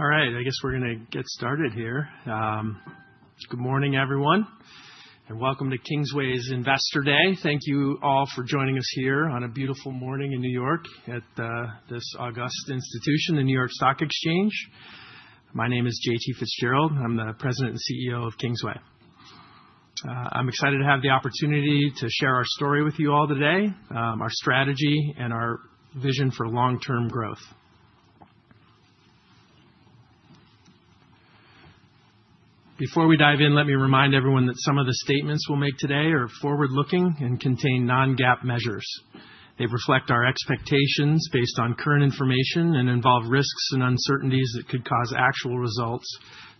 All right, I guess we're going to get started here. Good morning, everyone, and welcome to Kingsway's Investor Day. Thank you all for joining us here on a beautiful morning in New York at this august institution, the New York Stock Exchange. My name is J.T. Fitzgerald, and I'm the President and CEO of Kingsway. I'm excited to have the opportunity to share our story with you all today, our strategy, and our vision for long-term growth. Before we dive in, let me remind everyone that some of the statements we'll make today are forward-looking and contain non-GAAP measures. They reflect our expectations based on current information and involve risks and uncertainties that could cause actual results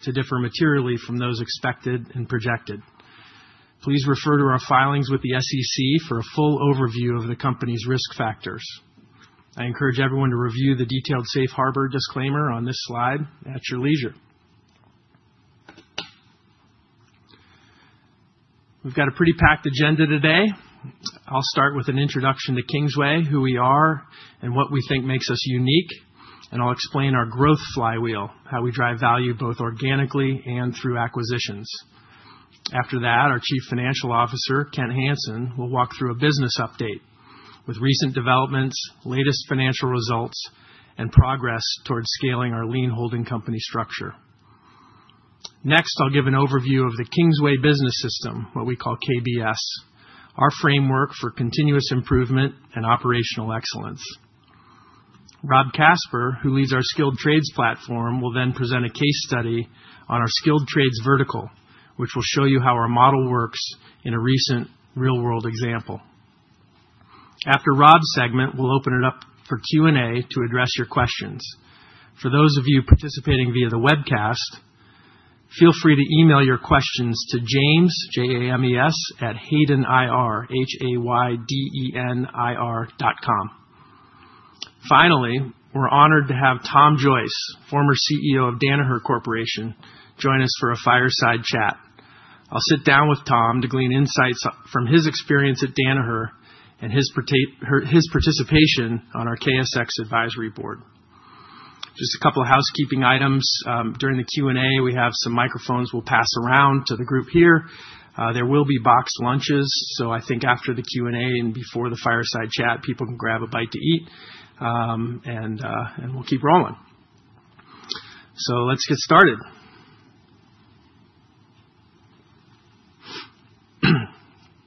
to differ materially from those expected and projected. Please refer to our filings with the SEC for a full overview of the company's risk factors. I encourage everyone to review the detailed safe harbor disclaimer on this slide at your leisure. We've got a pretty packed agenda today. I'll start with an introduction to Kingsway, who we are, and what we think makes us unique, and I'll explain our growth flywheel, how we drive value both organically and through acquisitions. After that, our Chief Financial Officer, Kent Hansen, will walk through a business update with recent developments, latest financial results, and progress towards scaling our lean holding company structure. Next, I'll give an overview of the Kingsway Business System, what we call KBS, our framework for continuous improvement and operational excellence. Rob Casper, who leads our Skilled Trades platform, will then present a case study on our Skilled Trades vertical, which will show you how our model works in a recent real-world example. After Rob's segment, we'll open it up for Q&A to address your questions. For those of you participating via the webcast, feel free to email your questions to James, J-A-M-E-S, at Hayden IR, H-A-Y-D-E-N-I-R, dot com. Finally, we're honored to have Tom Joyce, former CEO of Danaher Corporation, join us for a fireside chat. I'll sit down with Tom to glean insights from his experience at Danaher and his participation on our KSX Advisory Board. Just a couple of housekeeping items. During the Q&A, we have some microphones we'll pass around to the group here. There will be boxed lunches, so I think after the Q&A and before the fireside chat, people can grab a bite to eat, and we'll keep rolling. Let's get started.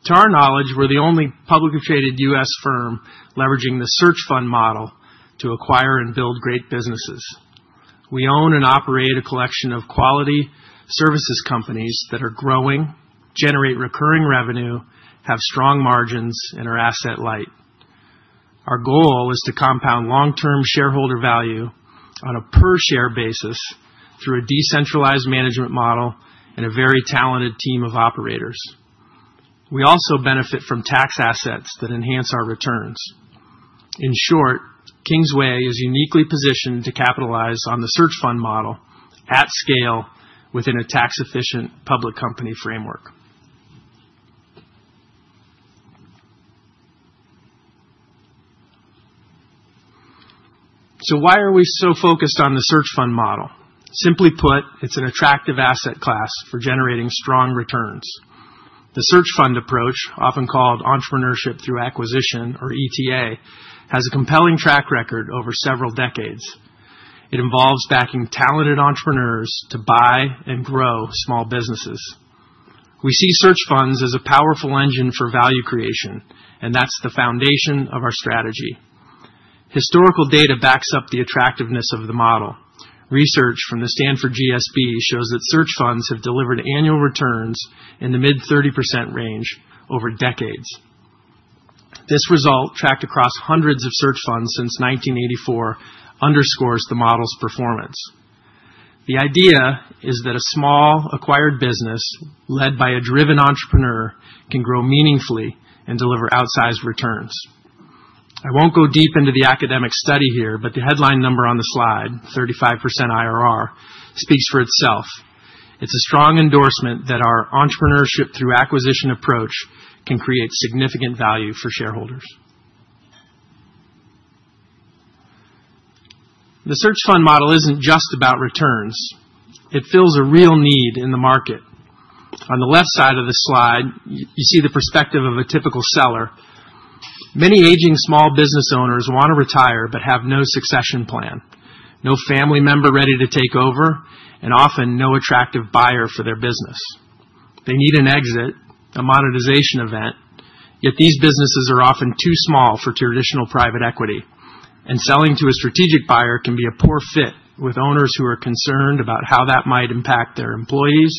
To our knowledge, we're the only publicly traded U.S. firm leveraging the search fund model to acquire and build great businesses. We own and operate a collection of quality services companies that are growing, generate recurring revenue, have strong margins, and are asset-light. Our goal is to compound long-term shareholder value on a per-share basis through a decentralized management model and a very talented team of operators. We also benefit from tax assets that enhance our returns. In short, Kingsway is uniquely positioned to capitalize on the search fund model at scale within a tax-efficient public company framework. Why are we so focused on the search fund model? Simply put, it is an attractive asset class for generating strong returns. The search fund approach, often called entrepreneurship through acquisition or ETA, has a compelling track record over several decades. It involves backing talented entrepreneurs to buy and grow small businesses. We see search funds as a powerful engine for value creation, and that is the foundation of our strategy. Historical data backs up the attractiveness of the model. Research from the Stanford Graduate School of Business shows that search funds have delivered annual returns in the mid-30% range over decades. This result, tracked across hundreds of search funds since 1984, underscores the model's performance. The idea is that a small acquired business led by a driven entrepreneur can grow meaningfully and deliver outsized returns. I won't go deep into the academic study here, but the headline number on the slide, 35% IRR, speaks for itself. It's a strong endorsement that our entrepreneurship through acquisition approach can create significant value for shareholders. The search fund model isn't just about returns. It fills a real need in the market. On the left side of the slide, you see the perspective of a typical seller. Many aging small business owners want to retire but have no succession plan, no family member ready to take over, and often no attractive buyer for their business. They need an exit, a monetization event, yet these businesses are often too small for traditional private equity, and selling to a strategic buyer can be a poor fit with owners who are concerned about how that might impact their employees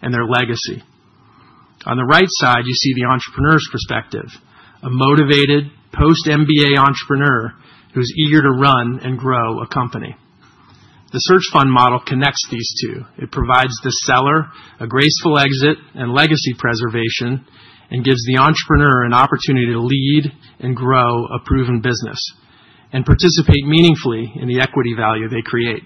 and their legacy. On the right side, you see the entrepreneur's perspective, a motivated post-MBA entrepreneur who's eager to run and grow a company. The search fund model connects these two. It provides the seller a graceful exit and legacy preservation and gives the entrepreneur an opportunity to lead and grow a proven business and participate meaningfully in the equity value they create.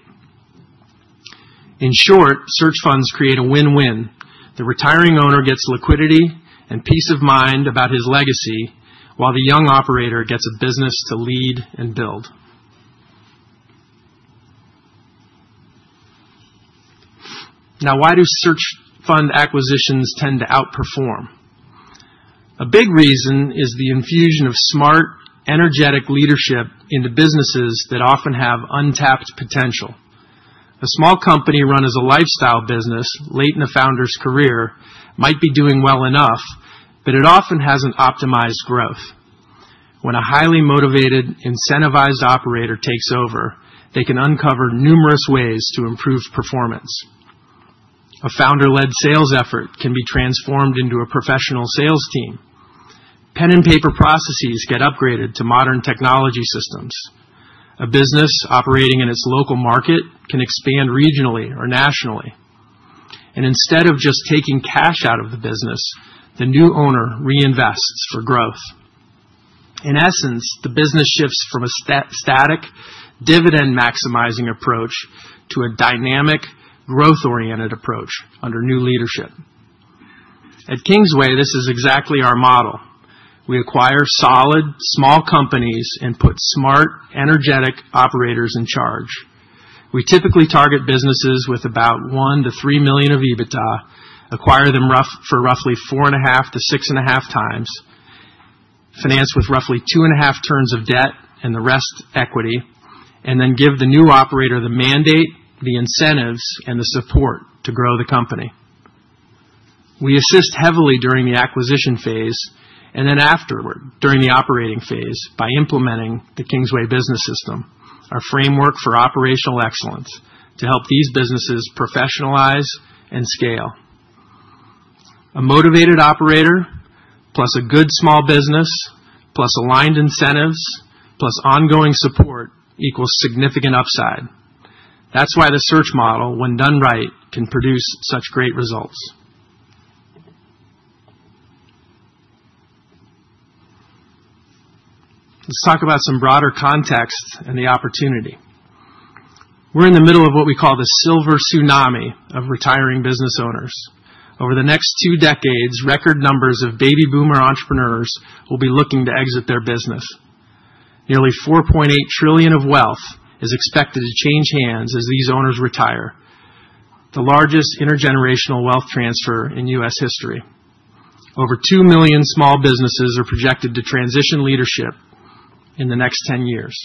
In short, search funds create a win-win. The retiring owner gets liquidity and peace of mind about his legacy, while the young operator gets a business to lead and build. Now, why do search fund acquisitions tend to outperform? A big reason is the infusion of smart, energetic leadership into businesses that often have untapped potential. A small company run as a lifestyle business late in a founder's career might be doing well enough, but it often hasn't optimized growth. When a highly motivated, incentivized operator takes over, they can uncover numerous ways to improve performance. A founder-led sales effort can be transformed into a professional sales team. Pen and paper processes get upgraded to modern technology systems. A business operating in its local market can expand regionally or nationally. Instead of just taking cash out of the business, the new owner reinvests for growth. In essence, the business shifts from a static, dividend-maximizing approach to a dynamic, growth-oriented approach under new leadership. At Kingsway, this is exactly our model. We acquire solid, small companies and put smart, energetic operators in charge. We typically target businesses with about $1 million-$3 million of EBITDA, acquire them for roughly 4.5-6.5x, finance with roughly 2.5 turns of debt and the rest equity, and then give the new operator the mandate, the incentives, and the support to grow the company. We assist heavily during the acquisition phase and then afterward during the operating phase by implementing the Kingsway Business System, our framework for operational excellence, to help these businesses professionalize and scale. A motivated operator plus a good small business plus aligned incentives plus ongoing support equals significant upside. That's why the search model, when done right, can produce such great results. Let's talk about some broader context and the opportunity. We're in the middle of what we call the silver tsunami of retiring business owners. Over the next two decades, record numbers of baby boomer entrepreneurs will be looking to exit their business. Nearly $4.8 trillion of wealth is expected to change hands as these owners retire, the largest intergenerational wealth transfer in U.S. history. Over two million small businesses are projected to transition leadership in the next ten years.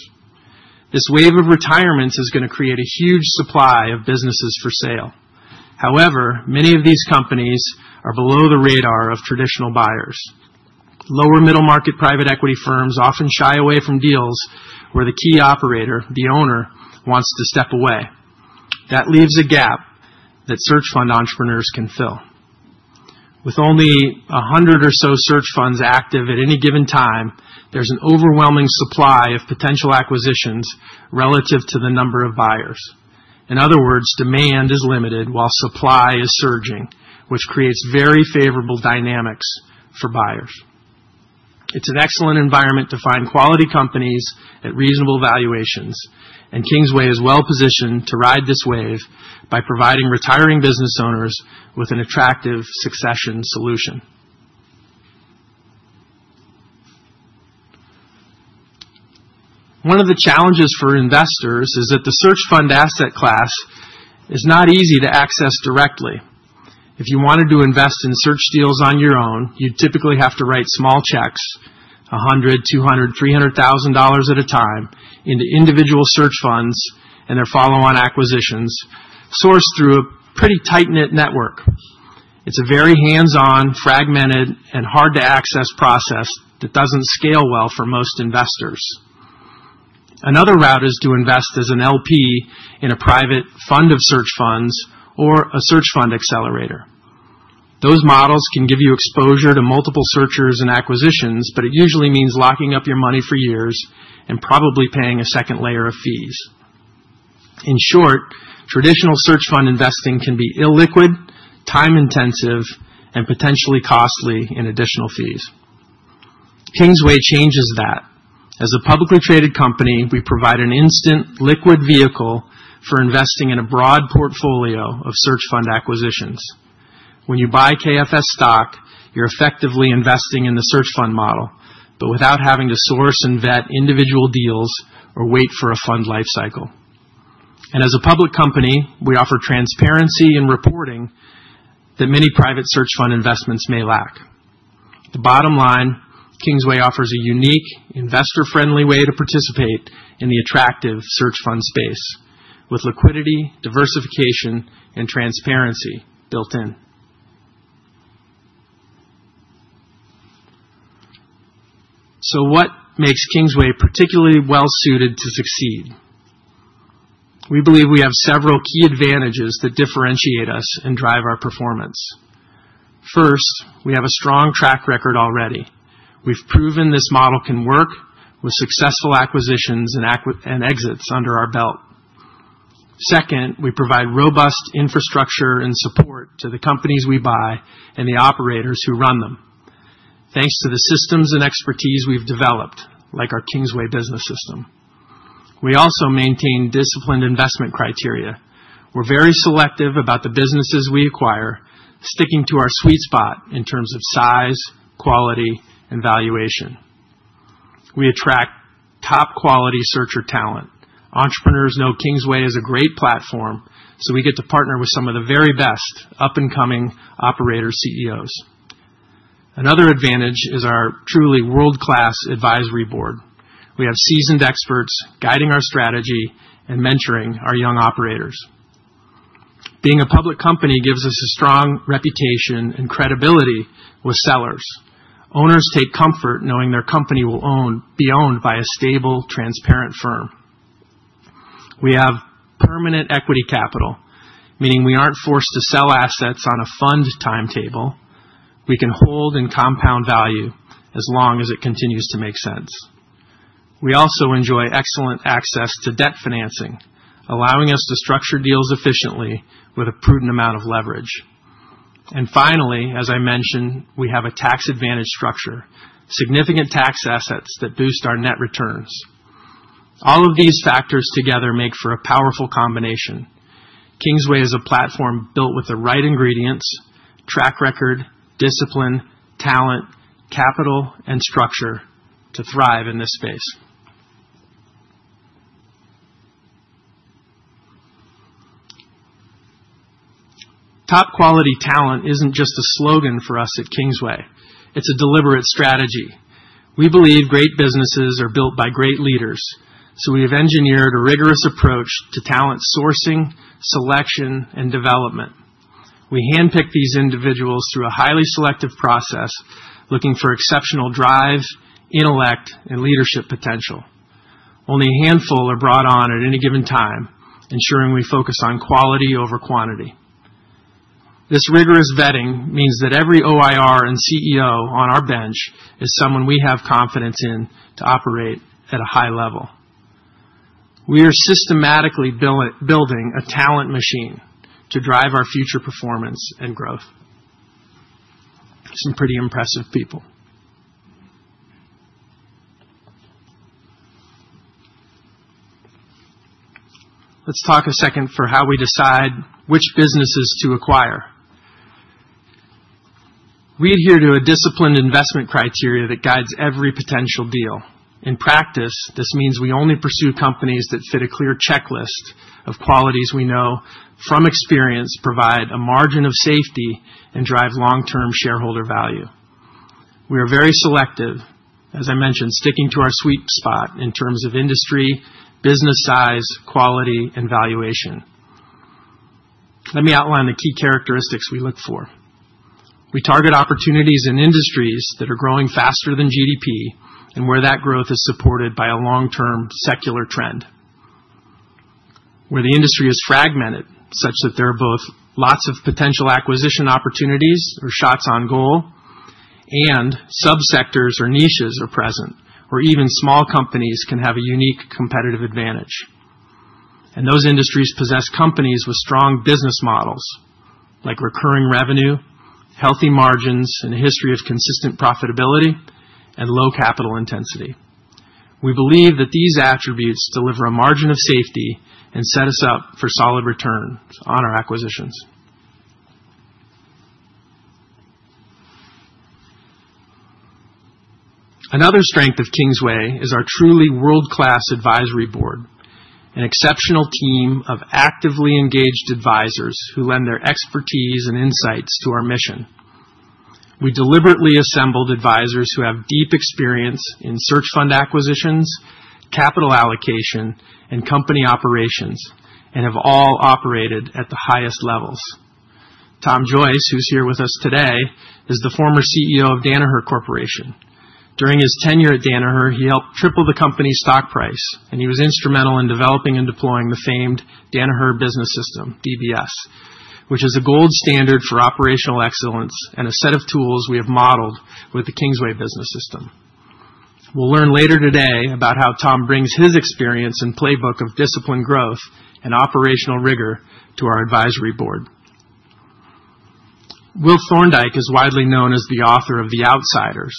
This wave of retirements is going to create a huge supply of businesses for sale. However, many of these companies are below the radar of traditional buyers. Lower-middle market private equity firms often shy away from deals where the key operator, the owner, wants to step away. That leaves a gap that search fund entrepreneurs can fill. With only a hundred or so search funds active at any given time, there's an overwhelming supply of potential acquisitions relative to the number of buyers. In other words, demand is limited while supply is surging, which creates very favorable dynamics for buyers. It's an excellent environment to find quality companies at reasonable valuations, and Kingsway is well positioned to ride this wave by providing retiring business owners with an attractive succession solution. One of the challenges for investors is that the search fund asset class is not easy to access directly. If you wanted to invest in search deals on your own, you'd typically have to write small checks, $100,000, $200,000, $300,000 at a time into individual search funds and their follow-on acquisitions, sourced through a pretty tight-knit network. It's a very hands-on, fragmented, and hard-to-access process that doesn't scale well for most investors. Another route is to invest as an LP in a private fund of search funds or a search fund accelerator. Those models can give you exposure to multiple searchers and acquisitions, but it usually means locking up your money for years and probably paying a second layer of fees. In short, traditional search fund investing can be illiquid, time-intensive, and potentially costly in additional fees. Kingsway changes that. As a publicly traded company, we provide an instant, liquid vehicle for investing in a broad portfolio of search fund acquisitions. When you buy KFS stock, you're effectively investing in the search fund model, but without having to source and vet individual deals or wait for a fund lifecycle. As a public company, we offer transparency in reporting that many private search fund investments may lack. The bottom line, Kingsway offers a unique, investor-friendly way to participate in the attractive search fund space with liquidity, diversification, and transparency built in. What makes Kingsway particularly well-suited to succeed? We believe we have several key advantages that differentiate us and drive our performance. First, we have a strong track record already. We've proven this model can work with successful acquisitions and exits under our belt. Second, we provide robust infrastructure and support to the companies we buy and the operators who run them, thanks to the systems and expertise we've developed, like our Kingsway Business System. We also maintain disciplined investment criteria. We're very selective about the businesses we acquire, sticking to our sweet spot in terms of size, quality, and valuation. We attract top-quality searcher talent. Entrepreneurs know Kingsway as a great platform, so we get to partner with some of the very best up-and-coming operator CEOs. Another advantage is our truly world-class advisory board. We have seasoned experts guiding our strategy and mentoring our young operators. Being a public company gives us a strong reputation and credibility with sellers. Owners take comfort knowing their company will be owned by a stable, transparent firm. We have permanent equity capital, meaning we aren't forced to sell assets on a fund timetable. We can hold and compound value as long as it continues to make sense. We also enjoy excellent access to debt financing, allowing us to structure deals efficiently with a prudent amount of leverage. Finally, as I mentioned, we have a tax-advantaged structure, significant tax assets that boost our net returns. All of these factors together make for a powerful combination. Kingsway is a platform built with the right ingredients: track record, discipline, talent, capital, and structure to thrive in this space. Top-quality talent isn't just a slogan for us at Kingsway. It's a deliberate strategy. We believe great businesses are built by great leaders, so we have engineered a rigorous approach to talent sourcing, selection, and development. We handpick these individuals through a highly selective process, looking for exceptional drive, intellect, and leadership potential. Only a handful are brought on at any given time, ensuring we focus on quality over quantity. This rigorous vetting means that every OIR and CEO on our bench is someone we have confidence in to operate at a high level. We are systematically building a talent machine to drive our future performance and growth. Some pretty impressive people. Let's talk a second for how we decide which businesses to acquire. We adhere to a disciplined investment criteria that guides every potential deal. In practice, this means we only pursue companies that fit a clear checklist of qualities we know from experience provide a margin of safety and drive long-term shareholder value. We are very selective, as I mentioned, sticking to our sweet spot in terms of industry, business size, quality, and valuation. Let me outline the key characteristics we look for. We target opportunities in industries that are growing faster than GDP and where that growth is supported by a long-term secular trend, where the industry is fragmented such that there are both lots of potential acquisition opportunities or shots on goal, and subsectors or niches are present, or even small companies can have a unique competitive advantage. Those industries possess companies with strong business models like recurring revenue, healthy margins, and a history of consistent profitability and low capital intensity. We believe that these attributes deliver a margin of safety and set us up for solid returns on our acquisitions. Another strength of Kingsway is our truly world-class advisory board, an exceptional team of actively engaged advisors who lend their expertise and insights to our mission. We deliberately assembled advisors who have deep experience in search fund acquisitions, capital allocation, and company operations, and have all operated at the highest levels. Tom Joyce, who's here with us today, is the former CEO of Danaher Corporation. During his tenure at Danaher, he helped triple the company's stock price, and he was instrumental in developing and deploying the famed Danaher Business System, DBS, which is a gold standard for operational excellence and a set of tools we have modeled with the Kingsway Business System. We will learn later today about how Tom brings his experience and playbook of disciplined growth and operational rigor to our advisory board. Will Thorndike is widely known as the author of The Outsiders,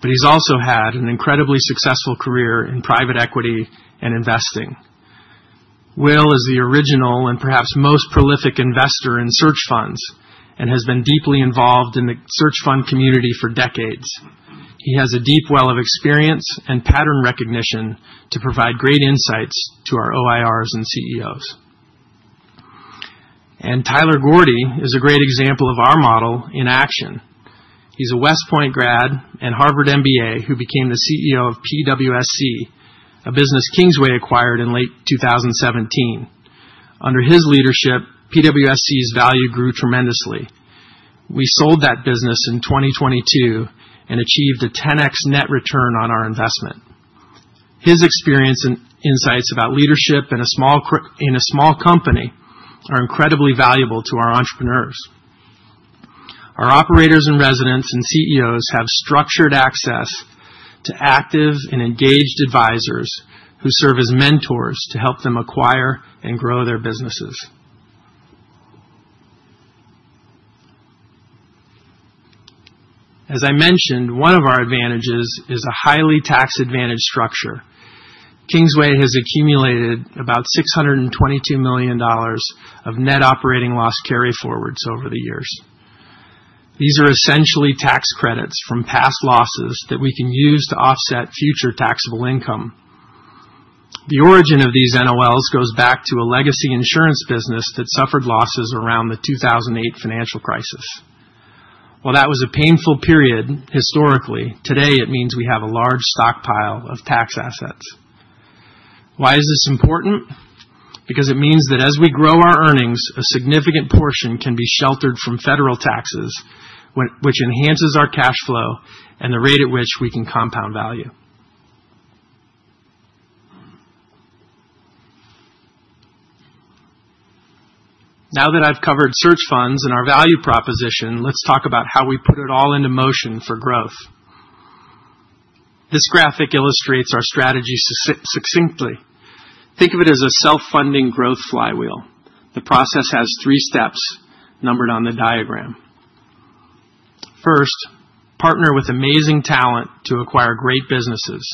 but he is also had an incredibly successful career in private equity and investing. Will is the original and perhaps most prolific investor in search funds and has been deeply involved in the search fund community for decades. He has a deep well of experience and pattern recognition to provide great insights to our OIRs and CEOs. Tyler Gordy is a great example of our model in action. He's a West Point grad and Harvard MBA who became the CEO of PWSC, a business Kingsway acquired in late 2017. Under his leadership, PWSC's value grew tremendously. We sold that business in 2022 and achieved a 10x net return on our investment. His experience and insights about leadership in a small company are incredibly valuable to our entrepreneurs. Our operators and residents and CEOs have structured access to active and engaged advisors who serve as mentors to help them acquire and grow their businesses. As I mentioned, one of our advantages is a highly tax-advantaged structure. Kingsway has accumulated about $622 million of net operating loss carry forwards over the years. These are essentially tax credits from past losses that we can use to offset future taxable income. The origin of these NOLs goes back to a legacy insurance business that suffered losses around the 2008 financial crisis. While that was a painful period historically, today it means we have a large stockpile of tax assets. Why is this important? Because it means that as we grow our earnings, a significant portion can be sheltered from federal taxes, which enhances our cash flow and the rate at which we can compound value. Now that I've covered search funds and our value proposition, let's talk about how we put it all into motion for growth. This graphic illustrates our strategy succinctly. Think of it as a self-funding growth flywheel. The process has three steps numbered on the diagram. First, partner with amazing talent to acquire great businesses.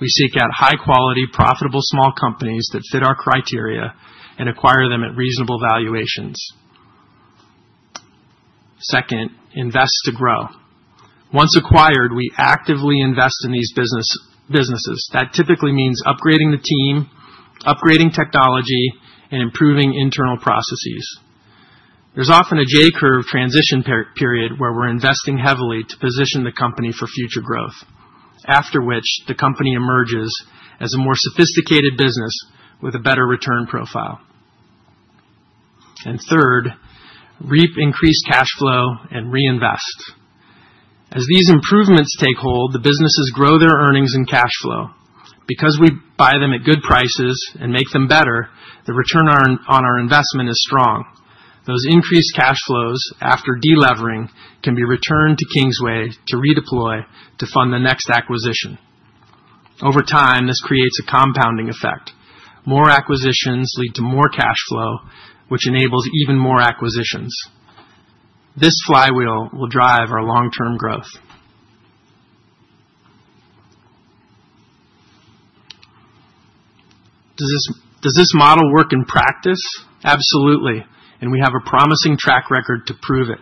We seek out high-quality, profitable small companies that fit our criteria and acquire them at reasonable valuations. Second, invest to grow. Once acquired, we actively invest in these businesses. That typically means upgrading the team, upgrading technology, and improving internal processes. There's often a J-curve transition period where we're investing heavily to position the company for future growth, after which the company emerges as a more sophisticated business with a better return profile. Third, reap increased cash flow and reinvest. As these improvements take hold, the businesses grow their earnings and cash flow. Because we buy them at good prices and make them better, the return on our investment is strong. Those increased cash flows after delevering can be returned to Kingsway to redeploy to fund the next acquisition. Over time, this creates a compounding effect. More acquisitions lead to more cash flow, which enables even more acquisitions. This flywheel will drive our long-term growth. Does this model work in practice? Absolutely. We have a promising track record to prove it.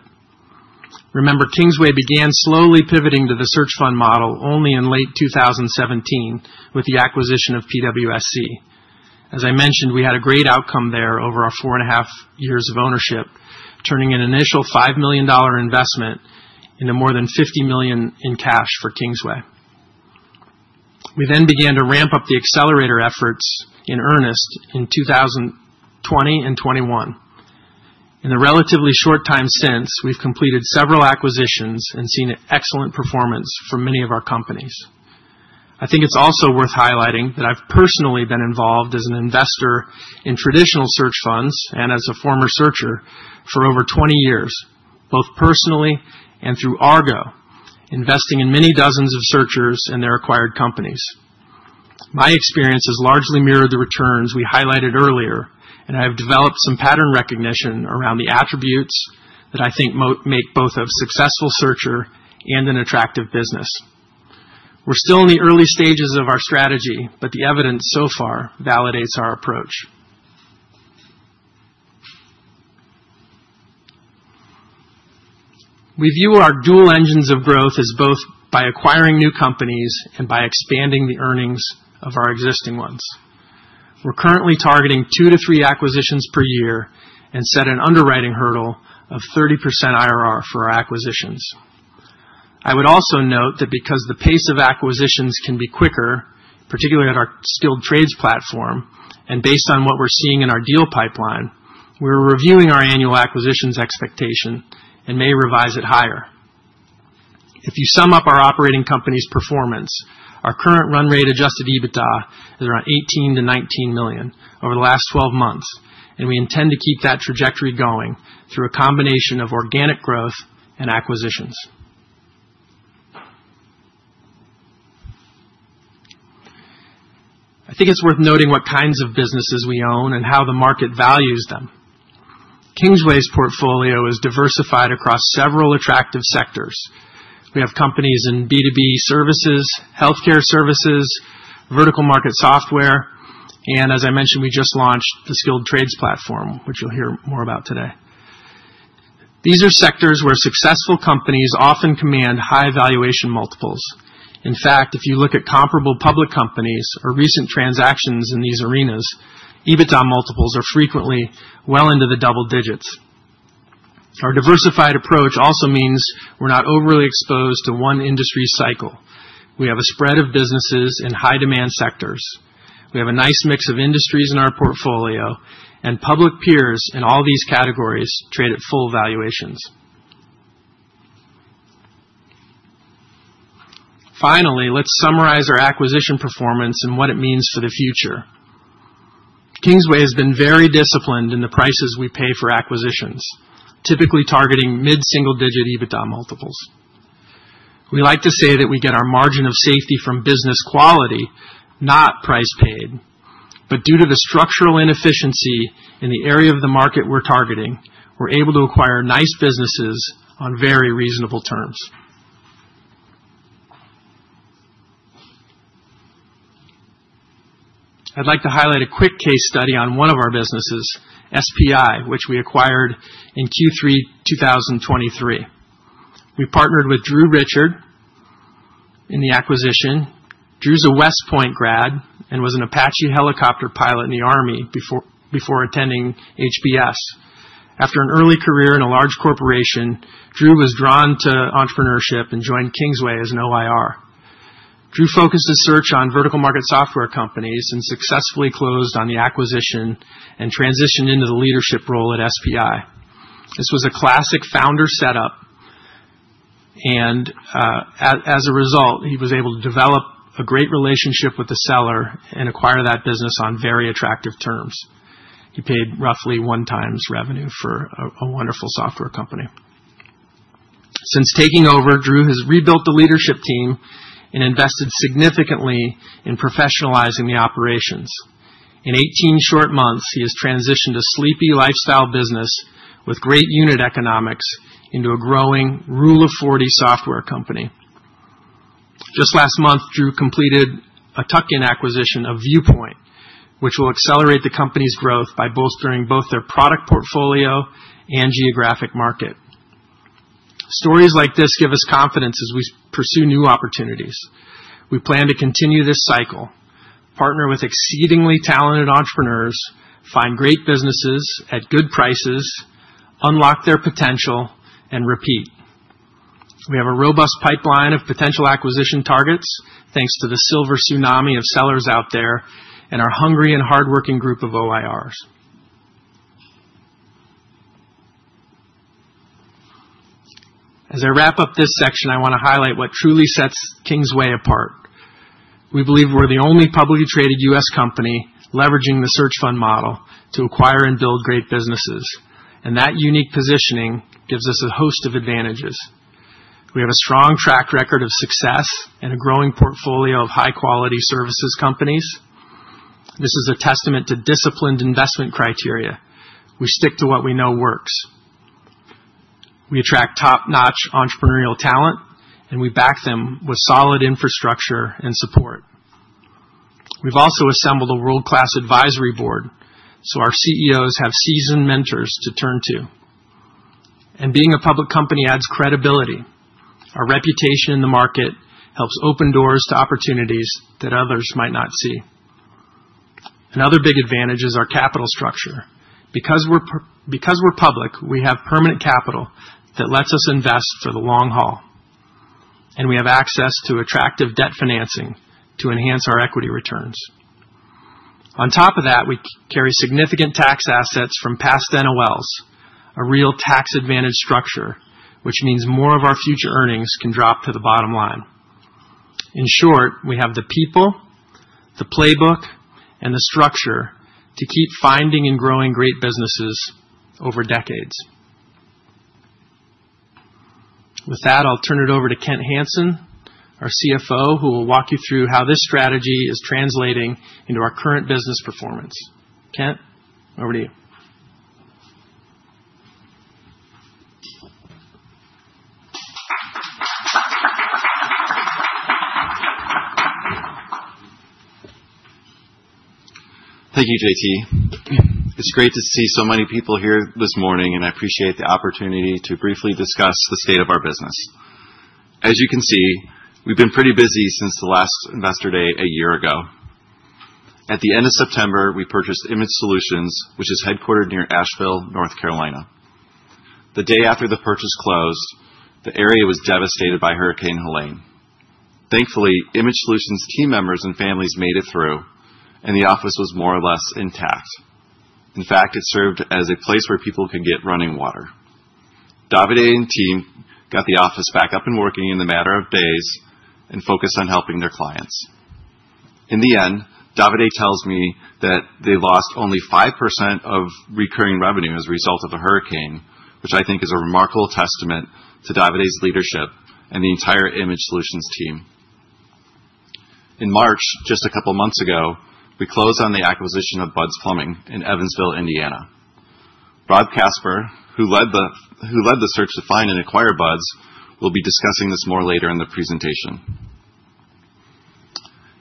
Remember, Kingsway began slowly pivoting to the search fund model only in late 2017 with the acquisition of PWSC. As I mentioned, we had a great outcome there over our four and a half years of ownership, turning an initial $5 million investment into more than $50 million in cash for Kingsway. We then began to ramp up the accelerator efforts in earnest in 2020 and 2021. In the relatively short time since, we've completed several acquisitions and seen excellent performance for many of our companies. I think it's also worth highlighting that I've personally been involved as an investor in traditional search funds and as a former searcher for over 20 years, both personally and through Argo, investing in many dozens of searchers and their acquired companies. My experience has largely mirrored the returns we highlighted earlier, and I have developed some pattern recognition around the attributes that I think make both a successful searcher and an attractive business. We're still in the early stages of our strategy, but the evidence so far validates our approach. We view our dual engines of growth as both by acquiring new companies and by expanding the earnings of our existing ones. We're currently targeting two to three acquisitions per year and set an underwriting hurdle of 30% IRR for our acquisitions. I would also note that because the pace of acquisitions can be quicker, particularly at our Skilled Trades platform, and based on what we're seeing in our deal pipeline, we're reviewing our annual acquisitions expectation and may revise it higher. If you sum up our operating company's performance, our current run rate adjusted EBITDA is around $18 million-$19 million over the last 12 months, and we intend to keep that trajectory going through a combination of organic growth and acquisitions. I think it's worth noting what kinds of businesses we own and how the market values them. Kingsway's portfolio is diversified across several attractive sectors. We have companies in B2B services, healthcare services, vertical market software, and as I mentioned, we just launched the Skilled Trades platform, which you'll hear more about today. These are sectors where successful companies often command high valuation multiples. In fact, if you look at comparable public companies or recent transactions in these arenas, EBITDA multiples are frequently well into the double digits. Our diversified approach also means we're not overly exposed to one industry cycle. We have a spread of businesses in high-demand sectors. We have a nice mix of industries in our portfolio, and public peers in all these categories trade at full valuations. Finally, let's summarize our acquisition performance and what it means for the future. Kingsway has been very disciplined in the prices we pay for acquisitions, typically targeting mid-single-digit EBITDA multiples. We like to say that we get our margin of safety from business quality, not price paid. Due to the structural inefficiency in the area of the market we're targeting, we're able to acquire nice businesses on very reasonable terms. I'd like to highlight a quick case study on one of our businesses, SPI, which we acquired in Q3 2023. We partnered with Drew Richard in the acquisition. Drew's a West Point grad and was an Apache helicopter pilot in the Army before attending HBS. After an early career in a large corporation, Drew was drawn to entrepreneurship and joined Kingsway as an OIR. Drew focused his search on vertical market software companies and successfully closed on the acquisition and transitioned into the leadership role at SPI. This was a classic founder setup, and as a result, he was able to develop a great relationship with the seller and acquire that business on very attractive terms. He paid roughly one-time revenue for a wonderful software company. Since taking over, Drew has rebuilt the leadership team and invested significantly in professionalizing the operations. In 18 short months, he has transitioned a sleepy lifestyle business with great unit economics into a growing Rule of 40 software company. Just last month, Drew completed a tuck-in acquisition of Viewpoint, which will accelerate the company's growth by bolstering both their product portfolio and geographic market. Stories like this give us confidence as we pursue new opportunities. We plan to continue this cycle, partner with exceedingly talented entrepreneurs, find great businesses at good prices, unlock their potential, and repeat. We have a robust pipeline of potential acquisition targets thanks to the silver tsunami of sellers out there and our hungry and hardworking group of OIRs. As I wrap up this section, I want to highlight what truly sets Kingsway apart. We believe we're the only publicly traded U.S. company leveraging the search fund model to acquire and build great businesses, and that unique positioning gives us a host of advantages. We have a strong track record of success and a growing portfolio of high-quality services companies. This is a testament to disciplined investment criteria. We stick to what we know works. We attract top-notch entrepreneurial talent, and we back them with solid infrastructure and support. We've also assembled a world-class advisory board, so our CEOs have seasoned mentors to turn to. Being a public company adds credibility. Our reputation in the market helps open doors to opportunities that others might not see. Another big advantage is our capital structure. Because we're public, we have permanent capital that lets us invest for the long haul, and we have access to attractive debt financing to enhance our equity returns. On top of that, we carry significant tax assets from past NOLs, a real tax-advantaged structure, which means more of our future earnings can drop to the bottom line. In short, we have the people, the playbook, and the structure to keep finding and growing great businesses over decades. With that, I'll turn it over to Kent Hansen, our CFO, who will walk you through how this strategy is translating into our current business performance. Kent, over to you. Thank you, JT. It's great to see so many people here this morning, and I appreciate the opportunity to briefly discuss the state of our business. As you can see, we've been pretty busy since the last investor day a year ago. At the end of September, we purchased Image Solutions, which is headquartered near Asheville, North Carolina. The day after the purchase closed, the area was devastated by Hurricane Helene. Thankfully, Image Solutions team members and families made it through, and the office was more or less intact. In fact, it served as a place where people could get running water. Davide and team got the office back up and working in a matter of days and focused on helping their clients. In the end, Davide tells me that they lost only 5% of recurring revenue as a result of the hurricane, which I think is a remarkable testament to Davide's leadership and the entire Image Solutions team. In March, just a couple of months ago, we closed on the acquisition of Buds Plumbing in Evansville, Indiana. Rob Casper, who led the search to find and acquire Buds, will be discussing this more later in the presentation.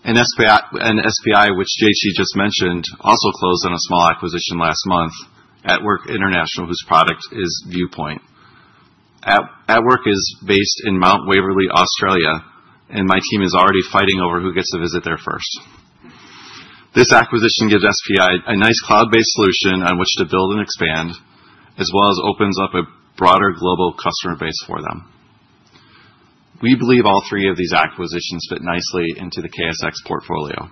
SPI, which JT just mentioned, also closed on a small acquisition last month, AtWork International, whose product is Viewpoint. AtWork is based in Mount Waverly, Australia, and my team is already fighting over who gets to visit there first. This acquisition gives SPI a nice cloud-based solution on which to build and expand, as well as opens up a broader global customer base for them. We believe all three of these acquisitions fit nicely into the KSX portfolio.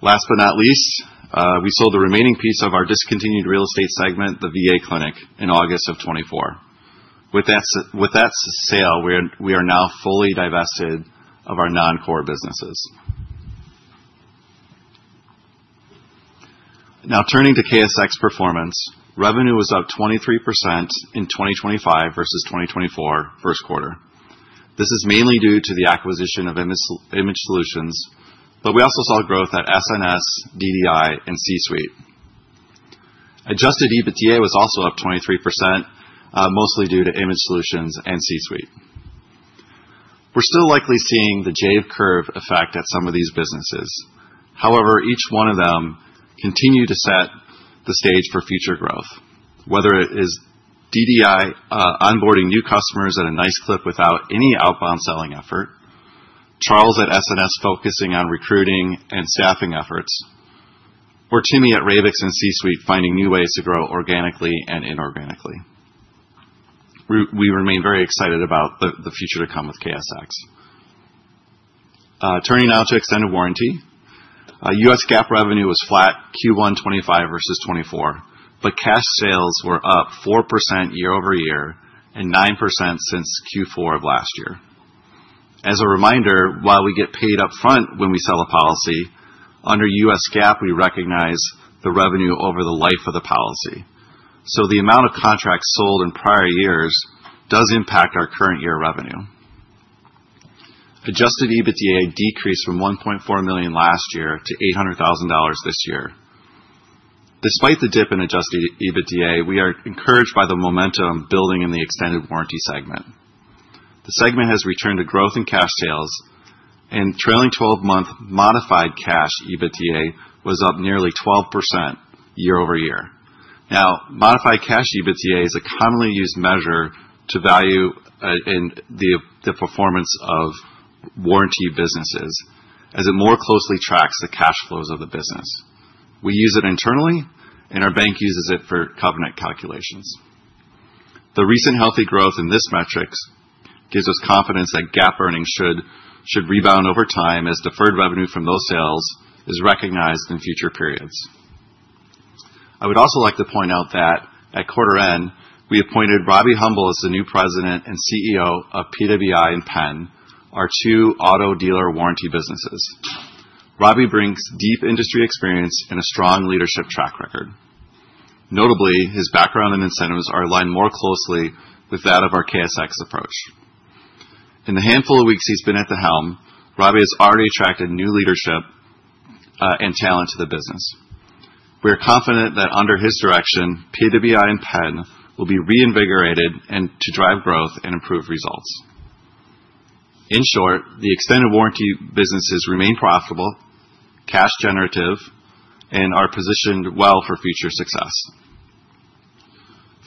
Last but not least, we sold the remaining piece of our discontinued real estate segment, the VA clinic, in August of 2024. With that sale, we are now fully divested of our non-core businesses. Now, turning to KSX performance, revenue was up 23% in 2025 versus 2024 1222222222222222222222222st quarter. This is mainly due to the acquisition of Image Solutions, but we also saw growth at SNS, DDI, and C-Suite. Adjusted EBITDA was also up 23%, mostly due to Image Solutions and C-Suite. We're still likely seeing the J-curve effect at some of these businesses. However, each one of them continued to set the stage for future growth, whether it is DDI onboarding new customers at a nice clip without any outbound selling effort, Charles at SNS focusing on recruiting and staffing efforts, or Timmy at Ravex and C-Suite finding new ways to grow organically and inorganically. We remain very excited about the future to come with KSX. Turning now to extended warranty, U.S. GAAP revenue was flat Q1 2025 versus 2024, but cash sales were up 4% year-over-year and 9% since Q4 of last year. As a reminder, while we get paid upfront when we sell a policy, under U.S. GAAP, we recognize the revenue over the life of the policy. So the amount of contracts sold in prior years does impact our current year revenue. Adjusted EBITDA decreased from $1.4 million last year to $800,000 this year. Despite the dip in adjusted EBITDA, we are encouraged by the momentum building in the extended warranty segment. The segment has returned to growth in cash sales, and trailing 12-month modified cash EBITDA was up nearly 12% year-over-year. Now, modified cash EBITDA is a commonly used measure to value the performance of warranty businesses, as it more closely tracks the cash flows of the business. We use it internally, and our bank uses it for covenant calculations. The recent healthy growth in this metric gives us confidence that GAAP earnings should rebound over time as deferred revenue from those sales is recognized in future periods. I would also like to point out that at quarter end, we appointed Robbie Humble as the new President and CEO of PWI and Penn, our two auto dealer warranty businesses. Robbie brings deep industry experience and a strong leadership track record. Notably, his background and incentives are aligned more closely with that of our KSX approach. In the handful of weeks he's been at the helm, Robbie has already attracted new leadership and talent to the business. We are confident that under his direction, PWI and Penn will be reinvigorated to drive growth and improve results. In short, the extended warranty businesses remain profitable, cash-generative, and are positioned well for future success.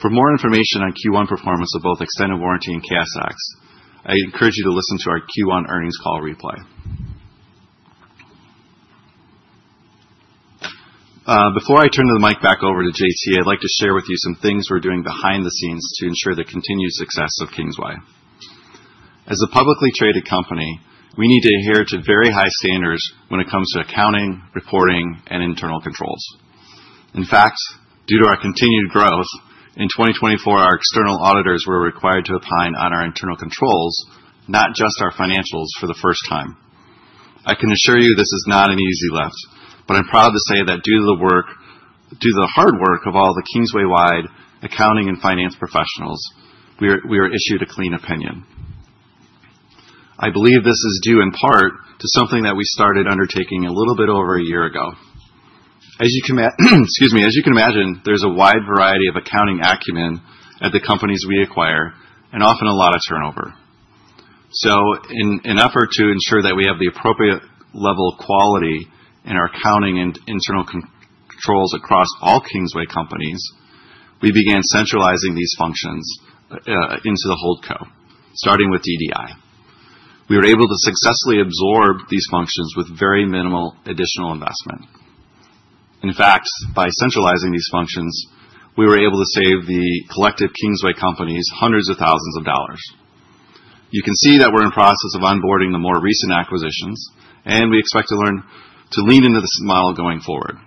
For more information on Q1 performance of both extended warranty and KSX, I encourage you to listen to our Q1 earnings call replay. Before I turn the mic back over to J.T., I'd like to share with you some things we're doing behind the scenes to ensure the continued success of Kingsway. As a publicly traded company, we need to adhere to very high standards when it comes to accounting, reporting, and internal controls. In fact, due to our continued growth, in 2024, our external auditors were required to opine on our internal controls, not just our financials for the first time. I can assure you this is not an easy lift, but I'm proud to say that due to the hard work of all the Kingsway-wide accounting and finance professionals, we were issued a clean opinion. I believe this is due in part to something that we started undertaking a little bit over a year ago. As you can imagine, there's a wide variety of accounting acumen at the companies we acquire, and often a lot of turnover. In an effort to ensure that we have the appropriate level of quality in our accounting and internal controls across all Kingsway companies, we began centralizing these functions into the holdco, starting with DDI. We were able to successfully absorb these functions with very minimal additional investment. In fact, by centralizing these functions, we were able to save the collective Kingsway companies hundreds of thousands of dollars. You can see that we're in the process of onboarding the more recent acquisitions, and we expect to lean into this model going forward.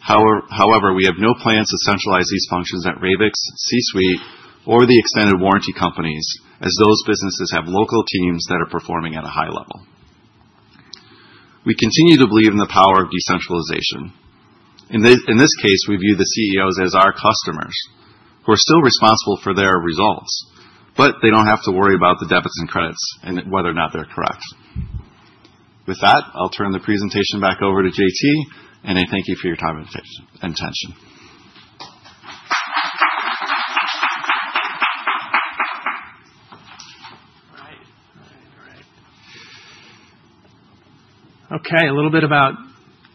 However, we have no plans to centralize these functions at Ravex, C-Suite, or the extended warranty companies, as those businesses have local teams that are performing at a high level. We continue to believe in the power of decentralization. In this case, we view the CEOs as our customers who are still responsible for their results, but they don't have to worry about the debits and credits and whether or not they're correct. With that, I'll turn the presentation back over to JT, and I thank you for your time and attention. All right. Okay, a little bit about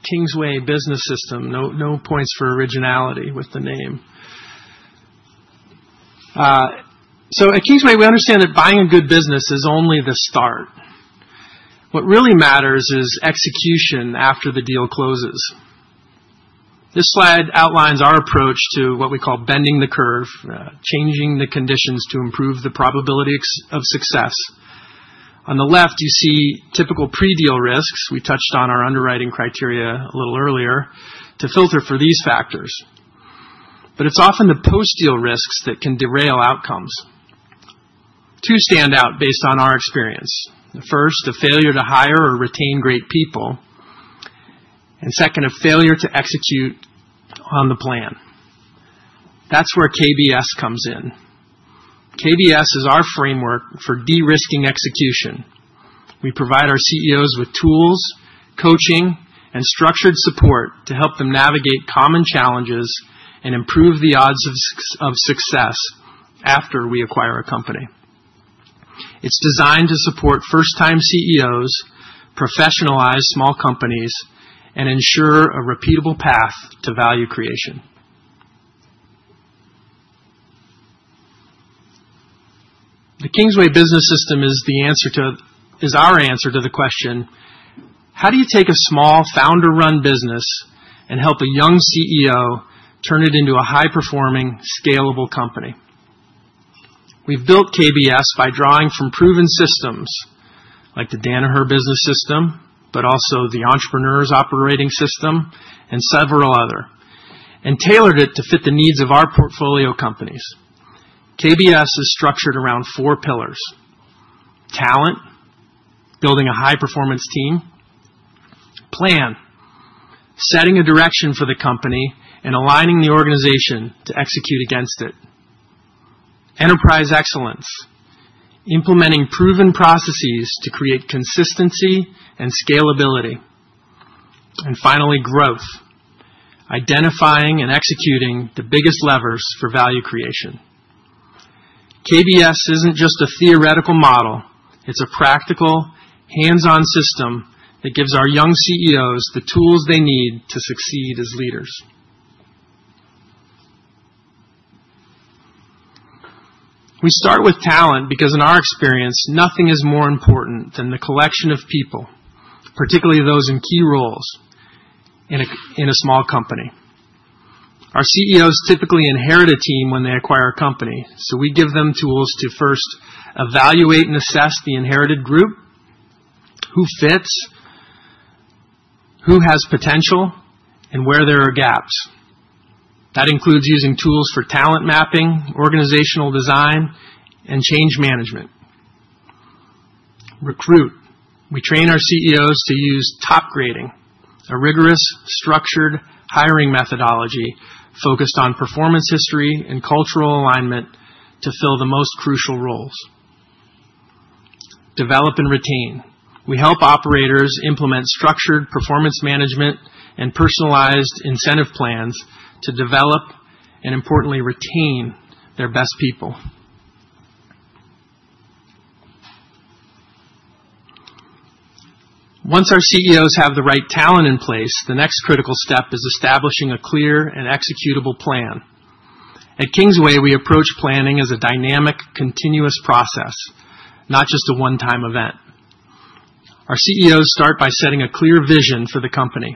Kingsway Business System. No points for originality with the name. At Kingsway, we understand that buying a good business is only the start. What really matters is execution after the deal closes. This slide outlines our approach to what we call bending the curve, changing the conditions to improve the probability of success. On the left, you see typical pre-deal risks. We touched on our underwriting criteria a little earlier to filter for these factors. It is often the post-deal risks that can derail outcomes. Two stand out based on our experience. The first, a failure to hire or retain great people, and second, a failure to execute on the plan. That is where KBS comes in. KBS is our framework for de-risking execution. We provide our CEOs with tools, coaching, and structured support to help them navigate common challenges and improve the odds of success after we acquire a company. It's designed to support first-time CEOs, professionalize small companies, and ensure a repeatable path to value creation. The Kingsway business system is our answer to the question, how do you take a small founder-run business and help a young CEO turn it into a high-performing, scalable company? We've built KBS by drawing from proven systems like the Danaher business system, but also the Entrepreneurs Operating System and several other, and tailored it to fit the needs of our portfolio companies. KBS is structured around four pillars: talent, building a high-performance team; plan, setting a direction for the company and aligning the organization to execute against it; enterprise excellence, implementing proven processes to create consistency and scalability; and finally, growth, identifying and executing the biggest levers for value creation. KBS isn't just a theoretical model. It's a practical, hands-on system that gives our young CEOs the tools they need to succeed as leaders. We start with talent because, in our experience, nothing is more important than the collection of people, particularly those in key roles in a small company. Our CEOs typically inherit a team when they acquire a company, so we give them tools to first evaluate and assess the inherited group, who fits, who has potential, and where there are gaps. That includes using tools for talent mapping, organizational design, and change management. Recruit. We train our CEOs to use top grading, a rigorous, structured hiring methodology focused on performance history and cultural alignment to fill the most crucial roles. Develop and retain. We help operators implement structured performance management and personalized incentive plans to develop and, importantly, retain their best people. Once our CEOs have the right talent in place, the next critical step is establishing a clear and executable plan. At Kingsway, we approach planning as a dynamic, continuous process, not just a one-time event. Our CEOs start by setting a clear vision for the company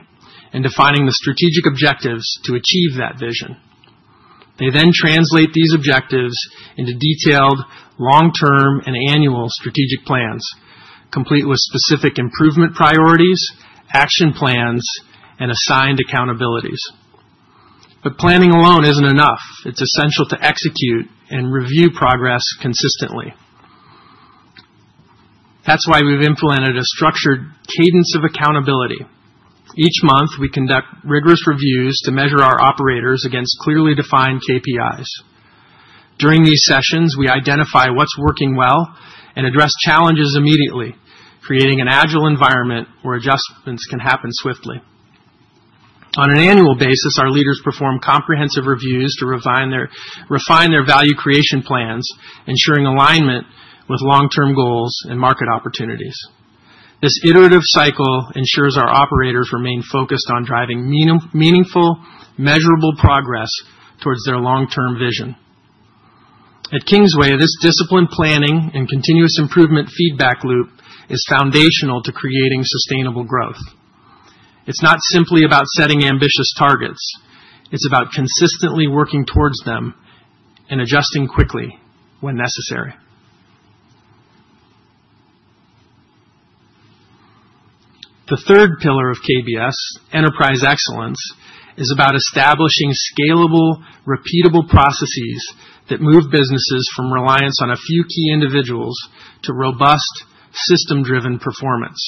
and defining the strategic objectives to achieve that vision. They then translate these objectives into detailed long-term and annual strategic plans, complete with specific improvement priorities, action plans, and assigned accountabilities. Planning alone is not enough. It is essential to execute and review progress consistently. That is why we have implemented a structured cadence of accountability. Each month, we conduct rigorous reviews to measure our operators against clearly defined KPIs. During these sessions, we identify what's working well and address challenges immediately, creating an agile environment where adjustments can happen swiftly. On an annual basis, our leaders perform comprehensive reviews to refine their value creation plans, ensuring alignment with long-term goals and market opportunities. This iterative cycle ensures our operators remain focused on driving meaningful, measurable progress towards their long-term vision. At Kingsway, this disciplined planning and continuous improvement feedback loop is foundational to creating sustainable growth. It's not simply about setting ambitious targets. It's about consistently working towards them and adjusting quickly when necessary. The third pillar of KBS, enterprise excellence, is about establishing scalable, repeatable processes that move businesses from reliance on a few key individuals to robust, system-driven performance.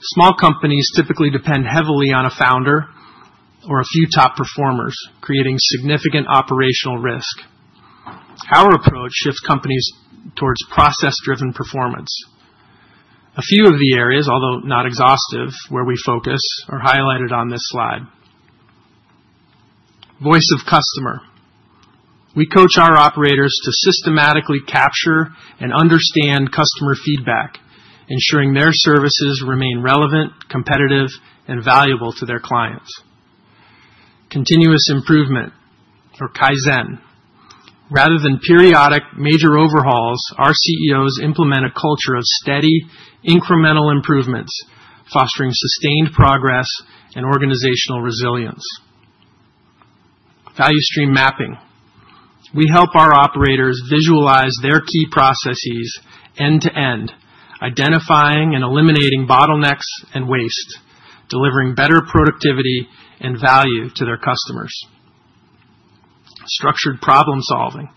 Small companies typically depend heavily on a founder or a few top performers, creating significant operational risk. Our approach shifts companies towards process-driven performance. A few of the areas, although not exhaustive, where we focus are highlighted on this slide: voice of customer. We coach our operators to systematically capture and understand customer feedback, ensuring their services remain relevant, competitive, and valuable to their clients. Continuous improvement, or Kaizen. Rather than periodic major overhauls, our CEOs implement a culture of steady, incremental improvements, fostering sustained progress and organizational resilience. Value Stream Mapping. We help our operators visualize their key processes end-to-end, identifying and eliminating bottlenecks and waste, delivering better productivity and value to their customers. Structured problem-solving.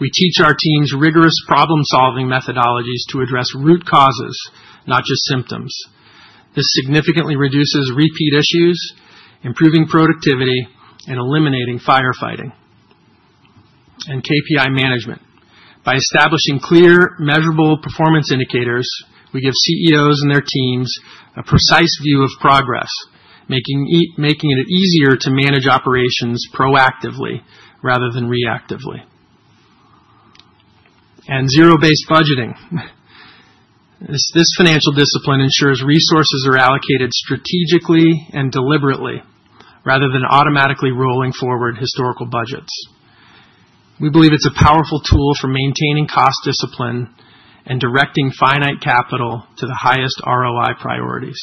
We teach our teams rigorous problem-solving methodologies to address root causes, not just symptoms. This significantly reduces repeat issues, improving productivity, and eliminating firefighting. And KPI management. By establishing clear, measurable performance indicators, we give CEOs and their teams a precise view of progress, making it easier to manage operations proactively rather than reactively. Zero-based budgeting. This financial discipline ensures resources are allocated strategically and deliberately rather than automatically rolling forward historical budgets. We believe it's a powerful tool for maintaining cost discipline and directing finite capital to the highest ROI priorities.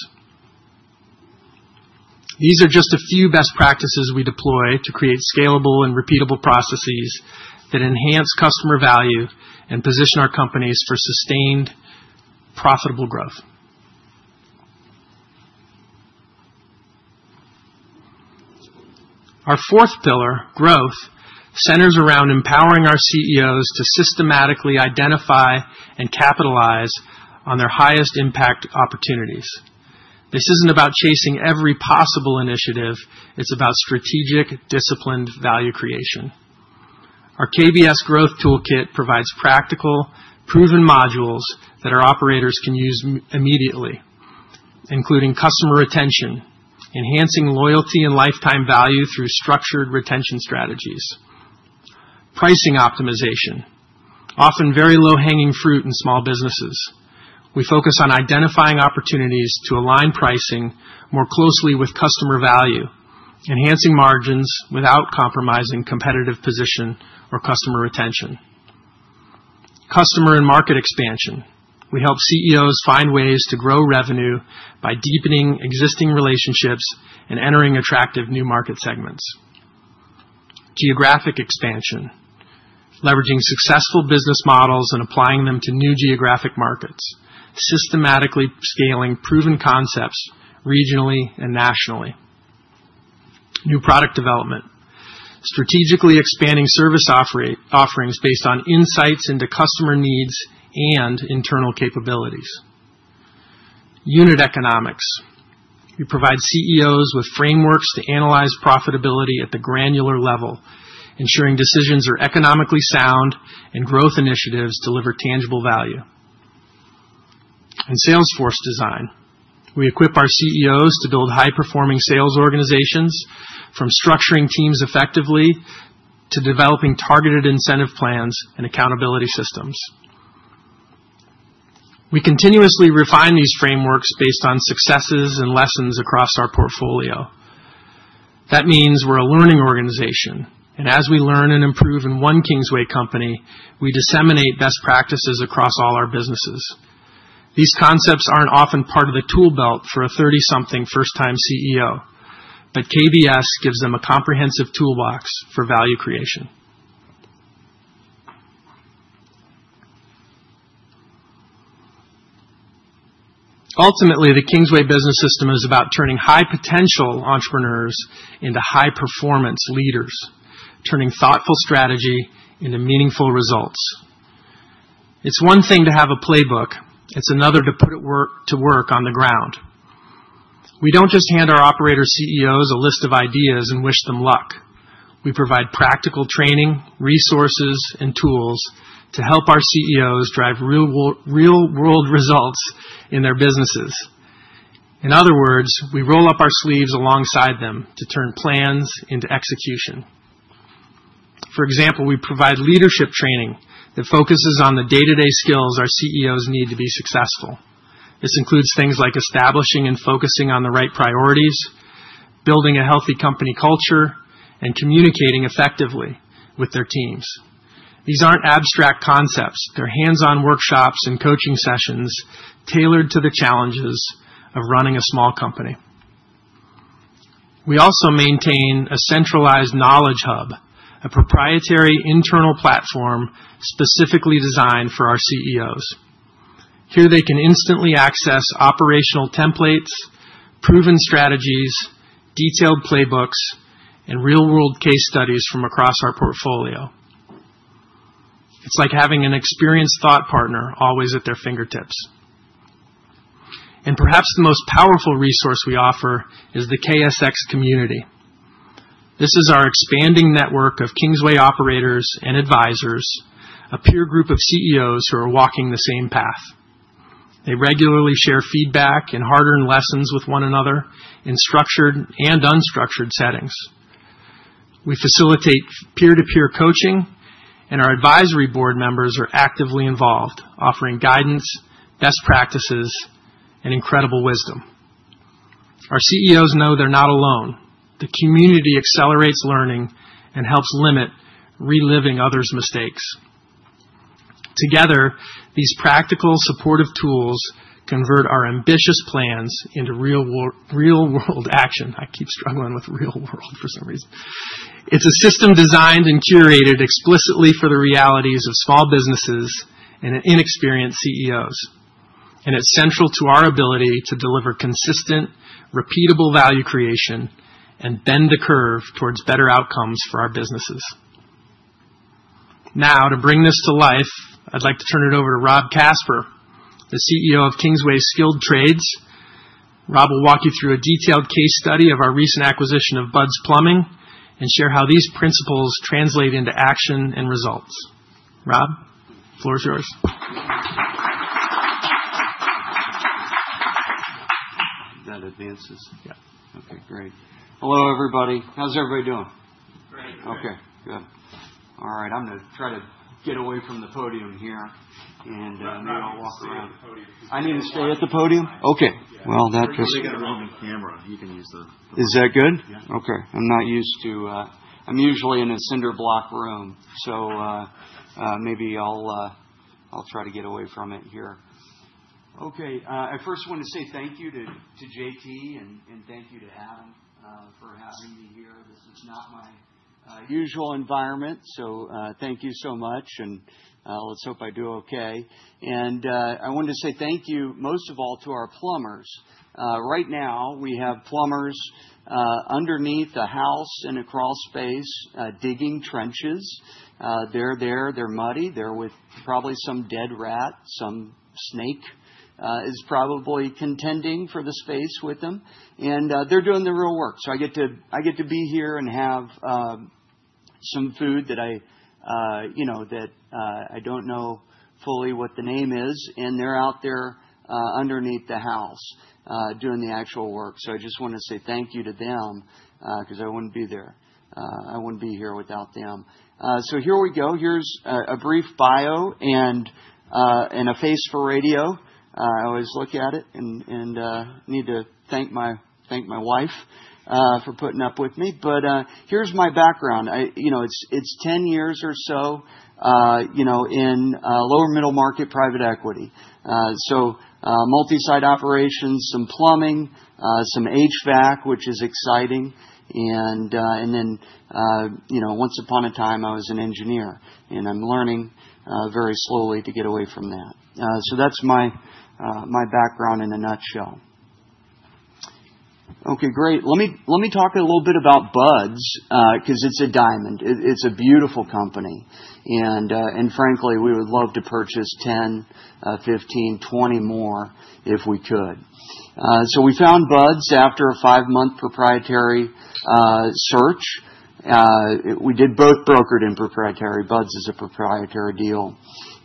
These are just a few best practices we deploy to create scalable and repeatable processes that enhance customer value and position our companies for sustained, profitable growth. Our fourth pillar, growth, centers around empowering our CEOs to systematically identify and capitalize on their highest impact opportunities. This isn't about chasing every possible initiative. It's about strategic, disciplined value creation. Our KBS growth toolkit provides practical, proven modules that our operators can use immediately, including customer retention, enhancing loyalty and lifetime value through structured retention strategies, pricing optimization, often very low-hanging fruit in small businesses. We focus on identifying opportunities to align pricing more closely with customer value, enhancing margins without compromising competitive position or customer retention. Customer and market expansion. We help CEOs find ways to grow revenue by deepening existing relationships and entering attractive new market segments. Geographic expansion, leveraging successful business models and applying them to new geographic markets, systematically scaling proven concepts regionally and nationally. New product development, strategically expanding service offerings based on insights into customer needs and internal capabilities. Unit economics. We provide CEOs with frameworks to analyze profitability at the granular level, ensuring decisions are economically sound and growth initiatives deliver tangible value. And salesforce design. We equip our CEOs to build high-performing sales organizations, from structuring teams effectively to developing targeted incentive plans and accountability systems. We continuously refine these frameworks based on successes and lessons across our portfolio. That means we're a learning organization. As we learn and improve in one Kingsway company, we disseminate best practices across all our businesses. These concepts aren't often part of the tool belt for a 30-something first-time CEO, but KBS gives them a comprehensive toolbox for value creation. Ultimately, the Kingsway business system is about turning high-potential entrepreneurs into high-performance leaders, turning thoughtful strategy into meaningful results. It's one thing to have a playbook. It's another to put it to work on the ground. We don't just hand our operator CEOs a list of ideas and wish them luck. We provide practical training, resources, and tools to help our CEOs drive real-world results in their businesses. In other words, we roll up our sleeves alongside them to turn plans into execution. For example, we provide leadership training that focuses on the day-to-day skills our CEOs need to be successful. This includes things like establishing and focusing on the right priorities, building a healthy company culture, and communicating effectively with their teams. These aren't abstract concepts. They're hands-on workshops and coaching sessions tailored to the challenges of running a small company. We also maintain a centralized knowledge hub, a proprietary internal platform specifically designed for our CEOs. Here, they can instantly access operational templates, proven strategies, detailed playbooks, and real-world case studies from across our portfolio. It's like having an experienced thought partner always at their fingertips. Perhaps the most powerful resource we offer is the KSX community. This is our expanding network of Kingsway operators and advisors, a peer group of CEOs who are walking the same path. They regularly share feedback and hard-earned lessons with one another in structured and unstructured settings. We facilitate peer-to-peer coaching, and our advisory board members are actively involved, offering guidance, best practices, and incredible wisdom. Our CEOs know they're not alone. The community accelerates learning and helps limit reliving others' mistakes. Together, these practical, supportive tools convert our ambitious plans into real-world action. I keep struggling with real-world for some reason. It's a system designed and curated explicitly for the realities of small businesses and inexperienced CEOs. It is central to our ability to deliver consistent, repeatable value creation and bend the curve towards better outcomes for our businesses. Now, to bring this to life, I'd like to turn it over to Rob Casper, the CEO of Kingsway Skilled Trades. Rob will walk you through a detailed case study of our recent acquisition of Buds Plumbing and share how these principles translate into action and results. Rob, the floor is yours. Is that advances? Yeah. Okay. Great. Hello, everybody. How's everybody doing? Great. Okay. Good. All right. I'm going to try to get away from the podium here, and maybe I'll walk around. I need to stay at the podium. I need to stay at the podium? Okay. That just. I really got a room and camera. You can use the. Is that good? Yeah. Okay. I'm not used to, I'm usually in a cinder block room, so maybe I'll try to get away from it here. Okay. I first want to say thank you to J.T. and thank you to Adam for having me here. This is not my usual environment, so thank you so much, and let's hope I do okay. I wanted to say thank you, most of all, to our plumbers. Right now, we have plumbers underneath a house and a crawl space digging trenches. They're there. They're muddy. They're with probably some dead rat. Some snake is probably contending for the space with them. They're doing the real work. I get to be here and have some food that I don't know fully what the name is, and they're out there underneath the house doing the actual work. I just want to say thank you to them because I would not be there. I would not be here without them. Here we go. Here is a brief bio and a face for radio. I always look at it and need to thank my wife for putting up with me. Here is my background. It is 10 years or so in lower-middle market private equity. Multi-site operations, some plumbing, some HVAC, which is exciting. Once upon a time, I was an engineer, and I am learning very slowly to get away from that. That is my background in a nutshell. Okay. Great. Let me talk a little bit about Buds because it is a diamond. It is a beautiful company. Frankly, we would love to purchase 10, 15, 20 more if we could. We found Buds after a five-month proprietary search. We did both brokered and proprietary. Bud's is a proprietary deal.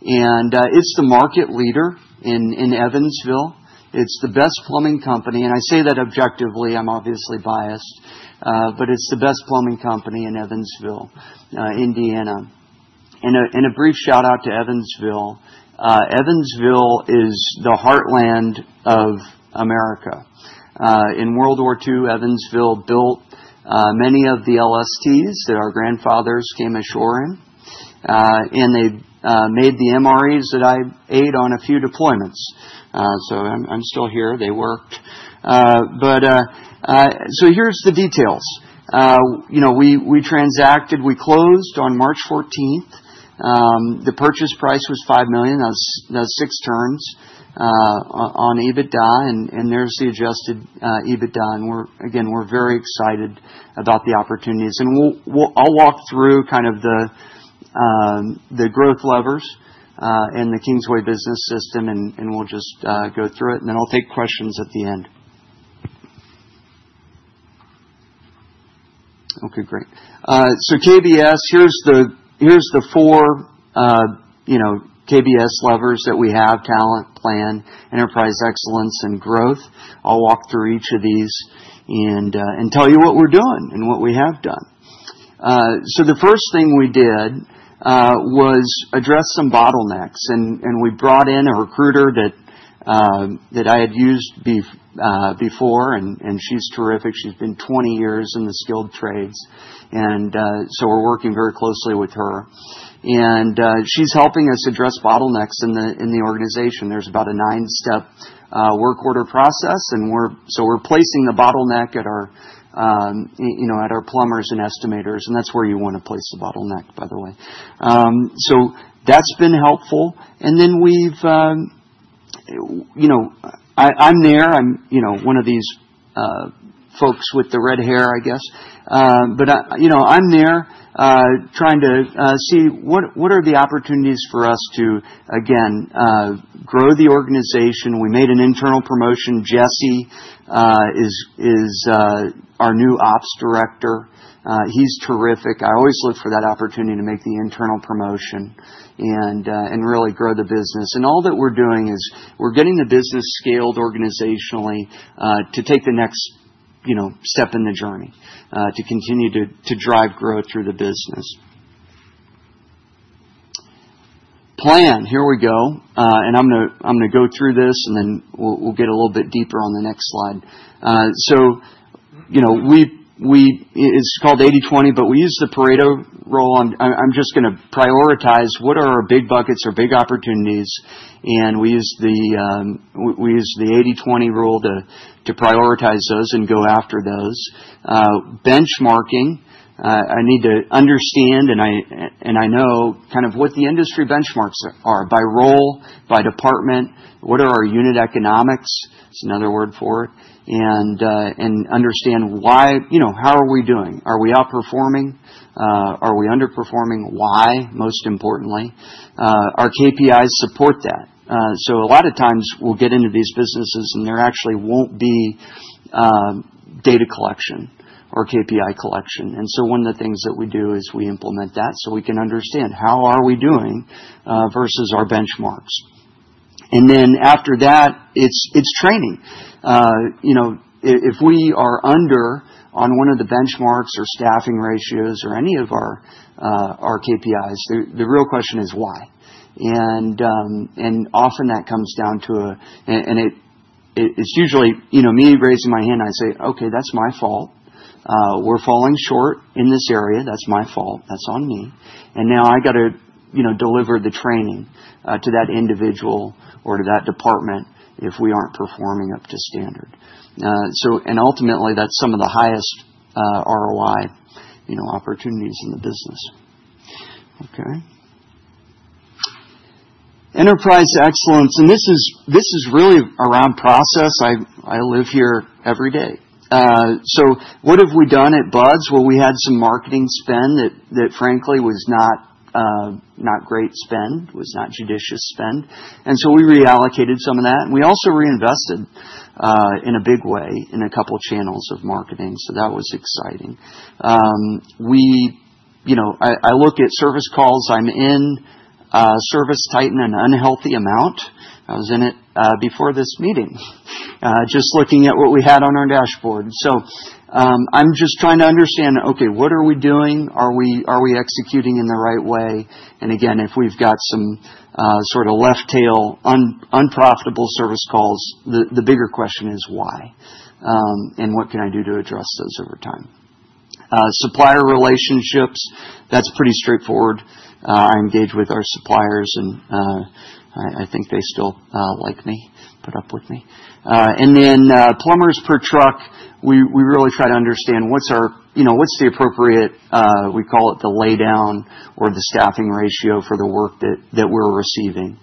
It's the market leader in Evansville. It's the best plumbing company. I say that objectively. I'm obviously biased, but it's the best plumbing company in Evansville, Indiana. A brief shout-out to Evansville. Evansville is the heartland of America. In World War II, Evansville built many of the LSTs that our grandfathers came ashore in, and they made the MREs that I ate on a few deployments. I'm still here. They worked. Here's the details. We transacted. We closed on March 14th. The purchase price was $5 million. That was six turns on EBITDA, and there's the adjusted EBITDA. Again, we're very excited about the opportunities. I'll walk through kind of the growth levers and the Kingsway Business System, and we'll just go through it. I'll take questions at the end. Okay. Great. KBS, here are the four KBS levers that we have: talent, plan, enterprise excellence, and growth. I'll walk through each of these and tell you what we're doing and what we have done. The first thing we did was address some bottlenecks. We brought in a recruiter that I had used before, and she's terrific. She's been 20 years in the skilled trades. We're working very closely with her, and she's helping us address bottlenecks in the organization. There's about a nine-step work order process. We're placing the bottleneck at our plumbers and estimators, and that's where you want to place the bottleneck, by the way. That's been helpful. I'm there. I'm one of these folks with the red hair, I guess. I'm there trying to see what are the opportunities for us to, again, grow the organization. We made an internal promotion. Jesse is our new ops director. He's terrific. I always look for that opportunity to make the internal promotion and really grow the business. All that we're doing is we're getting the business scaled organizationally to take the next step in the journey to continue to drive growth through the business. Plan. Here we go. I'm going to go through this, and then we'll get a little bit deeper on the next slide. It's called 80/20, but we use the Pareto rule. I'm just going to prioritize what are our big buckets or big opportunities. We use the 80/20 rule to prioritize those and go after those. Benchmarking. I need to understand, and I know kind of what the industry benchmarks are by role, by department. What are our unit economics? That's another word for it. Understand how are we doing? Are we outperforming? Are we underperforming? Why, most importantly? Our KPIs support that. A lot of times, we'll get into these businesses, and there actually won't be data collection or KPI collection. One of the things that we do is we implement that so we can understand how are we doing versus our benchmarks. After that, it's training. If we are under on one of the benchmarks or staffing ratios or any of our KPIs, the real question is why. Often, that comes down to a, and it's usually me raising my hand. I say, "Okay. That's my fault. We're falling short in this area. That's my fault. That's on me." Now I got to deliver the training to that individual or to that department if we aren't performing up to standard. Ultimately, that's some of the highest ROI opportunities in the business. Okay. Enterprise excellence. This is really around process. I live here every day. What have we done at Buds? We had some marketing spend that, frankly, was not great spend, was not judicious spend. We reallocated some of that. We also reinvested in a big way in a couple of channels of marketing. That was exciting. I look at service calls. I'm in Service Titan an unhealthy amount. I was in it before this meeting, just looking at what we had on our dashboard. I'm just trying to understand, okay, what are we doing? Are we executing in the right way? Again, if we've got some sort of left-tail unprofitable service calls, the bigger question is why and what can I do to address those over time? Supplier relationships. That's pretty straightforward. I engage with our suppliers, and I think they still like me, put up with me. Then plumbers per truck, we really try to understand what's the appropriate—we call it the lay-down or the staffing ratio for the work that we're receiving.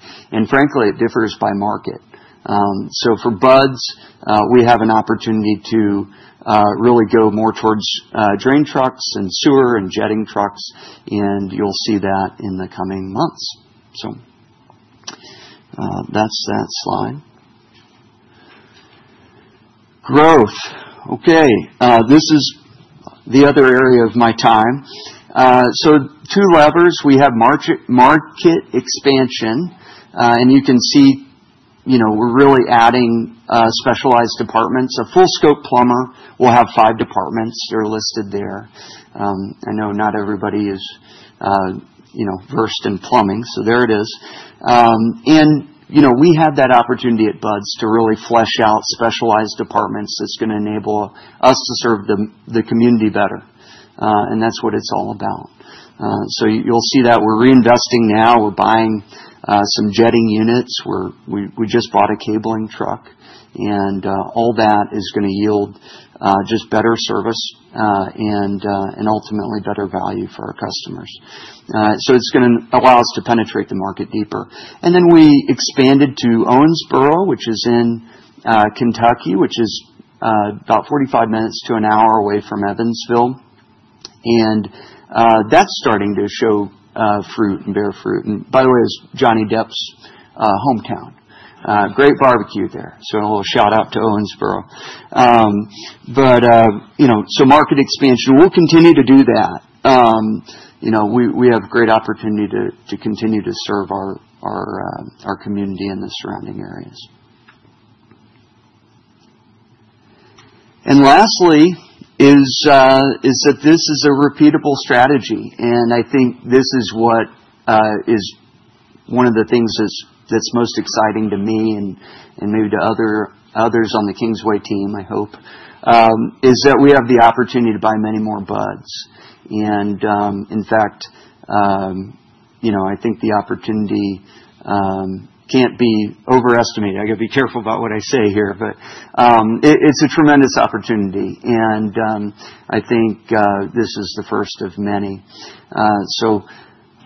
Frankly, it differs by market. For Buds, we have an opportunity to really go more towards drain trucks and sewer and jetting trucks. You'll see that in the coming months. That's that slide. Growth. Okay. This is the other area of my time. Two levers. We have market expansion. You can see we're really adding specialized departments. A full-scope plumber will have five departments. They're listed there. I know not everybody is versed in plumbing, so there it is. We have that opportunity at Buds to really flesh out specialized departments that's going to enable us to serve the community better. That's what it's all about. You'll see that we're reinvesting now. We're buying some jetting units. We just bought a cabling truck. All that is going to yield just better service and ultimately better value for our customers. It's going to allow us to penetrate the market deeper. We expanded to Owensboro, which is in Kentucky, which is about 45 minutes to an hour away from Evansville. That's starting to show fruit and bear fruit. By the way, it's Johnny Depp's hometown. Great barbecue there. A little shout-out to Owensboro. Market expansion. We'll continue to do that. We have a great opportunity to continue to serve our community and the surrounding areas. Lastly, this is a repeatable strategy. I think this is what is one of the things that's most exciting to me and maybe to others on the Kingsway team, I hope, is that we have the opportunity to buy many more Buds. In fact, I think the opportunity cannot be overestimated. I got to be careful about what I say here, but it is a tremendous opportunity. I think this is the first of many.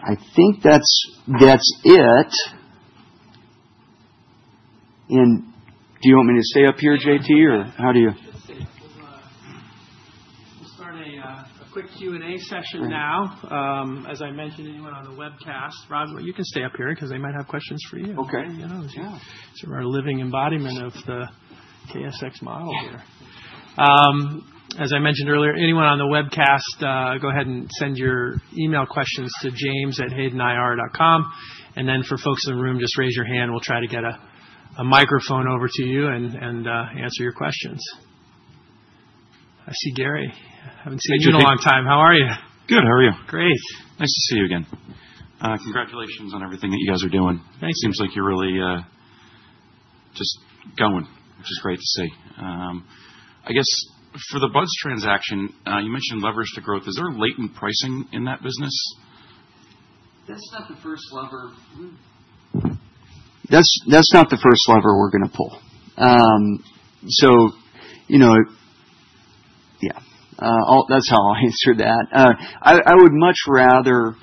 I think that's it. Do you want me to stay up here, JT, or how do you? Let's start a quick Q&A session now. As I mentioned, anyone on the webcast, Rob, you can stay up here because they might have questions for you. Okay. Yeah. They're our living embodiment of the KSX model here. As I mentioned earlier, anyone on the webcast, go ahead and send your email questions to james@haydenir.com. For folks in the room, just raise your hand. We'll try to get a microphone over to you and answer your questions. I see Gary. I haven't seen you in a long time. How are you? Good. How are you? Great. Nice to see you again. Congratulations on everything that you guys are doing. Thank you. Seems like you're really just going, which is great to see. I guess for the Buds transaction, you mentioned levers to growth. Is there a latent pricing in that business? That's not the first lever. That's not the first lever we're going to pull. Yeah, that's how I answered that. I would much rather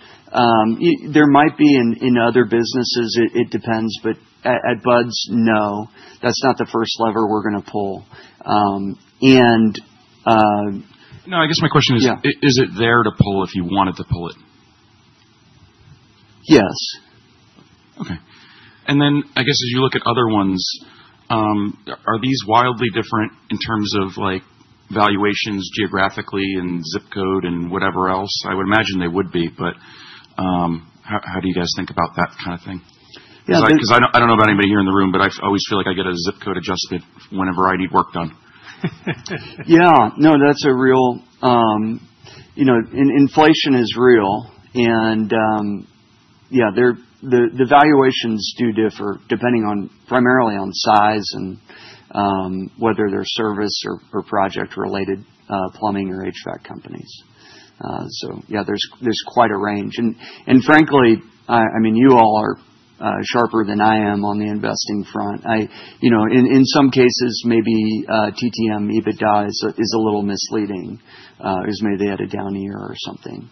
there might be in other businesses. It depends. At Buds, no. That's not the first lever we're going to pull. No, I guess my question is, is it there to pull if you wanted to pull it? Yes. Okay. I guess as you look at other ones, are these wildly different in terms of valuations geographically and zip code and whatever else? I would imagine they would be. How do you guys think about that kind of thing? I do not know about anybody here in the room, but I always feel like I get a zip code adjustment whenever I need work done. Yeah. No, that's real. Inflation is real. Yeah, the valuations do differ primarily on size and whether they're service or project-related plumbing or HVAC companies. Yeah, there's quite a range. Frankly, I mean, you all are sharper than I am on the investing front. In some cases, maybe TTM EBITDA is a little misleading because maybe they had a down year or something.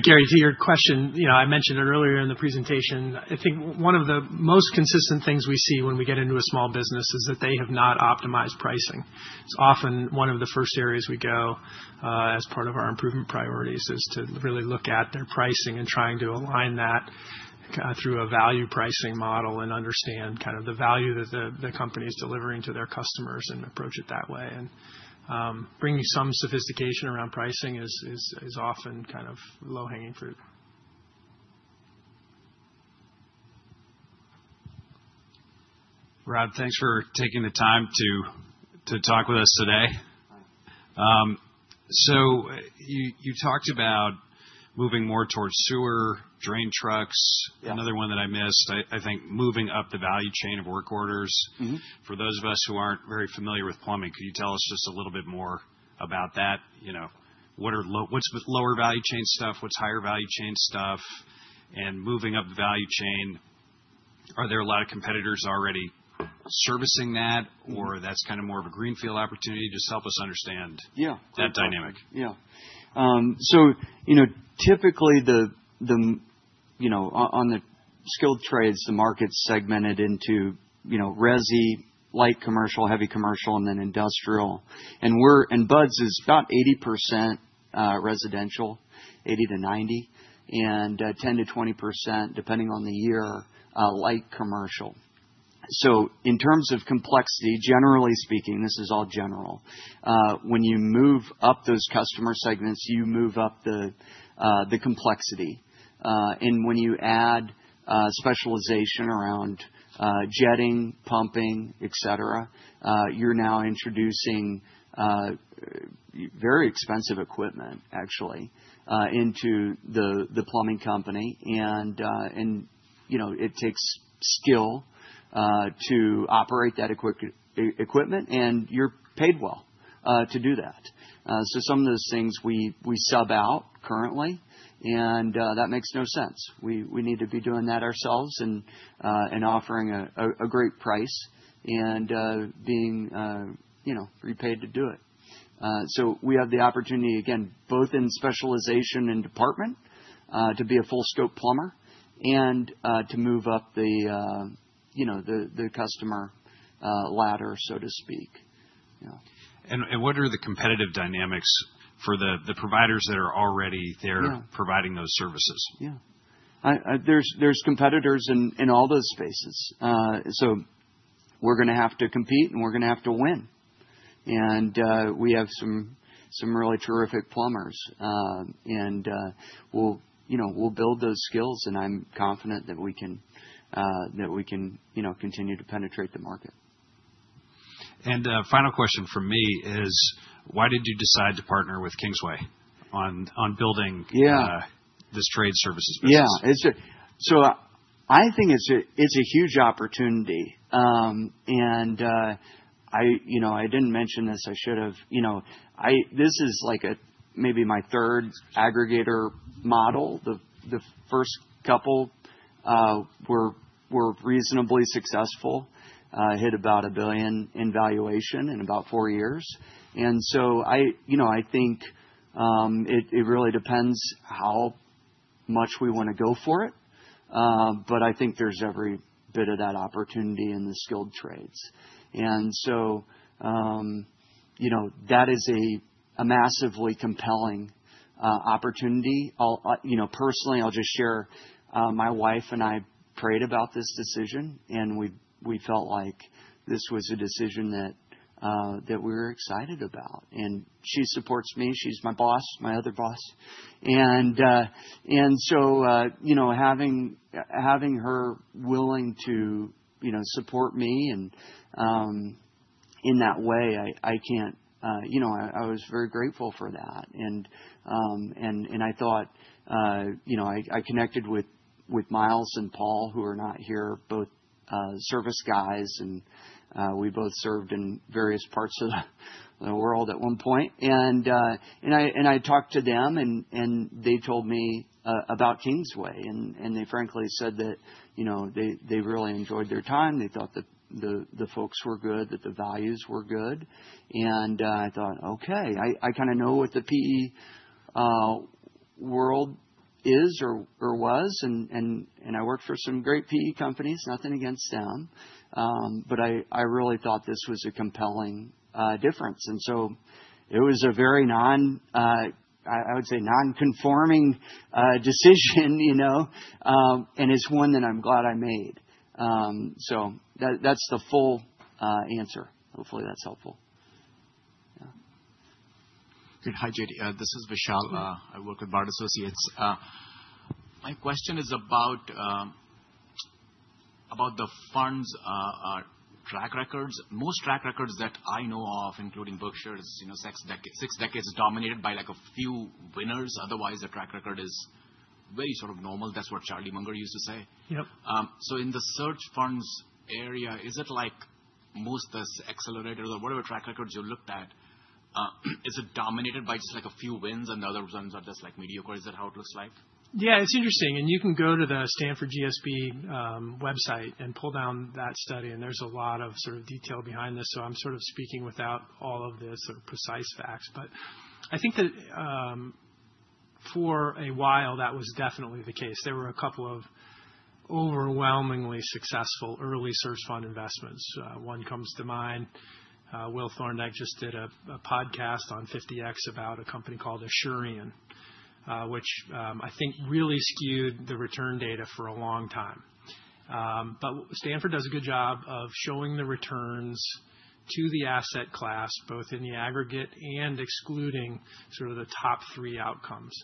Gary, to your question, I mentioned it earlier in the presentation. I think one of the most consistent things we see when we get into a small business is that they have not optimized pricing. It's often one of the first areas we go as part of our improvement priorities is to really look at their pricing and trying to align that through a value pricing model and understand kind of the value that the company is delivering to their customers and approach it that way. Bringing some sophistication around pricing is often kind of low-hanging fruit. Rob, thanks for taking the time to talk with us today. You talked about moving more towards sewer, drain trucks. Another one that I missed, I think, moving up the value chain of work orders. For those of us who aren't very familiar with plumbing, could you tell us just a little bit more about that? What's lower value chain stuff? What's higher value chain stuff? Moving up the value chain, are there a lot of competitors already servicing that, or is that kind of more of a greenfield opportunity? Just help us understand that dynamic. Yeah. Typically, on the skilled trades, the market's segmented into resi, light commercial, heavy commercial, and then industrial. Buds is about 80% residential, 80-90%, and 10-20%, depending on the year, light commercial. In terms of complexity, generally speaking, this is all general. When you move up those customer segments, you move up the complexity. When you add specialization around jetting, pumping, etc., you're now introducing very expensive equipment, actually, into the plumbing company. It takes skill to operate that equipment, and you're paid well to do that. Some of those things we sub out currently, and that makes no sense. We need to be doing that ourselves and offering a great price and being repaid to do it. We have the opportunity, again, both in specialization and department, to be a full-scope plumber and to move up the customer ladder, so to speak. What are the competitive dynamics for the providers that are already there providing those services? Yeah. There are competitors in all those spaces. We are going to have to compete, and we are going to have to win. We have some really terrific plumbers. We will build those skills, and I am confident that we can continue to penetrate the market. Final question from me is, why did you decide to partner with Kingsway on building this trade services business? Yeah. I think it's a huge opportunity. I didn't mention this. I should have. This is like maybe my third aggregator model. The first couple were reasonably successful. Hit about $1 billion in valuation in about four years. I think it really depends how much we want to go for it. I think there's every bit of that opportunity in the skilled trades. That is a massively compelling opportunity. Personally, I'll just share my wife and I prayed about this decision, and we felt like this was a decision that we were excited about. She supports me. She's my boss, my other boss. Having her willing to support me in that way, I was very grateful for that. I thought I connected with Miles and Paul, who are not here, both service guys, and we both served in various parts of the world at one point. I talked to them, and they told me about Kingsway. They frankly said that they really enjoyed their time. They thought that the folks were good, that the values were good. I thought, "Okay. I kind of know what the PE world is or was." I worked for some great PE companies. Nothing against them. I really thought this was a compelling difference. It was a very non—I would say non-conforming decision, and it's one that I'm glad I made. That's the full answer. Hopefully, that's helpful. Hi, J.T. This is Vishal. I work with Bard Associates. My question is about the funds' track records. Most track records that I know of, including Berkshire's, six decades dominated by a few winners. Otherwise, the track record is very sort of normal. That is what Charlie Munger used to say. In the search funds area, is it like most of the accelerators or whatever track records you looked at, is it dominated by just a few wins, and the other ones are just mediocre? Is that how it looks like? Yeah. It's interesting. You can go to the Stanford GSB website and pull down that study. There's a lot of sort of detail behind this. I'm sort of speaking without all of the sort of precise facts. I think that for a while, that was definitely the case. There were a couple of overwhelmingly successful early search fund investments. One comes to mind. Will Thorndike just did a podcast on 50X about a company called Assurant, which I think really skewed the return data for a long time. Stanford does a good job of showing the returns to the asset class, both in the aggregate and excluding sort of the top three outcomes.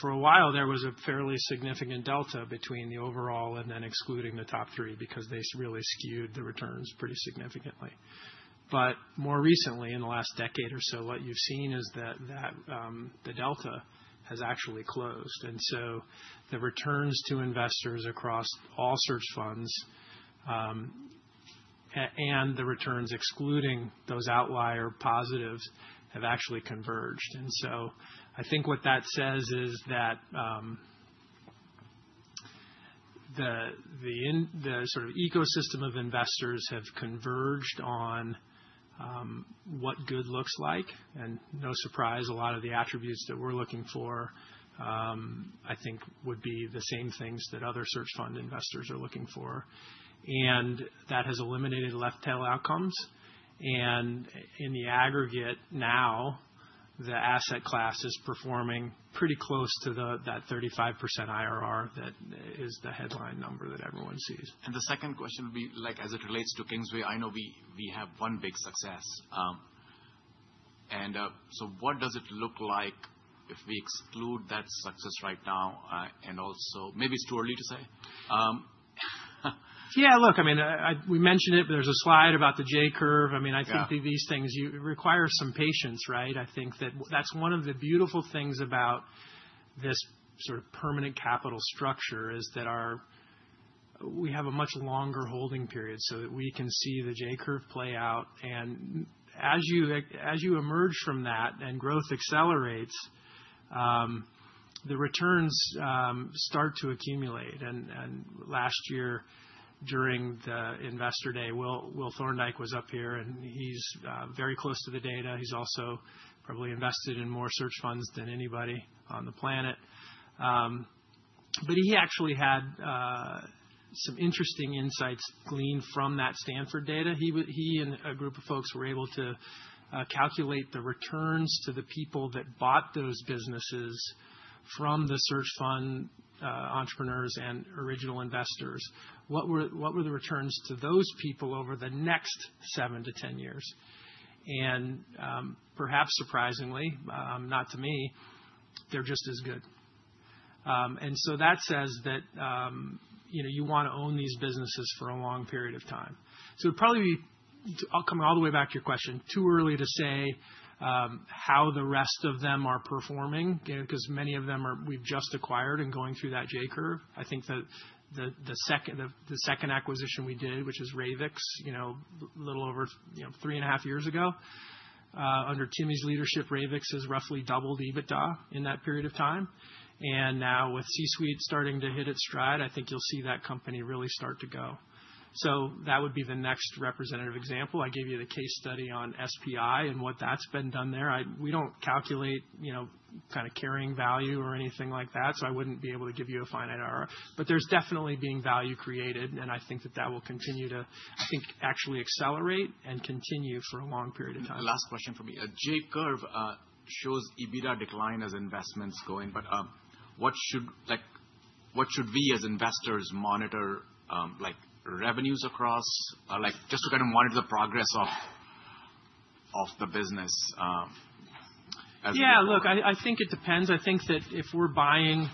For a while, there was a fairly significant delta between the overall and then excluding the top three because they really skewed the returns pretty significantly. More recently, in the last decade or so, what you've seen is that the delta has actually closed. The returns to investors across all search funds and the returns excluding those outlier positives have actually converged. I think what that says is that the sort of ecosystem of investors have converged on what good looks like. No surprise, a lot of the attributes that we're looking for, I think, would be the same things that other search fund investors are looking for. That has eliminated left-tail outcomes. In the aggregate now, the asset class is performing pretty close to that 35% IRR that is the headline number that everyone sees. The second question would be, as it relates to Kingsway, I know we have one big success. What does it look like if we exclude that success right now? Also, maybe it is too early to say. Yeah. Look, I mean, we mentioned it, but there's a slide about the J curve. I mean, I think these things require some patience, right? I think that that's one of the beautiful things about this sort of permanent capital structure is that we have a much longer holding period so that we can see the J curve play out. As you emerge from that and growth accelerates, the returns start to accumulate. Last year, during the investor day, Will Thorndike was up here, and he's very close to the data. He's also probably invested in more search funds than anybody on the planet. He actually had some interesting insights gleaned from that Stanford data. He and a group of folks were able to calculate the returns to the people that bought those businesses from the search fund entrepreneurs and original investors. What were the returns to those people over the next 7 to 10 years? And perhaps surprisingly, not to me, they're just as good. That says that you want to own these businesses for a long period of time. It would probably be coming all the way back to your question, too early to say how the rest of them are performing because many of them we've just acquired and going through that J-Curve. I think that the second acquisition we did, which is Ravex, a little over three and a half years ago under Timmy's leadership, Ravex has roughly doubled EBITDA in that period of time. Now with C-Suite starting to hit its stride, I think you'll see that company really start to go. That would be the next representative example. I gave you the case study on SPI and what that's been done there. We don't calculate kind of carrying value or anything like that, so I wouldn't be able to give you a finite IRR. But there's definitely being value created, and I think that that will continue to, I think, actually accelerate and continue for a long period of time. Last question for me. J-Curve shows EBITDA decline as investments go in. What should we as investors monitor, revenues across, just to kind of monitor the progress of the business? Yeah. Look, I think it depends. I think that if we're buying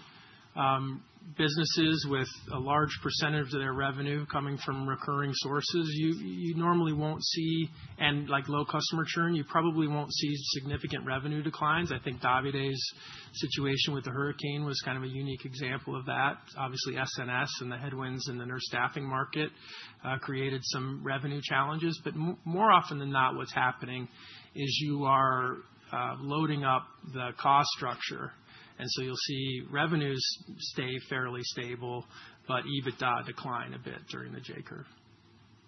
businesses with a large percentage of their revenue coming from recurring sources, you normally won't see—and like low customer churn—you probably won't see significant revenue declines. I think Davide's situation with the hurricane was kind of a unique example of that. Obviously, SNS and the headwinds in the nurse staffing market created some revenue challenges. More often than not, what's happening is you are loading up the cost structure. You will see revenues stay fairly stable, but EBITDA decline a bit during the J curve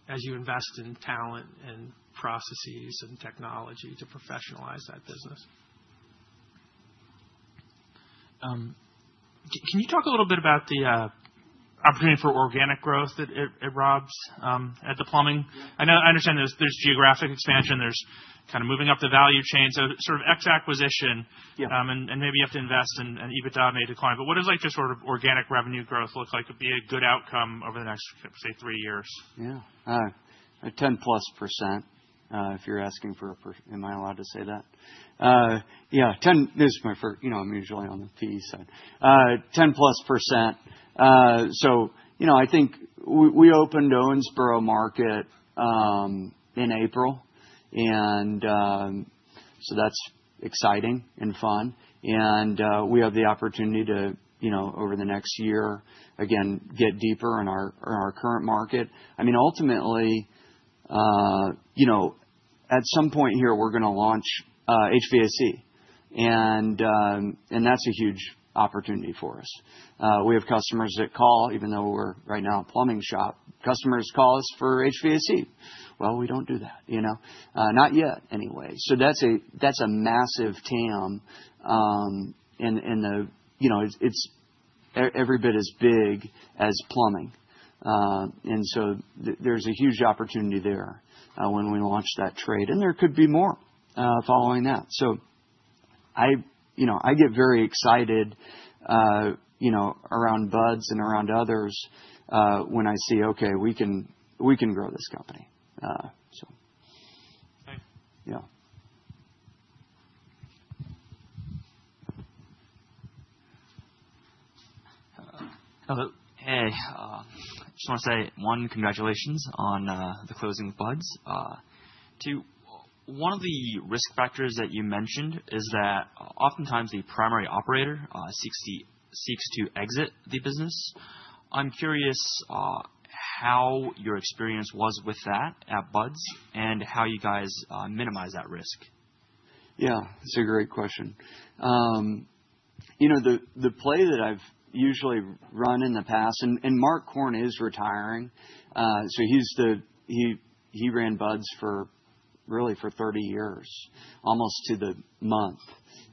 as you invest in talent and processes and technology to professionalize that business. Can you talk a little bit about the opportunity for organic growth that it robs at the plumbing? I understand there's geographic expansion. There's kind of moving up the value chain. Sort of X acquisition, and maybe you have to invest and EBITDA may decline. What does sort of organic revenue growth look like? It'd be a good outcome over the next, say, three years? Yeah. 10-plus %, if you're asking for—am I allowed to say that? Yeah. 10—this is my first—I'm usually on the PE side. 10-plus %. I think we opened Owensboro market in April, and that is exciting and fun. We have the opportunity to, over the next year, again, get deeper in our current market. I mean, ultimately, at some point here, we're going to launch HVAC. That is a huge opportunity for us. We have customers that call, even though we're right now a plumbing shop. Customers call us for HVAC. We do not do that. Not yet anyway. That is a massive TAM. Every bit as big as plumbing. There is a huge opportunity there when we launch that trade. There could be more following that. I get very excited around Buds and around others when I see, "Okay. We can grow this company. So. Thanks. Yeah. Hello. Hey. I just want to say, one, congratulations on the closing with Buds. Two, one of the risk factors that you mentioned is that oftentimes the primary operator seeks to exit the business. I'm curious how your experience was with that at Buds and how you guys minimize that risk. Yeah. That's a great question. The play that I've usually run in the past—and Mark Korn is retiring. He ran Buds really for 30 years, almost to the month.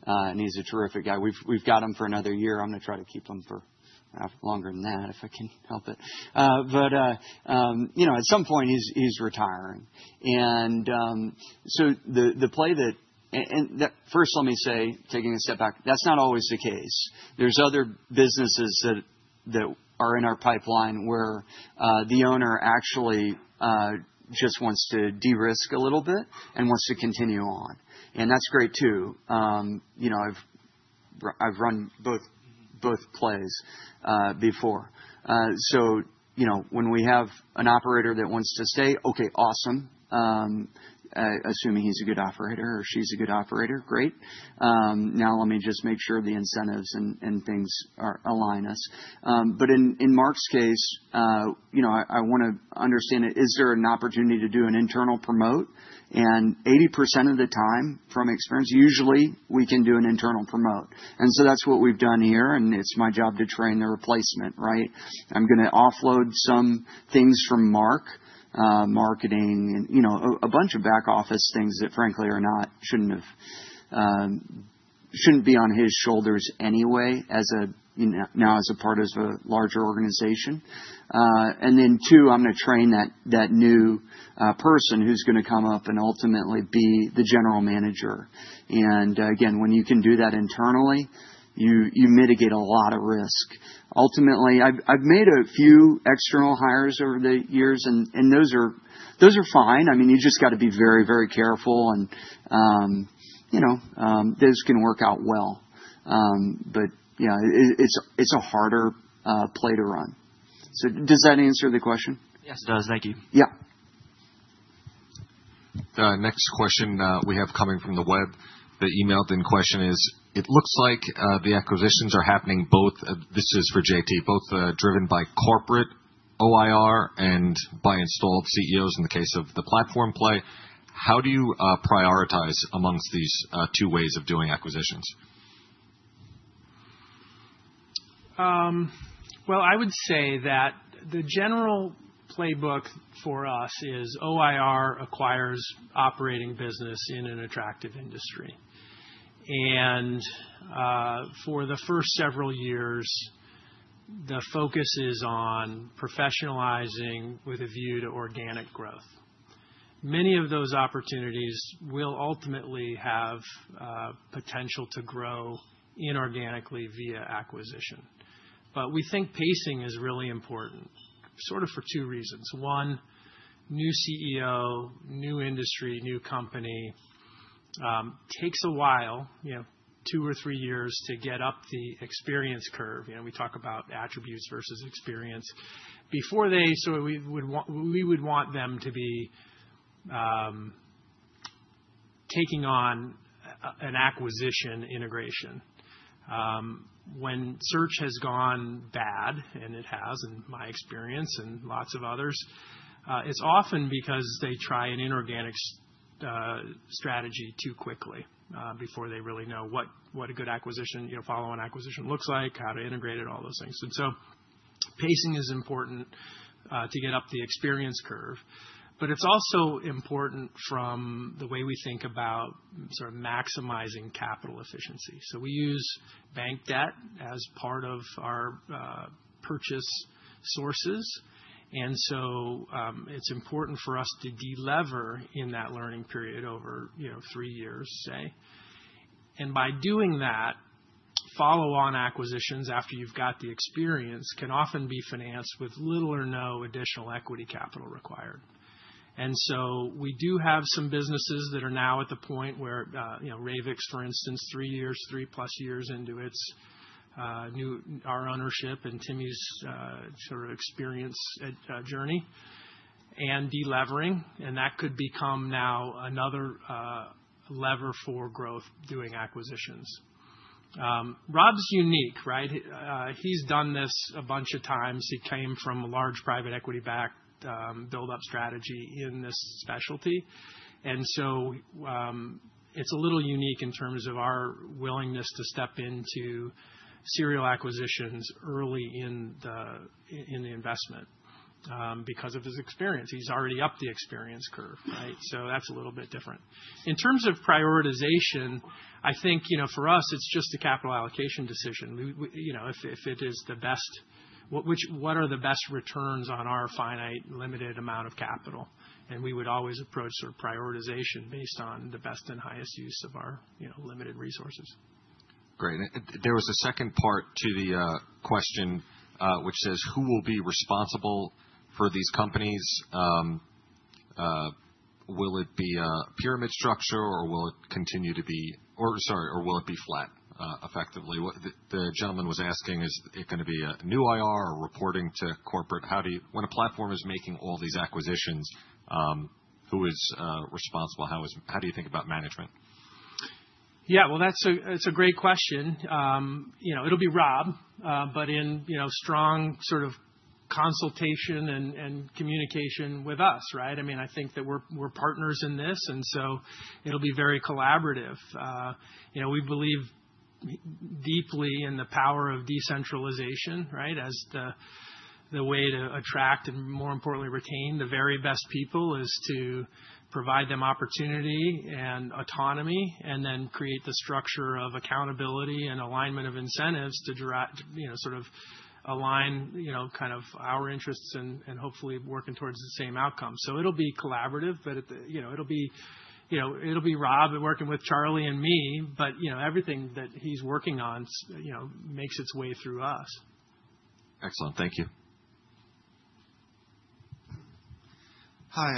And he's a terrific guy. We've got him for another year. I'm going to try to keep him for longer than that if I can help it. At some point, he's retiring. The play that—and first, let me say, taking a step back, that's not always the case. There are other businesses that are in our pipeline where the owner actually just wants to de-risk a little bit and wants to continue on. That's great too. I've run both plays before. When we have an operator that wants to stay, okay, awesome, assuming he's a good operator or she's a good operator, great. Now let me just make sure the incentives and things align us. In Mark's case, I want to understand, is there an opportunity to do an internal promote? Eighty percent of the time, from experience, usually we can do an internal promote. That is what we have done here. It is my job to train the replacement, right? I am going to offload some things from Mark, marketing, and a bunch of back office things that, frankly, should not be on his shoulders anyway now as a part of a larger organization. Then, I am going to train that new person who is going to come up and ultimately be the general manager. Again, when you can do that internally, you mitigate a lot of risk. Ultimately, I have made a few external hires over the years, and those are fine. I mean, you just have to be very, very careful, and those can work out well. It is a harder play to run. Does that answer the question? Yes, it does. Thank you. Yeah. The next question we have coming from the web, the emailed-in question is, "It looks like the acquisitions are happening both—this is for JT—both driven by corporate OIR and by installed CEOs in the case of the platform play. How do you prioritize amongst these two ways of doing acquisitions? I would say that the general playbook for us is OIR acquires operating business in an attractive industry. For the first several years, the focus is on professionalizing with a view to organic growth. Many of those opportunities will ultimately have potential to grow inorganically via acquisition. We think pacing is really important sort of for two reasons. One, new CEO, new industry, new company takes a while, two or three years to get up the experience curve. We talk about attributes versus experience. We would want them to be taking on an acquisition integration. When search has gone bad—and it has, in my experience and lots of others—it's often because they try an inorganic strategy too quickly before they really know what a good acquisition, follow-on acquisition looks like, how to integrate it, all those things. Pacing is important to get up the experience curve. It is also important from the way we think about sort of maximizing capital efficiency. We use bank debt as part of our purchase sources. It is important for us to delever in that learning period over three years, say. By doing that, follow-on acquisitions after you have got the experience can often be financed with little or no additional equity capital required. We do have some businesses that are now at the point where Ravex, for instance, three years, three-plus years into our ownership and Timmy's sort of experience journey and delevering. That could become now another lever for growth doing acquisitions. Rob is unique, right? He has done this a bunch of times. He came from a large private equity-backed build-up strategy in this specialty. It is a little unique in terms of our willingness to step into serial acquisitions early in the investment because of his experience. He's already up the experience curve, right? That is a little bit different. In terms of prioritization, I think for us, it's just a capital allocation decision. If it is the best, what are the best returns on our finite limited amount of capital? We would always approach sort of prioritization based on the best and highest use of our limited resources. Great. There was a second part to the question which says, "Who will be responsible for these companies? Will it be a pyramid structure, or will it continue to be—sorry, or will it be flat effectively?" The gentleman was asking, "Is it going to be a new IR or reporting to corporate?" When a platform is making all these acquisitions, who is responsible? How do you think about management? Yeah. That is a great question. It will be Rob, but in strong sort of consultation and communication with us, right? I mean, I think that we are partners in this, and it will be very collaborative. We believe deeply in the power of decentralization, right, as the way to attract and, more importantly, retain the very best people is to provide them opportunity and autonomy and then create the structure of accountability and alignment of incentives to sort of align kind of our interests and hopefully working towards the same outcome. It will be collaborative, but it will be Rob working with Charles and me. Everything that he is working on makes its way through us. Excellent. Thank you. Hi.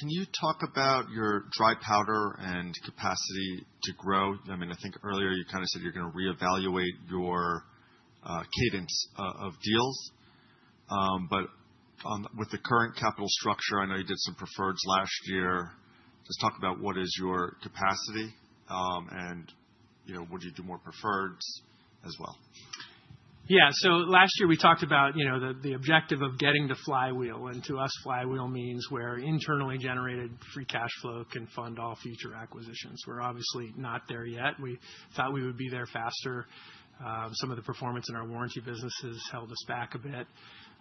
Can you talk about your dry powder and capacity to grow? I mean, I think earlier you kind of said you're going to reevaluate your cadence of deals. With the current capital structure, I know you did some preferreds last year. Just talk about what is your capacity, and would you do more preferreds as well? Yeah. Last year, we talked about the objective of getting the flywheel. To us, flywheel means where internally generated free cash flow can fund all future acquisitions. We're obviously not there yet. We thought we would be there faster. Some of the performance in our warranty businesses held us back a bit.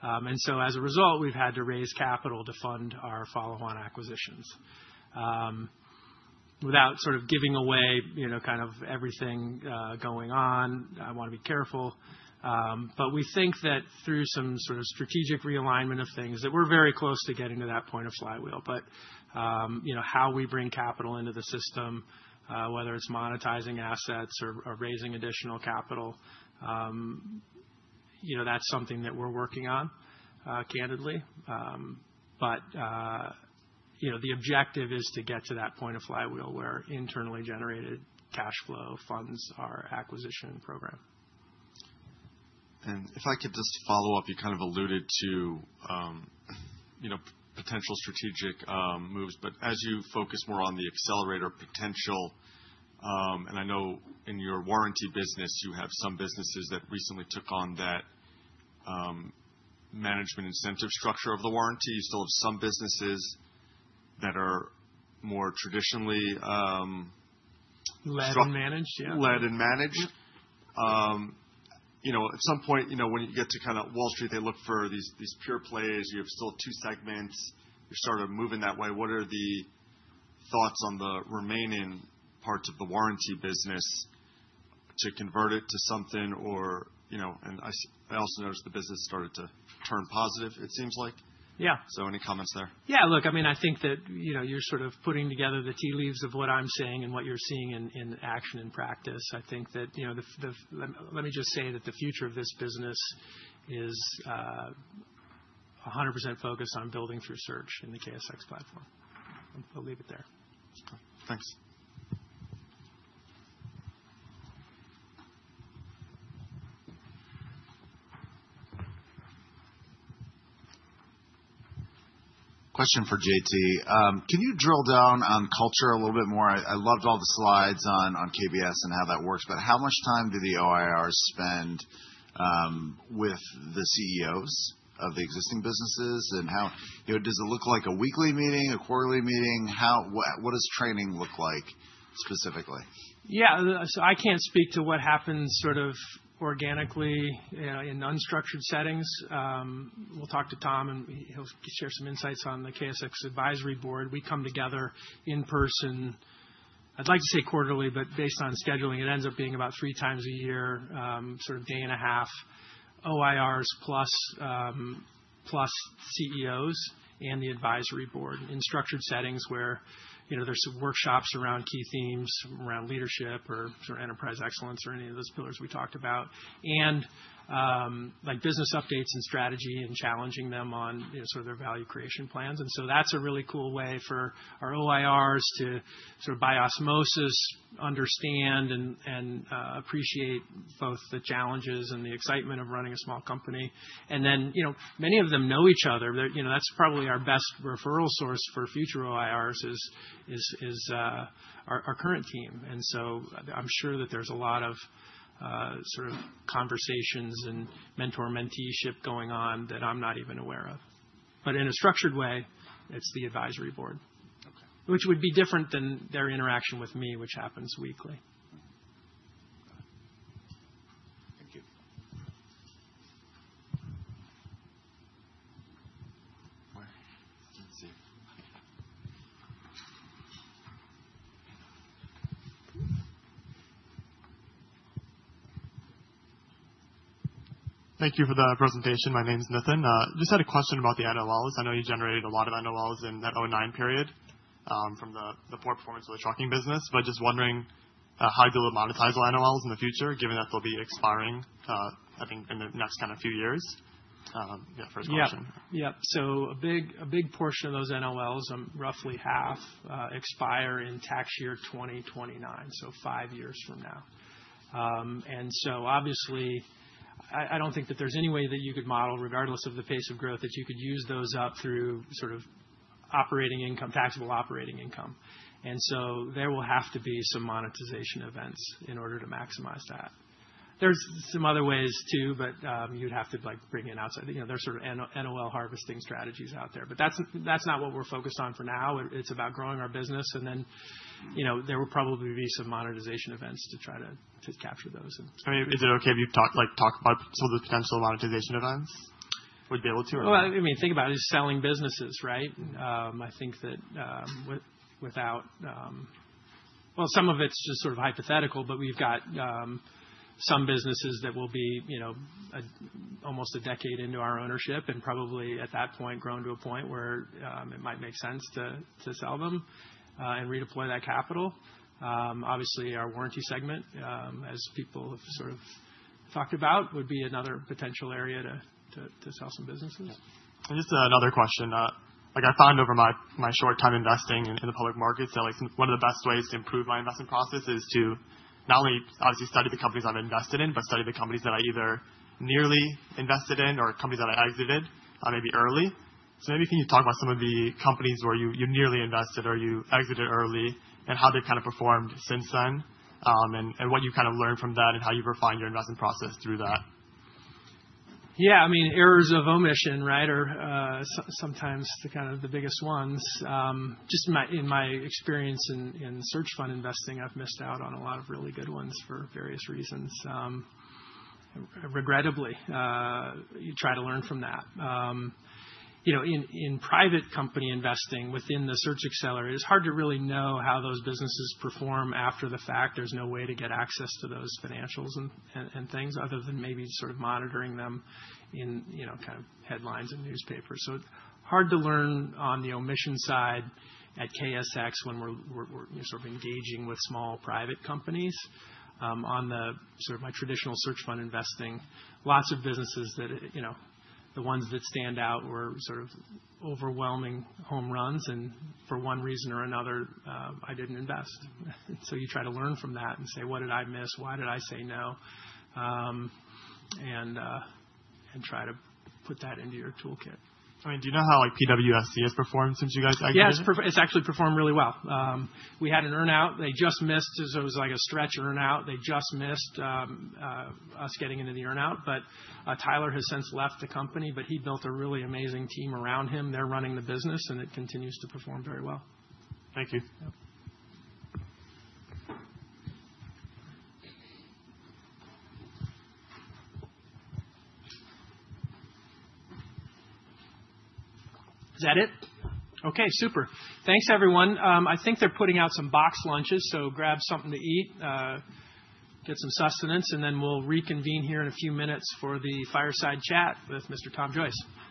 As a result, we've had to raise capital to fund our follow-on acquisitions without sort of giving away kind of everything going on. I want to be careful. We think that through some sort of strategic realignment of things, we're very close to getting to that point of flywheel. How we bring capital into the system, whether it's monetizing assets or raising additional capital, that's something that we're working on, candidly. The objective is to get to that point of flywheel where internally generated cash flow funds our acquisition program. If I could just follow up, you kind of alluded to potential strategic moves. As you focus more on the accelerator potential, and I know in your warranty business, you have some businesses that recently took on that management incentive structure of the warranty. You still have some businesses that are more traditionally. Led and managed, yeah. Led and managed. At some point, when you get to kind of Wall Street, they look for these pure plays. You have still two segments. You're sort of moving that way. What are the thoughts on the remaining parts of the warranty business to convert it to something? I also noticed the business started to turn positive, it seems like. Any comments there? Yeah. Look, I mean, I think that you're sort of putting together the tea leaves of what I'm seeing and what you're seeing in action and practice. I think that let me just say that the future of this business is 100% focused on building through search in the KSX platform. I'll leave it there. Thanks. Question for J.T. Can you drill down on culture a little bit more? I loved all the slides on KBS and how that works. How much time do the OIRs spend with the CEOs of the existing businesses? Does it look like a weekly meeting, a quarterly meeting? What does training look like specifically? Yeah. I can't speak to what happens sort of organically in unstructured settings. We'll talk to Tom, and he'll share some insights on the KSX Advisory Board. We come together in person. I'd like to say quarterly, but based on scheduling, it ends up being about three times a year, sort of day and a half, OIRs plus CEOs and the advisory board in structured settings where there's some workshops around key themes around leadership or sort of enterprise excellence or any of those pillars we talked about and business updates and strategy and challenging them on sort of their value creation plans. That's a really cool way for our OIRs to sort of by osmosis understand and appreciate both the challenges and the excitement of running a small company. Many of them know each other. That's probably our best referral source for future OIRs is our current team. And so I'm sure that there's a lot of sort of conversations and mentor-menteeship going on that I'm not even aware of. But in a structured way, it's the advisory board, which would be different than their interaction with me, which happens weekly. Got it. Thank you. Let's see. Thank you for the presentation. My name's Nathan. Just had a question about the NOLs. I know you generated a lot of NOLs in that 2009 period from the poor performance of the trucking business. Just wondering how you'll monetize the NOLs in the future, given that they'll be expiring, I think, in the next kind of few years. Yeah, first question. Yeah. Yeah. A big portion of those NOLs, roughly half, expire in tax year 2029, so five years from now. Obviously, I do not think that there is any way that you could model, regardless of the pace of growth, that you could use those up through sort of operating income, taxable operating income. There will have to be some monetization events in order to maximize that. There are some other ways too, but you would have to bring in outside—there are sort of NOL harvesting strategies out there. That is not what we are focused on for now. It is about growing our business. There will probably be some monetization events to try to capture those. I mean, is it okay if you talk about some of the potential monetization events? Would you be able to? I mean, think about it. It's selling businesses, right? I think that without, well, some of it's just sort of hypothetical, but we've got some businesses that will be almost a decade into our ownership and probably at that point grown to a point where it might make sense to sell them and redeploy that capital. Obviously, our warranty segment, as people have sort of talked about, would be another potential area to sell some businesses. Just another question. I found over my short time investing in the public markets that one of the best ways to improve my investment process is to not only obviously study the companies I'm invested in, but study the companies that I either nearly invested in or companies that I exited maybe early. Maybe can you talk about some of the companies where you nearly invested or you exited early and how they've kind of performed since then and what you kind of learned from that and how you've refined your investment process through that? Yeah. I mean, errors of omission, right, are sometimes kind of the biggest ones. Just in my experience in search fund investing, I've missed out on a lot of really good ones for various reasons, regrettably. You try to learn from that. In private company investing within the search accelerator, it's hard to really know how those businesses perform after the fact. There's no way to get access to those financials and things other than maybe sort of monitoring them in kind of headlines and newspapers. It's hard to learn on the omission side at KSX when we're sort of engaging with small private companies. On the sort of my traditional search fund investing, lots of businesses that the ones that stand out were sort of overwhelming home runs. For one reason or another, I didn't invest. You try to learn from that and say, "What did I miss? Why did I say no?" and try to put that into your toolkit. I mean, do you know how PWSC has performed since you guys exited? Yeah. It's actually performed really well. We had an earnout. They just missed—it was like a stretch earnout—they just missed us getting into the earnout. Tyler has since left the company, but he built a really amazing team around him. They're running the business, and it continues to perform very well. Thank you. Is that it? Yeah. Okay. Super. Thanks, everyone. I think they're putting out some box lunches, so grab something to eat, get some sustenance, and then we'll reconvene here in a few minutes for the fireside chat with Mr. Tom Joyce. Chris, nice to meet you again. Very nice to say hello. How are you doing? It's been all right. It was great. Really good. Thank you.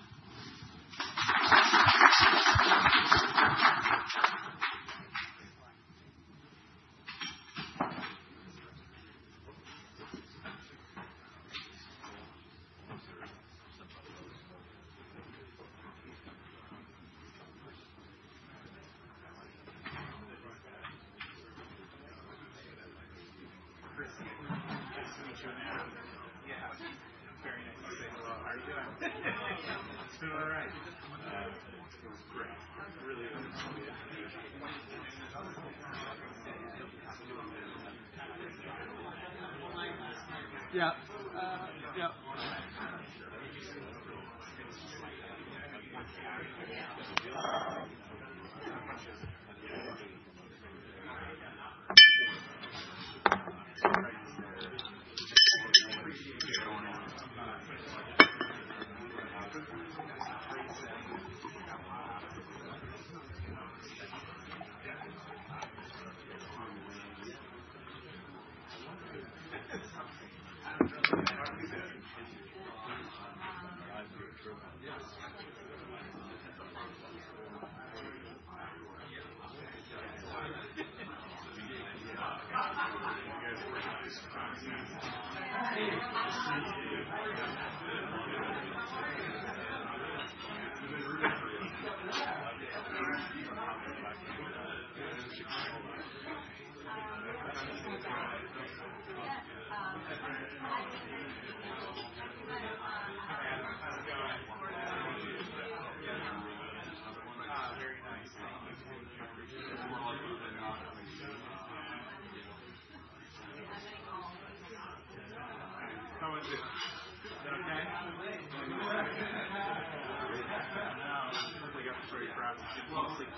Hopefully,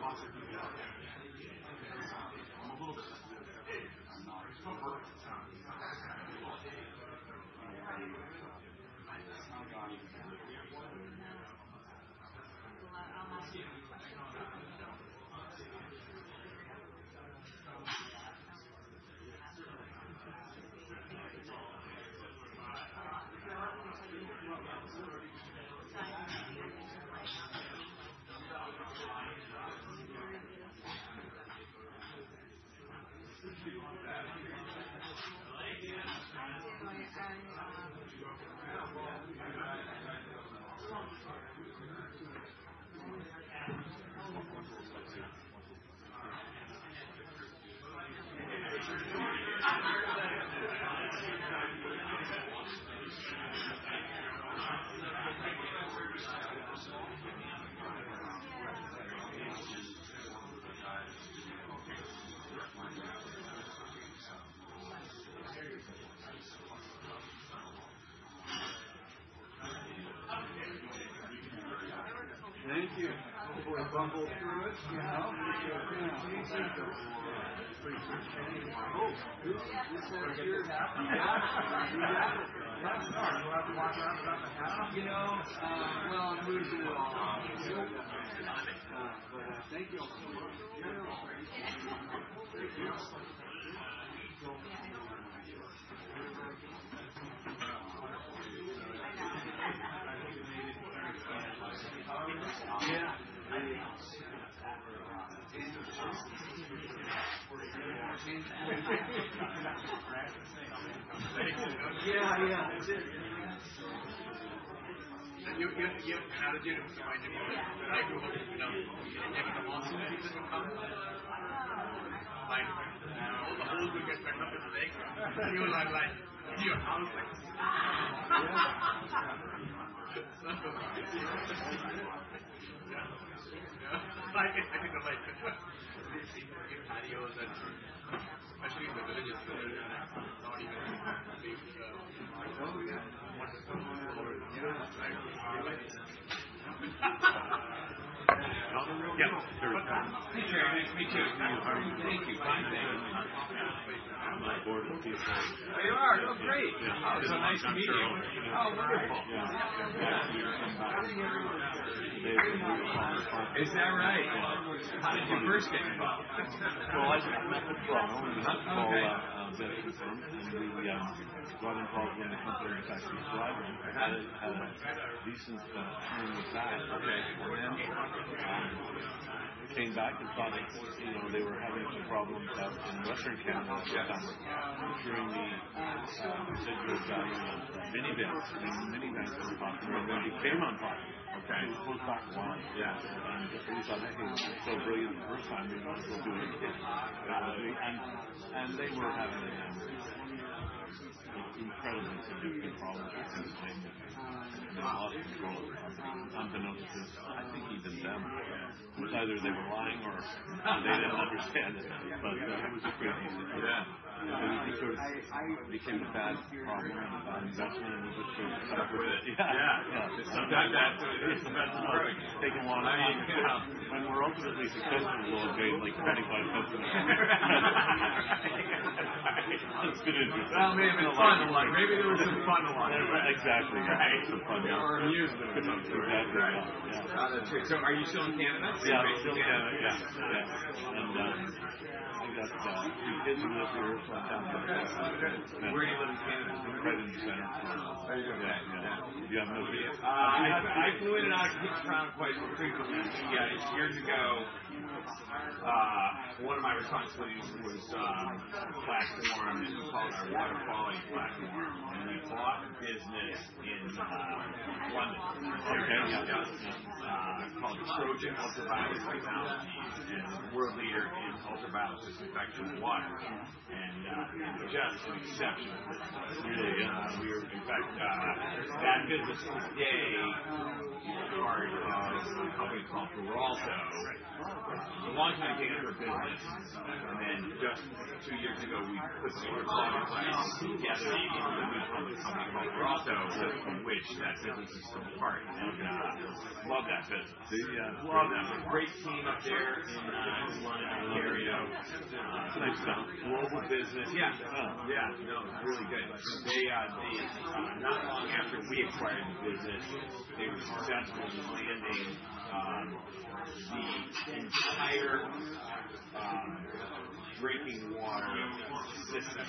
bumble through it. Yeah, yeah. You have to do it with a fine devil. I grew up with a devil. If the monster had to come back, the whole village would get bent up its legs. He was like, "In your house." I think I'm like... In patio that, especially in the villages, not even big monsters or devils, right? Yeah. Yeah. Very good. Me too. Thank you. Thank you. Fine day. I'm on the board of... There you are. Oh, great. It was a nice meeting. Oh, wonderful. Is that right? How did you first get involved? I met the fellow in the Metropolitan Fund, and we got involved in the company in Texas driving. I had a decent time with that. Then I came back and thought they were having some problems out in Western Canada at that time, procuring the residual value of minivans. Minivans were popular, and then we came on top of it. It was close by Hawaii. We thought, "Hey, this is so brilliant for the first time. We'll do it again." They were having incredibly significant problems with minivans. They lost control of the company unbeknownst to, I think, even them, which either they were lying or they did not understand it. It was a great deal. Yeah. We sort of became the bad partner in investment, and we just sort of suffered it. Yeah. Sometimes it's taking a long time. When we're ultimately successful, we'll have paid like $0.25 an hour. That's good interest. Maybe it was fun. Maybe there was some fun along the way. Exactly. Some fun. Or amused. Exactly. Yeah. Got it. Are you still in Canada? Yeah. Still in Canada. Yeah. Yes. I think that's the occasion that we're down here. Where do you live in Canada? Right in the center. Oh, there you go. Yeah. Yeah. You have no beer? I flew in and out of Kingston quite frequently. Yeah. Years ago, one of my responsibilities was a platform, and we called it our water quality platform. And we bought a business in London. Okay. Yeah. Called Trojan Ultraviolet Technologies and world leader in ultraviolet disinfection of water. Jeff is an exceptional business. Really? In fact, that business today is part of a company called Veralto. We wanted to maintain a different business. Then just two years ago, we put some of our funding around together into a new company called Veralto, from which that business has come apart. I love that business. Do you? Love them. Great team up there in London, Ontario. Nice. Global business. Yeah. Yeah. No, it was really good. Not long after we acquired the business, they were successful in landing the entire drinking water system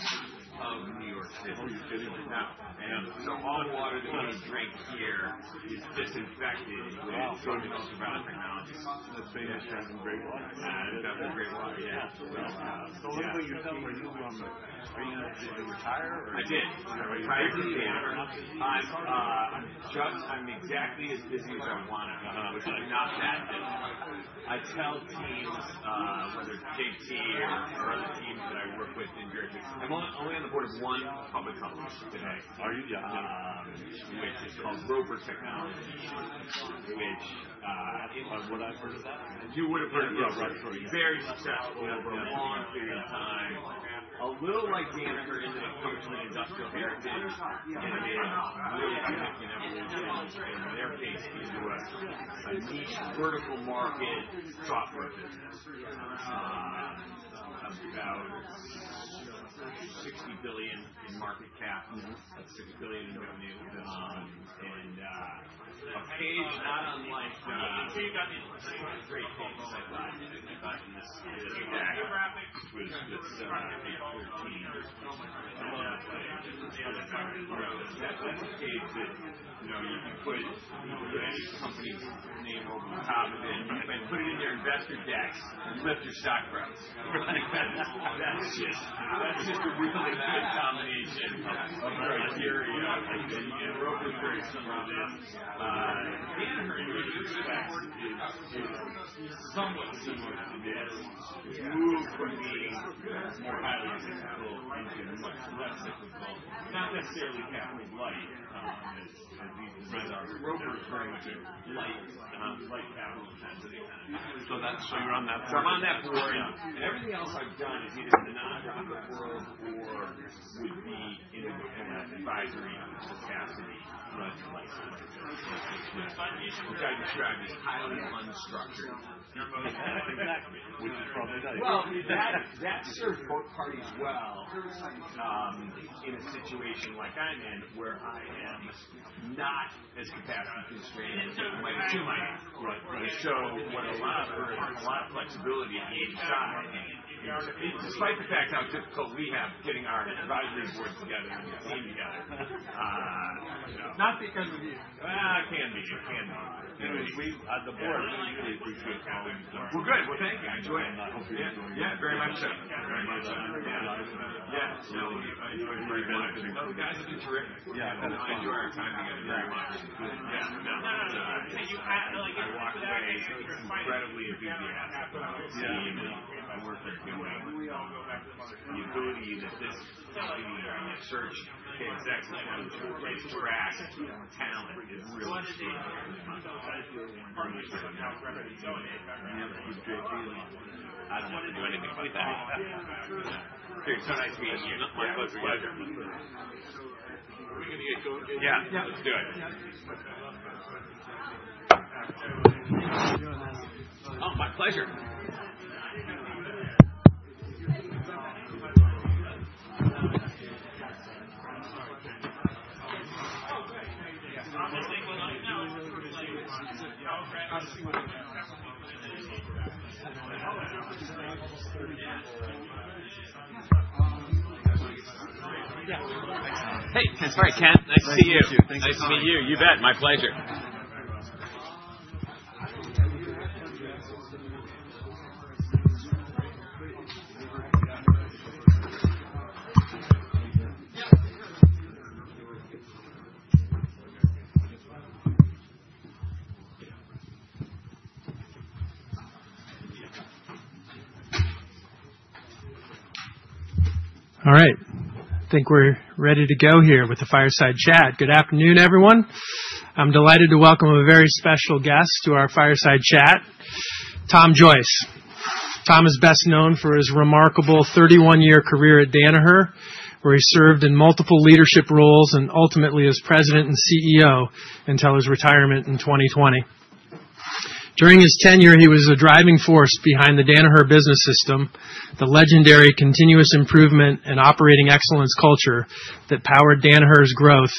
of New York City. Oh, you did? Yeah. Yeah. All the water that we drink here is disinfected with Trojan Ultraviolet Technologies. That's fantastic. That's some great water. That was great water. Yeah. Let me know your time where you were on the—are you going to retire or? I did. Prior to the end? I'm exactly as busy as I want to be, but not that busy. I tell teams, whether it's J.T. or other teams that I work with in New York. I'm only on the board of one public company today, which is called Roper Technologies, which— What? What? I've heard of that. You would have heard of it. Yeah. Right. Very successful over a long period of time. A little like the answer ended up coming from the industrial heritage. I mean, really significant evolution in their case to a niche vertical market software business. About $60 billion in market cap, $60 billion in revenue. A page not online— You've got the— Great page that I bought in this— Geographic? Which was the 713th or something along the way. That's a good page that you could put any company's name over the top of it. Put it in your investor decks and lift your stock price. That's just a really good combination of criteria. Roper's very similar to this. Her investor specs is somewhat similar to this. It's moved from being more highly technical into much less technical, not necessarily capital light, as these results. Roper is very much a light capital intensity kind of company. You're on that board? I'm on that board. Everything else I've done is either in the nonprofit world or would be in an advisory capacity running places. Yeah. Which I describe as highly unstructured. Exactly. Which is probably— That served both parties well in a situation like I'm in, where I am not as capacity constrained as I might have been, to show what a lot of her, a lot of flexibility gave Shai. Despite the fact how difficult we have getting our advisory board together and the team together. Not because of you. It can be. The board is really appreciative of all you. We're good. Thank you. I enjoy it. Hope you enjoy it. Yeah. Very much so. Very much so. Yeah. I enjoyed being with you. Those guys have been terrific. Yeah. I enjoy our time together very much. Yeah. Yeah. Yeah. Yeah. You have had a way of being incredibly enthusiastic about the team and the work they are doing. The ability that this search, KSX, which has tracked talent, is really stable. Yeah. It's a great feeling. I don't have to do anything like that. Yeah. Dude, so nice to meet you. My pleasure. Yeah. Let's do it. Oh, my pleasure. Hey. Hey. Hey. Hey. Hey. Ken. Ken. Nice to see you. Thank you. Thanks for having me. Nice to meet you. You bet. My pleasure. All right. I think we're ready to go here with the Fireside Chat. Good afternoon, everyone. I'm delighted to welcome a very special guest to our Fireside Chat, Tom Joyce. Tom is best known for his remarkable 31-year career at Danaher, where he served in multiple leadership roles and ultimately as President and CEO until his retirement in 2020. During his tenure, he was a driving force behind the Danaher Business System, the legendary continuous improvement and operating excellence culture that powered Danaher's growth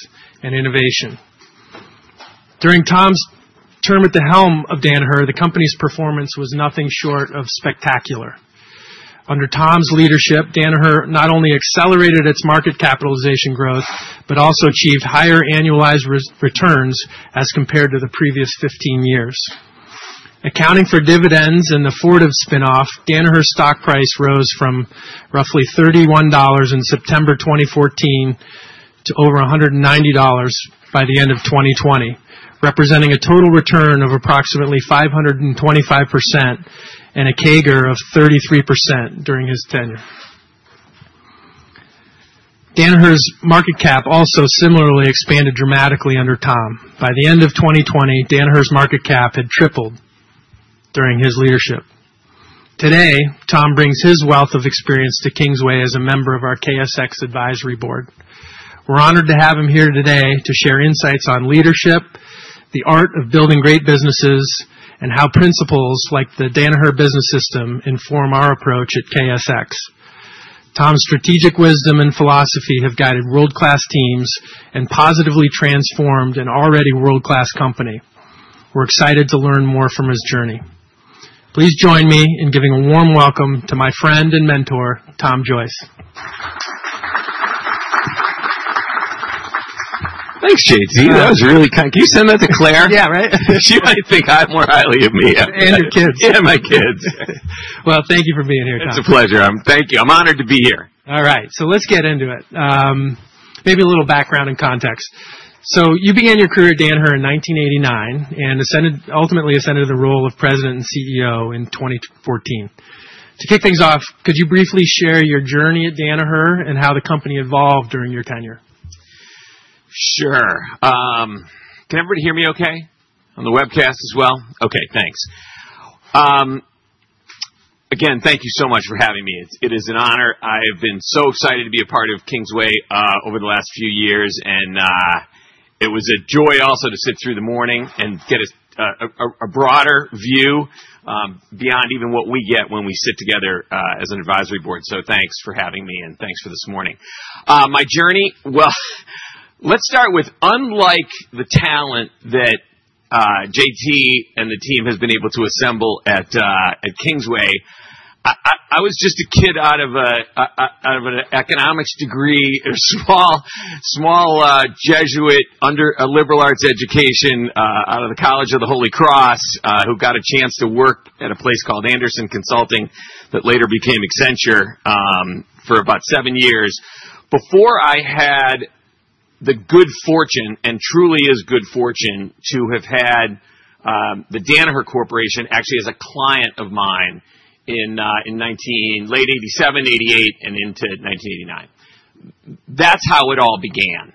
and innovation. During Tom's term at the helm of Danaher, the company's performance was nothing short of spectacular. Under Tom's leadership, Danaher not only accelerated its market capitalization growth but also achieved higher annualized returns as compared to the previous 15 years. Accounting for dividends and the Fortive spinoff, Danaher's stock price rose from roughly $31 in September 2014 to over $190 by the end of 2020, representing a total return of approximately 525% and a CAGR of 33% during his tenure. Danaher's market cap also similarly expanded dramatically under Tom. By the end of 2020, Danaher's market cap had tripled during his leadership. Today, Tom brings his wealth of experience to Kingsway as a member of our KSX Advisory Board. We're honored to have him here today to share insights on leadership, the art of building great businesses, and how principles like the Danaher Business System inform our approach at KSX. Tom's strategic wisdom and philosophy have guided world-class teams and positively transformed an already world-class company. We're excited to learn more from his journey. Please join me in giving a warm welcome to my friend and mentor, Tom Joyce. Thanks, J.T. That was really kind. Can you send that to Claire? Yeah, right. She might think more highly of me. Your kids. My kids. Thank you for being here, Tom. It's a pleasure. Thank you. I'm honored to be here. All right. Let's get into it. Maybe a little background and context. You began your career at Danaher in 1989 and ultimately ascended to the role of President and CEO in 2014. To kick things off, could you briefly share your journey at Danaher and how the company evolved during your tenure? Sure. Can everybody hear me okay? On the webcast as well? Okay. Thanks. Again, thank you so much for having me. It is an honor. I have been so excited to be a part of Kingsway over the last few years. It was a joy also to sit through the morning and get a broader view beyond even what we get when we sit together as an advisory board. Thanks for having me, and thanks for this morning. My journey? Let's start with, unlike the talent that J.T. and the team have been able to assemble at Kingsway, I was just a kid out of an economics degree or small Jesuit liberal arts education out of the College of the Holy Cross who got a chance to work at a place called Andersen Consulting that later became Accenture for about seven years before I had the good fortune and truly is good fortune to have had the Danaher Corporation actually as a client of mine in late 1987, 1988, and into 1989. That's how it all began.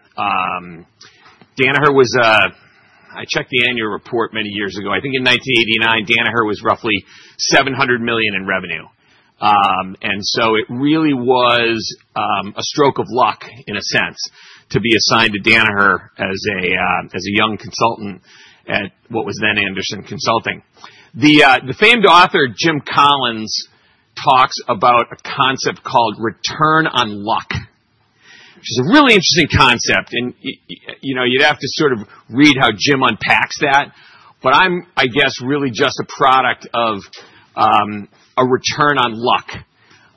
Danaher was a—I checked the annual report many years ago. I think in 1989, Danaher was roughly $700 million in revenue. It really was a stroke of luck in a sense to be assigned to Danaher as a young consultant at what was then Andersen Consulting. The famed author, Jim Collins, talks about a concept called return on luck, which is a really interesting concept. You'd have to sort of read how Jim unpacks that. I'm, I guess, really just a product of a return on luck.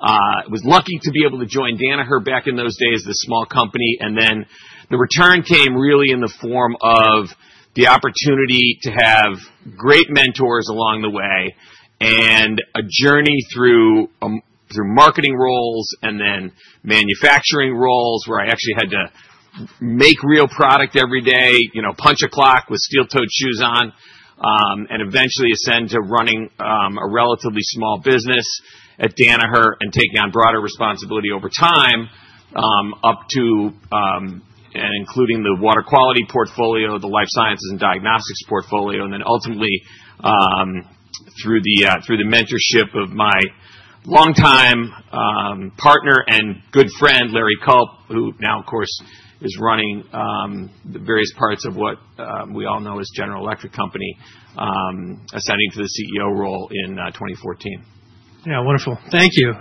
I was lucky to be able to join Danaher back in those days, the small company. The return came really in the form of the opportunity to have great mentors along the way and a journey through marketing roles and then manufacturing roles where I actually had to make real product every day, punch a clock with steel-toed shoes on, and eventually ascend to running a relatively small business at Danaher and taking on broader responsibility over time up to and including the water quality portfolio, the life sciences and diagnostics portfolio, and then ultimately through the mentorship of my longtime partner and good friend, Larry Culp, who now, of course, is running the various parts of what we all know as General Electric Company, ascending to the CEO role in 2014. Yeah. Wonderful. Thank you.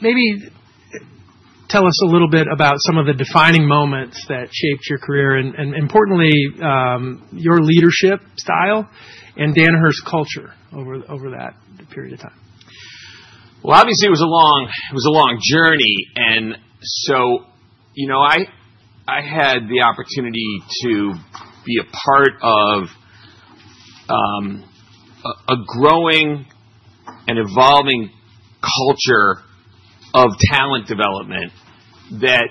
Maybe tell us a little bit about some of the defining moments that shaped your career and, importantly, your leadership style and Danaher's culture over that period of time. Obviously, it was a long journey. I had the opportunity to be a part of a growing and evolving culture of talent development that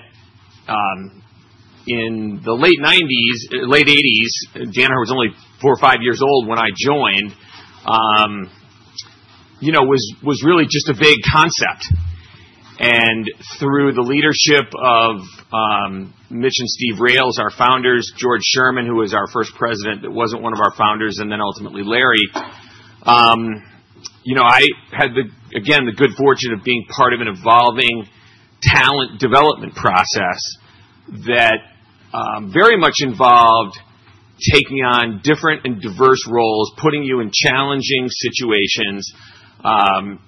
in the late 1990s, late 1980s—Danaher was only four or five years old when I joined—was really just a vague concept. Through the leadership of Mitch and Steve Rales, our founders, George Sherman, who was our first president that was not one of our founders, and then ultimately Larry, I had, again, the good fortune of being part of an evolving talent development process that very much involved taking on different and diverse roles, putting you in challenging situations,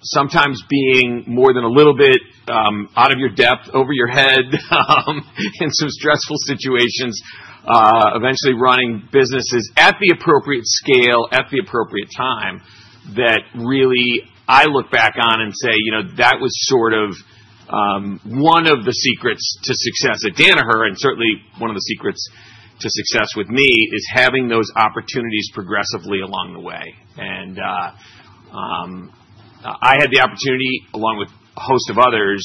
sometimes being more than a little bit out of your depth, over your head in some stressful situations, eventually running businesses at the appropriate scale at the appropriate time that really I look back on and say, "That was sort of one of the secrets to success at Danaher," and certainly one of the secrets to success with me is having those opportunities progressively along the way. I had the opportunity, along with a host of others,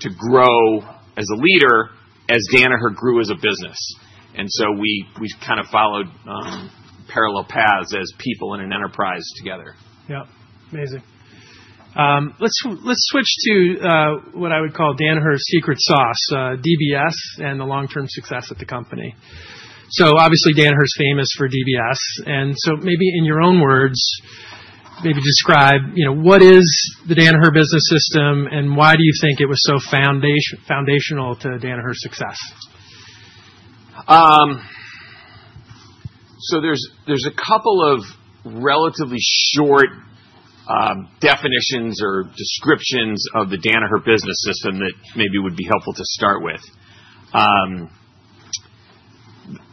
to grow as a leader as Danaher grew as a business. We kind of followed parallel paths as people in an enterprise together. Yep. Amazing. Let's switch to what I would call Danaher's secret sauce, DBS, and the long-term success at the company. Obviously, Danaher is famous for DBS. Maybe in your own words, maybe describe what is the Danaher Business System and why do you think it was so foundational to Danaher's success? There are a couple of relatively short definitions or descriptions of the Danaher Business System that maybe would be helpful to start with.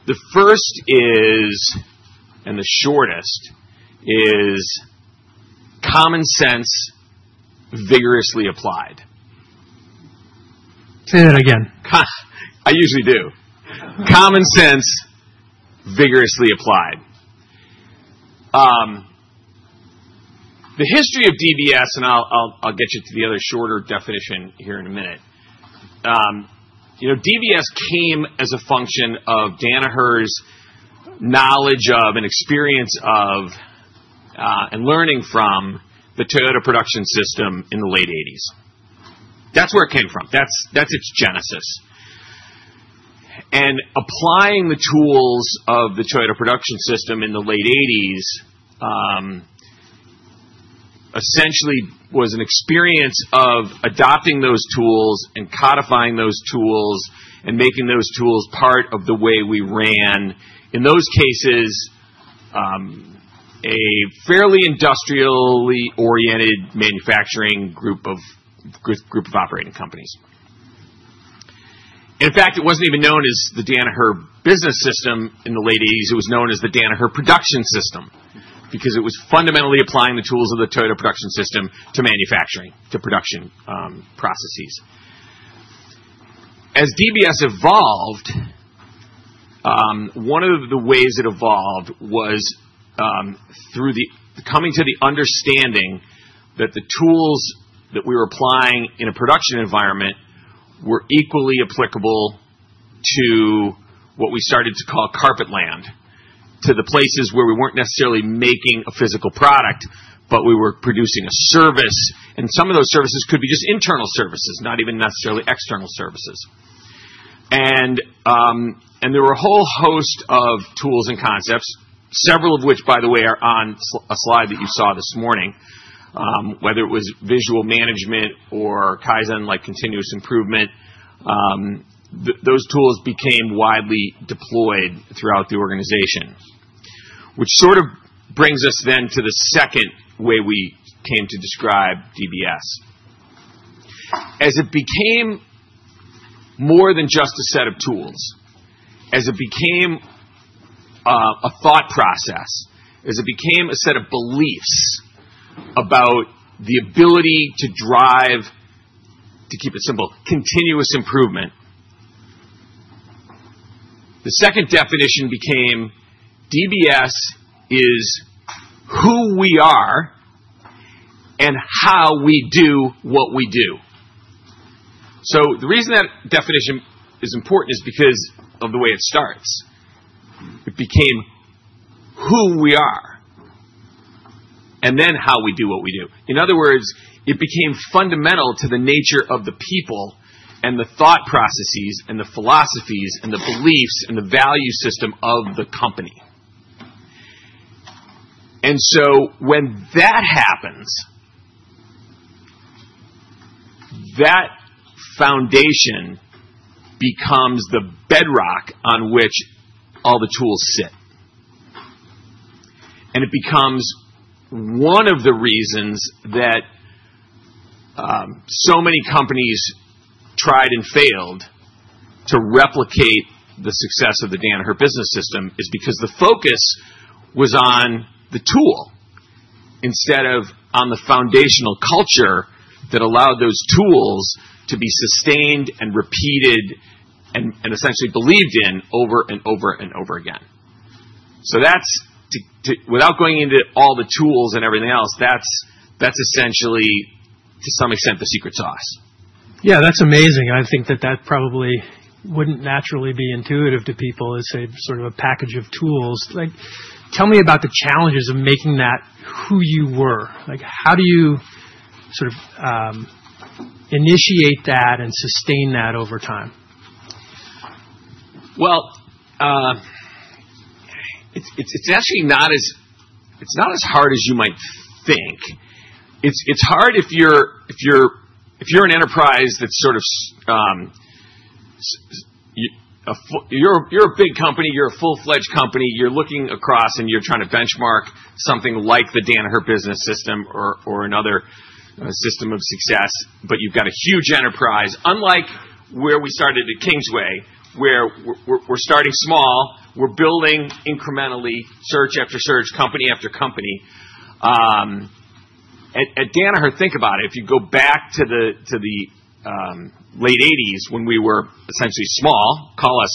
The first is, and the shortest, is common sense vigorously applied. Say that again. I usually do. Common sense vigorously applied. The history of DBS, and I'll get you to the other shorter definition here in a minute. DBS came as a function of Danaher's knowledge of and experience of and learning from the Toyota production system in the late 1980s. That's where it came from. That's its genesis. Applying the tools of the Toyota production system in the late 1980s essentially was an experience of adopting those tools and codifying those tools and making those tools part of the way we ran, in those cases, a fairly industrially oriented manufacturing group of operating companies. In fact, it wasn't even known as the Danaher Business System in the late 1980s. It was known as the Danaher Production System because it was fundamentally applying the tools of the Toyota production system to manufacturing, to production processes. As DBS evolved, one of the ways it evolved was through coming to the understanding that the tools that we were applying in a production environment were equally applicable to what we started to call carpet land, to the places where we were not necessarily making a physical product, but we were producing a service. Some of those services could be just internal services, not even necessarily external services. There were a whole host of tools and concepts, several of which, by the way, are on a slide that you saw this morning, whether it was visual management or Kaizen-like continuous improvement. Those tools became widely deployed throughout the organization, which sort of brings us then to the second way we came to describe DBS. As it became more than just a set of tools, as it became a thought process, as it became a set of beliefs about the ability to drive, to keep it simple, continuous improvement, the second definition became DBS is who we are and how we do what we do. The reason that definition is important is because of the way it starts. It became who we are and then how we do what we do. In other words, it became fundamental to the nature of the people and the thought processes and the philosophies and the beliefs and the value system of the company. When that happens, that foundation becomes the bedrock on which all the tools sit. It becomes one of the reasons that so many companies tried and failed to replicate the success of the Danaher Business System is because the focus was on the tool instead of on the foundational culture that allowed those tools to be sustained and repeated and essentially believed in over and over and over again. Without going into all the tools and everything else, that's essentially, to some extent, the secret sauce. Yeah. That's amazing. I think that that probably wouldn't naturally be intuitive to people as sort of a package of tools. Tell me about the challenges of making that who you were. How do you sort of initiate that and sustain that over time? It's actually not as hard as you might think. It's hard if you're an enterprise that's sort of you're a big company. You're a full-fledged company. You're looking across, and you're trying to benchmark something like the Danaher Business System or another system of success, but you've got a huge enterprise. Unlike where we started at Kingsway, where we're starting small, we're building incrementally, search after search, company after company. At Danaher, think about it. If you go back to the late 1980s when we were essentially small, call us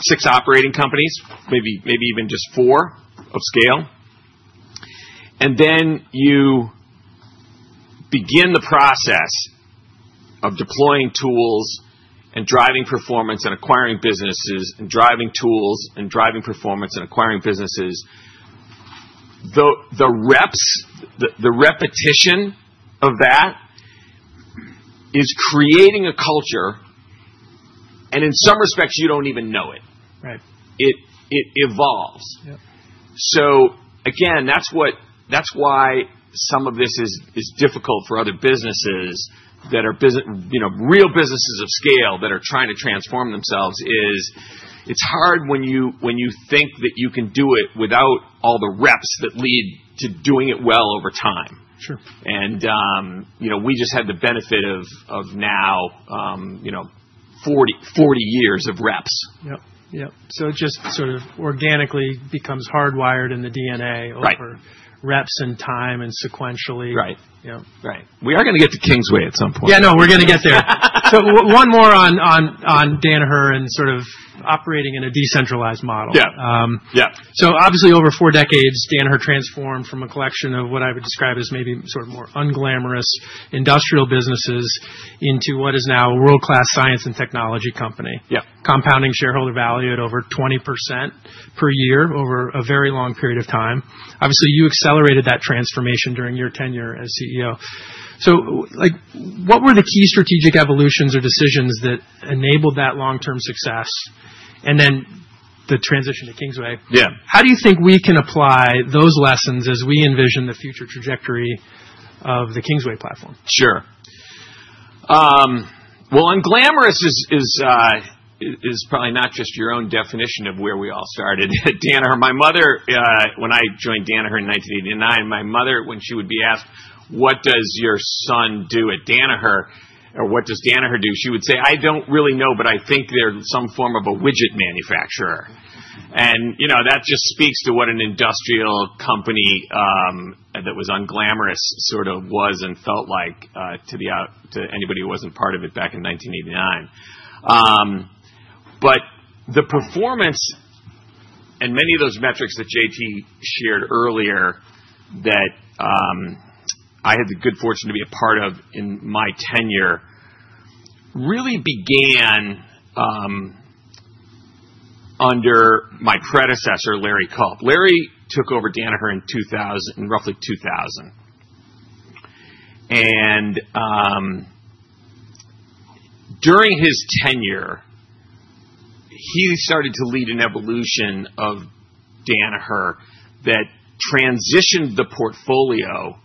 six operating companies, maybe even just four of scale, and then you begin the process of deploying tools and driving performance and acquiring businesses and driving tools and driving performance and acquiring businesses, the repetition of that is creating a culture. In some respects, you don't even know it. It evolves. Again, that's why some of this is difficult for other businesses that are real businesses of scale that are trying to transform themselves. It's hard when you think that you can do it without all the reps that lead to doing it well over time. We just had the benefit of now 40 years of reps. Yep. Yep. It just sort of organically becomes hardwired in the DNA over reps and time and sequentially. Right. Right. We are going to get to Kingsway at some point. Yeah. No. We're going to get there. One more on Danaher and sort of operating in a decentralized model. Obviously, over four decades, Danaher transformed from a collection of what I would describe as maybe sort of more unglamorous industrial businesses into what is now a world-class science and technology company, compounding shareholder value at over 20% per year over a very long period of time. Obviously, you accelerated that transformation during your tenure as CEO. What were the key strategic evolutions or decisions that enabled that long-term success and then the transition to Kingsway? Yeah. How do you think we can apply those lessons as we envision the future trajectory of the Kingsway platform? Sure. Unglamorous is probably not just your own definition of where we all started at Danaher. When I joined Danaher in 1989, my mother, when she would be asked, "What does your son do at Danaher?" or, "What does Danaher do?" she would say, "I don't really know, but I think they're some form of a widget manufacturer." That just speaks to what an industrial company that was unglamorous sort of was and felt like to anybody who wasn't part of it back in 1989. The performance and many of those metrics that J.T. shared earlier that I had the good fortune to be a part of in my tenure really began under my predecessor, Larry Culp. Larry took over Danaher in roughly 2000. During his tenure, he started to lead an evolution of Danaher that transitioned the portfolio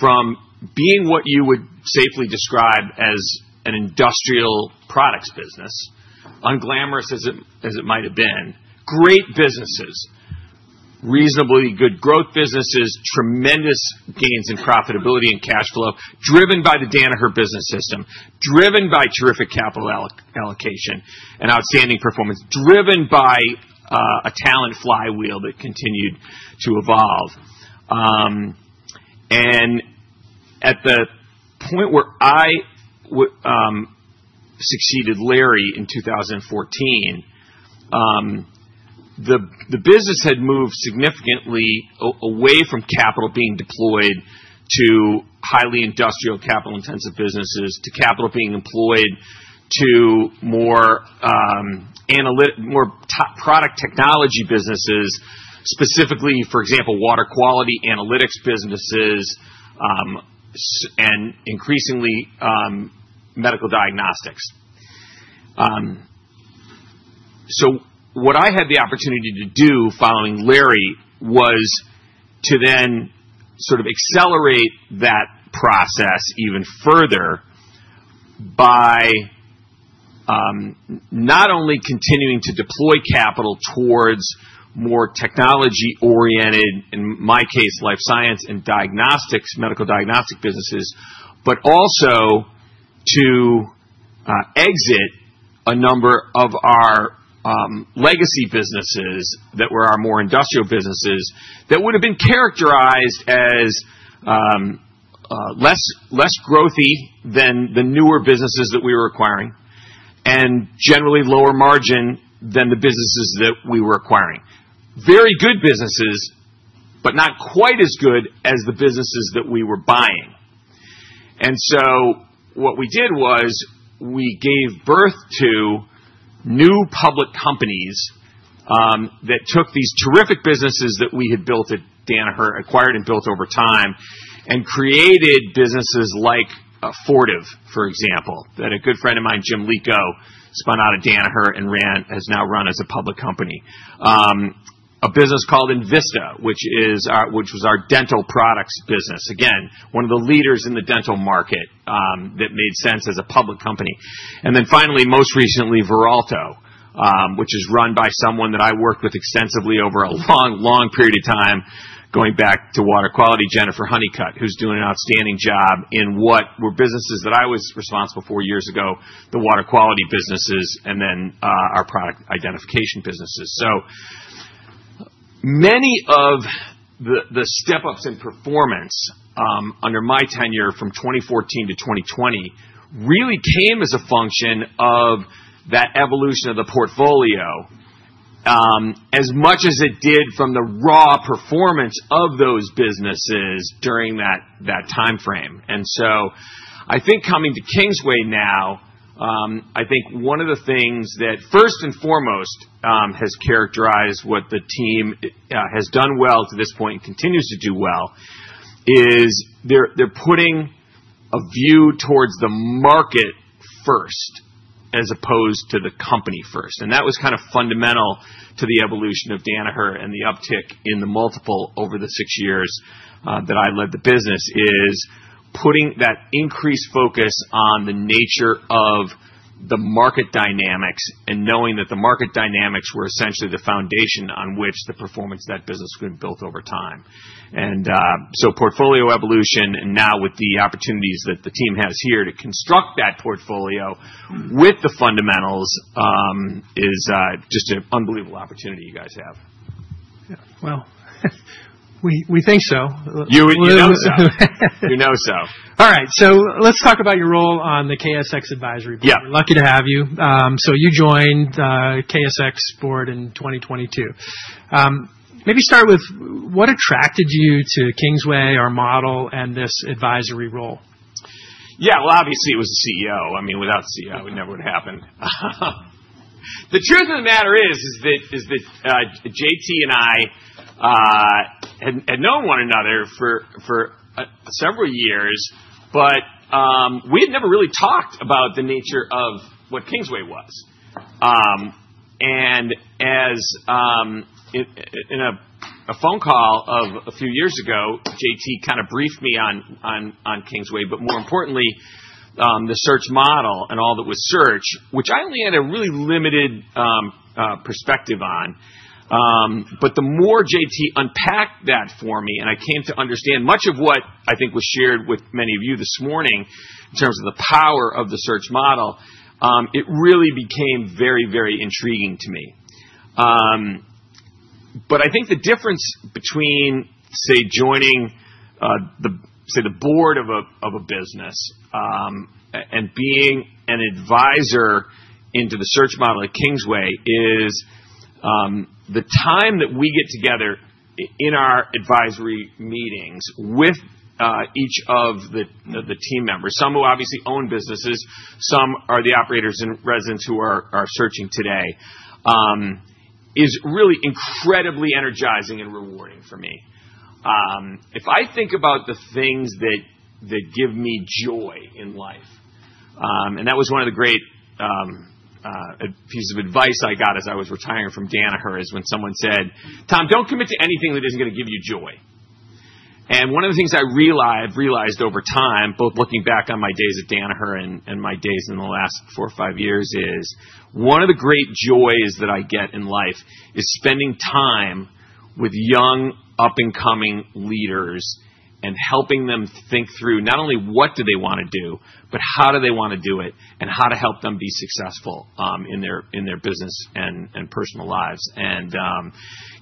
from being what you would safely describe as an industrial products business, unglamorous as it might have been, great businesses, reasonably good growth businesses, tremendous gains in profitability and cash flow, driven by the Danaher Business System, driven by terrific capital allocation and outstanding performance, driven by a talent flywheel that continued to evolve. At the point where I succeeded Larry in 2014, the business had moved significantly away from capital being deployed to highly industrial, capital-intensive businesses to capital being employed to more product technology businesses, specifically, for example, water quality analytics businesses and increasingly medical diagnostics. What I had the opportunity to do following Larry was to then sort of accelerate that process even further by not only continuing to deploy capital towards more technology-oriented, in my case, life science and diagnostics, medical diagnostic businesses, but also to exit a number of our legacy businesses that were our more industrial businesses that would have been characterized as less growthy than the newer businesses that we were acquiring and generally lower margin than the businesses that we were acquiring. Very good businesses, but not quite as good as the businesses that we were buying. What we did was we gave birth to new public companies that took these terrific businesses that we had built at Danaher, acquired and built over time, and created businesses like Fortive, for example, that a good friend of mine, Jim Lico, spun out of Danaher and has now run as a public company. A business called Envista, which was our dental products business. Again, one of the leaders in the dental market that made sense as a public company. Finally, most recently, Veralto, which is run by someone that I worked with extensively over a long, long period of time going back to water quality, Jennifer Honeycutt, who's doing an outstanding job in what were businesses that I was responsible for years ago, the water quality businesses and then our product identification businesses. Many of the step-ups in performance under my tenure from 2014 to 2020 really came as a function of that evolution of the portfolio as much as it did from the raw performance of those businesses during that time frame. I think coming to Kingsway now, I think one of the things that first and foremost has characterized what the team has done well to this point and continues to do well is they're putting a view towards the market first as opposed to the company first. That was kind of fundamental to the evolution of Danaher and the uptick in the multiple over the six years that I led the business, putting that increased focus on the nature of the market dynamics and knowing that the market dynamics were essentially the foundation on which the performance of that business has been built over time. Portfolio evolution and now with the opportunities that the team has here to construct that portfolio with the fundamentals is just an unbelievable opportunity you guys have. Yeah. We think so. You know so. All right. So let's talk about your role on the KSX Advisory Board. We're lucky to have you. You joined KSX board in 2022. Maybe start with what attracted you to Kingsway, our model, and this advisory role? Yeah. Obviously, it was the CEO. I mean, without the CEO, it never would have happened. The truth of the matter is that J.T. and I had known one another for several years, but we had never really talked about the nature of what Kingsway was. In a phone call a few years ago, J.T. kind of briefed me on Kingsway, but more importantly, the search model and all that was search, which I only had a really limited perspective on. The more J.T. unpacked that for me and I came to understand much of what I think was shared with many of you this morning in terms of the power of the search model, it really became very, very intriguing to me. I think the difference between, say, joining the board of a business and being an advisor into the search model at Kingsway is the time that we get together in our advisory meetings with each of the team members, some who obviously own businesses, some are the operators in residence who are searching today, is really incredibly energizing and rewarding for me. If I think about the things that give me joy in life and that was one of the great pieces of advice I got as I was retiring from Danaher is when someone said, "Tom, don't commit to anything that isn't going to give you joy." One of the things I've realized over time, both looking back on my days at Danaher and my days in the last four or five years, is one of the great joys that I get in life is spending time with young up-and-coming leaders and helping them think through not only what do they want to do, but how do they want to do it and how to help them be successful in their business and personal lives.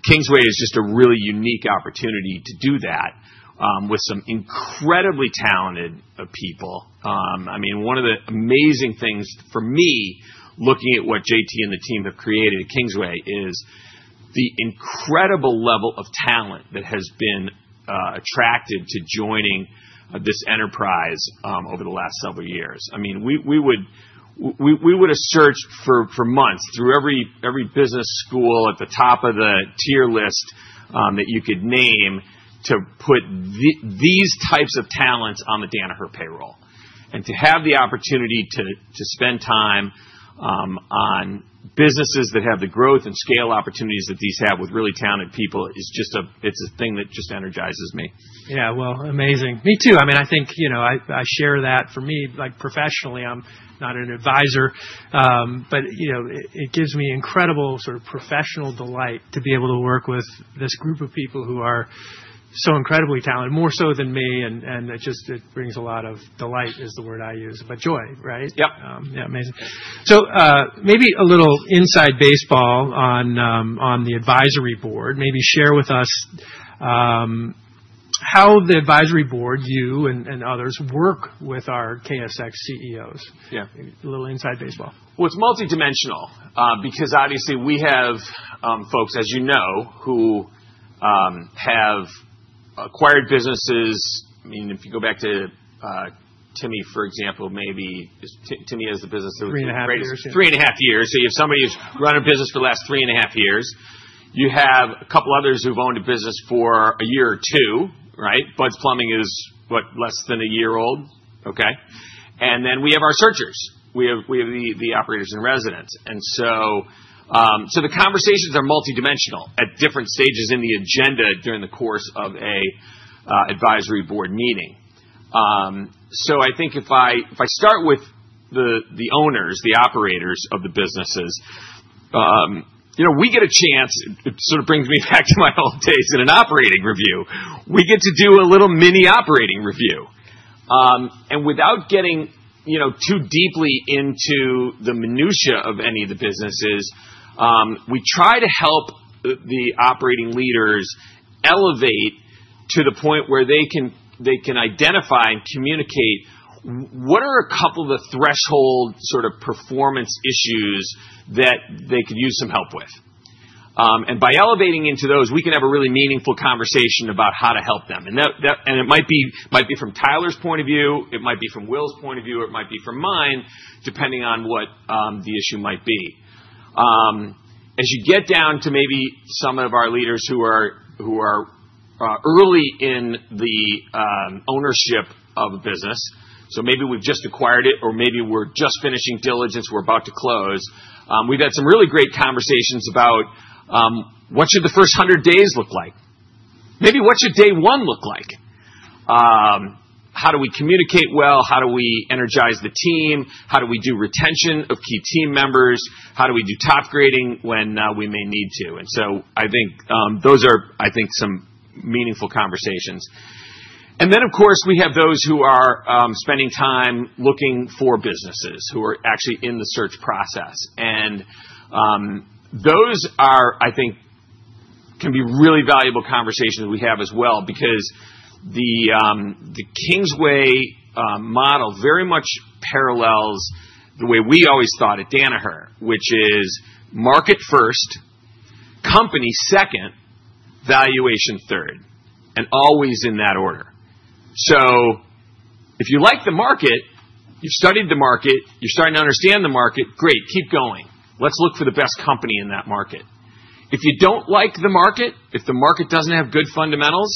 Kingsway is just a really unique opportunity to do that with some incredibly talented people. I mean, one of the amazing things for me, looking at what J.T. and the team have created at Kingsway, is the incredible level of talent that has been attracted to joining this enterprise over the last several years. I mean, we would have searched for months through every business school at the top of the tier list that you could name to put these types of talents on the Danaher payroll. And to have the opportunity to spend time on businesses that have the growth and scale opportunities that these have with really talented people, it's a thing that just energizes me. Yeah. Amazing. Me too. I mean, I think I share that. For me, professionally, I'm not an advisor, but it gives me incredible sort of professional delight to be able to work with this group of people who are so incredibly talented, more so than me. It brings a lot of delight, is the word I use, but joy, right? Yep. Yeah. Amazing. Maybe a little inside baseball on the advisory board. Maybe share with us how the advisory board, you and others, work with our KSX CEOs. Yeah. A little inside baseball. It's multidimensional because obviously, we have folks, as you know, who have acquired businesses. I mean, if you go back to Timmy, for example, maybe Timmy has the business that was greater. Three and a half years. Three and a half years. You have somebody who's run a business for the last three and a half years. You have a couple others who've owned a business for a year or two, right? Buds Plumbing is, what, less than a year old? Okay. We have our searchers. We have the operators in residence. The conversations are multidimensional at different stages in the agenda during the course of an advisory board meeting. I think if I start with the owners, the operators of the businesses, we get a chance—it sort of brings me back to my old days in an operating review—we get to do a little mini operating review. Without getting too deeply into the minutiae of any of the businesses, we try to help the operating leaders elevate to the point where they can identify and communicate what are a couple of the threshold sort of performance issues that they could use some help with. By elevating into those, we can have a really meaningful conversation about how to help them. It might be from Tyler's point of view. It might be from Will's point of view. It might be from mine, depending on what the issue might be. As you get down to maybe some of our leaders who are early in the ownership of a business, so maybe we've just acquired it or maybe we're just finishing diligence, we're about to close, we've had some really great conversations about what should the first 100 days look like? Maybe what should day one look like? How do we communicate well? How do we energize the team? How do we do retention of key team members? How do we do top grading when we may need to? I think those are, I think, some meaningful conversations. Of course, we have those who are spending time looking for businesses who are actually in the search process. Those are, I think, can be really valuable conversations we have as well because the Kingsway model very much parallels the way we always thought at Danaher, which is market first, company second, valuation third, and always in that order. If you like the market, you've studied the market, you're starting to understand the market, great, keep going. Let's look for the best company in that market. If you do not like the market, if the market does not have good fundamentals,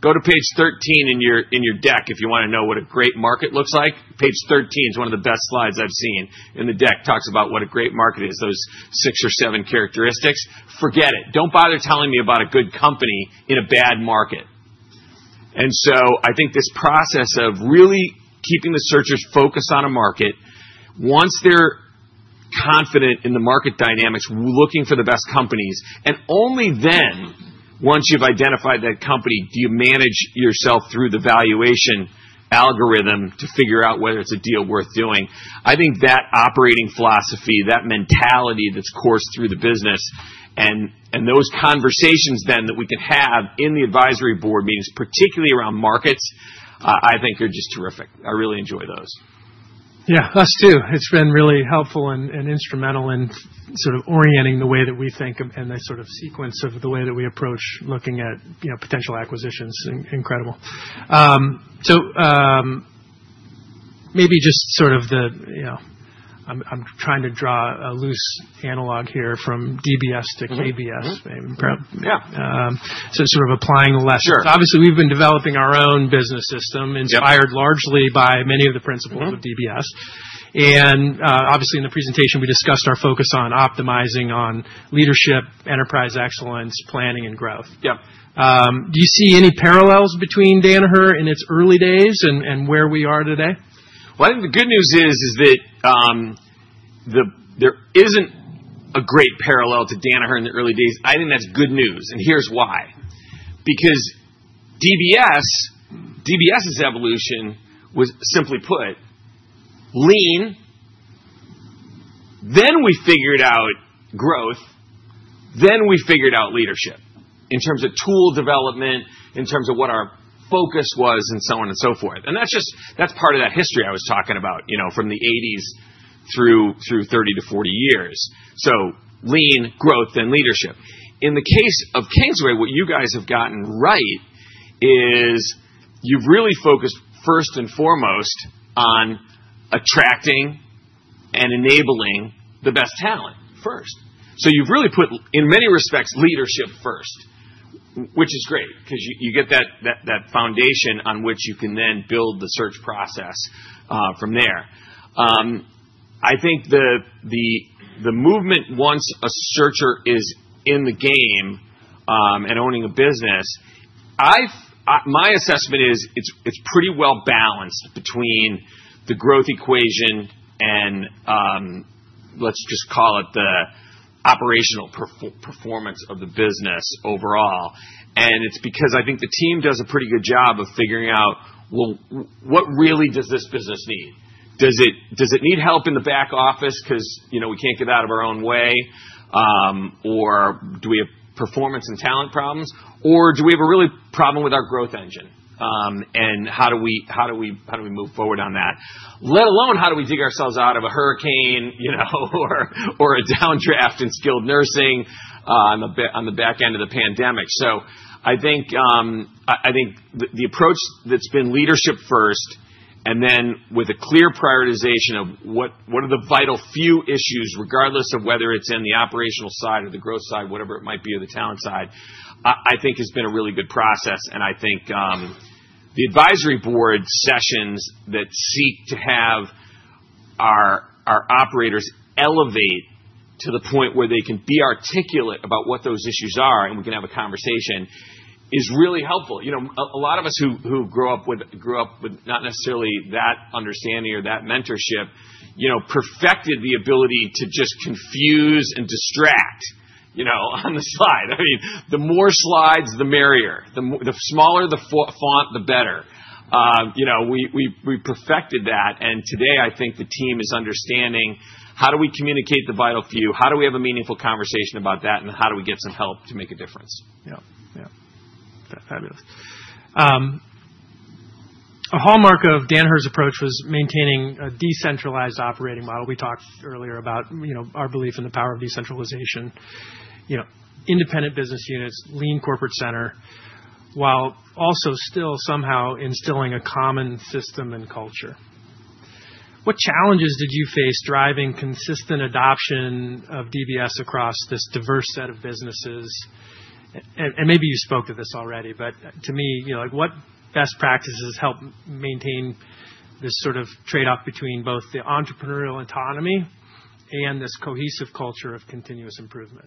go to page 13 in your deck if you want to know what a great market looks like. Page 13 is one of the best slides I have seen in the deck. It talks about what a great market is, those six or seven characteristics. Forget it. Do not bother telling me about a good company in a bad market. I think this process of really keeping the searchers focused on a market, once they are confident in the market dynamics, looking for the best companies, and only then, once you have identified that company, do you manage yourself through the valuation algorithm to figure out whether it is a deal worth doing. I think that operating philosophy, that mentality that's coursed through the business, and those conversations then that we can have in the advisory board meetings, particularly around markets, I think are just terrific. I really enjoy those. Yeah. Us too. It's been really helpful and instrumental in sort of orienting the way that we think and the sort of sequence of the way that we approach looking at potential acquisitions. Incredible. Maybe just sort of the—I'm trying to draw a loose analog here from DBS to KBS. Yeah. Sort of applying less. Sure. Obviously, we've been developing our own business system inspired largely by many of the principles of DBS. Obviously, in the presentation, we discussed our focus on optimizing on leadership, enterprise excellence, planning, and growth. Yep. Do you see any parallels between Danaher in its early days and where we are today? I think the good news is that there isn't a great parallel to Danaher in the early days. I think that's good news. Here's why. Because DBS's evolution, simply put, lean, then we figured out growth, then we figured out leadership in terms of tool development, in terms of what our focus was, and so on and so forth. That's part of that history I was talking about from the 1980s through 30-40 years. So lean, growth, then leadership. In the case of Kingsway, what you guys have gotten right is you've really focused first and foremost on attracting and enabling the best talent first. You've really put, in many respects, leadership first, which is great because you get that foundation on which you can then build the search process from there. I think the movement, once a searcher is in the game and owning a business, my assessment is it's pretty well balanced between the growth equation and, let's just call it, the operational performance of the business overall. It's because I think the team does a pretty good job of figuring out, well, what really does this business need? Does it need help in the back office because we can't get out of our own way? Or do we have performance and talent problems? Or do we have a real problem with our growth engine? How do we move forward on that? Let alone how do we dig ourselves out of a hurricane or a downdraft in skilled nursing on the back end of the pandemic. I think the approach that's been leadership first and then with a clear prioritization of what are the vital few issues, regardless of whether it's in the operational side or the growth side, whatever it might be, or the talent side, I think has been a really good process. I think the advisory board sessions that seek to have our operators elevate to the point where they can be articulate about what those issues are and we can have a conversation is really helpful. A lot of us who grew up with not necessarily that understanding or that mentorship perfected the ability to just confuse and distract on the slide. I mean, the more slides, the merrier. The smaller the font, the better. We perfected that. Today, I think the team is understanding how do we communicate the vital few, how do we have a meaningful conversation about that, and how do we get some help to make a difference. Yeah. Yeah. Fabulous. A hallmark of Danaher's approach was maintaining a decentralized operating model. We talked earlier about our belief in the power of decentralization, independent business units, lean corporate center, while also still somehow instilling a common system and culture. What challenges did you face driving consistent adoption of DBS across this diverse set of businesses? And maybe you spoke to this already, but to me, what best practices help maintain this sort of trade-off between both the entrepreneurial autonomy and this cohesive culture of continuous improvement?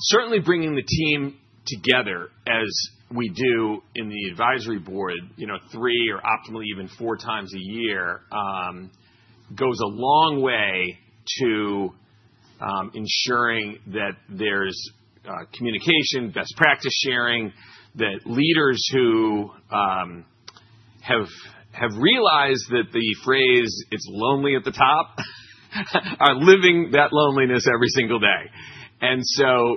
Certainly bringing the team together, as we do in the advisory board, three or optimally even four times a year goes a long way to ensuring that there's communication, best practice sharing, that leaders who have realized that the phrase is lonely at the top are living that loneliness every single day.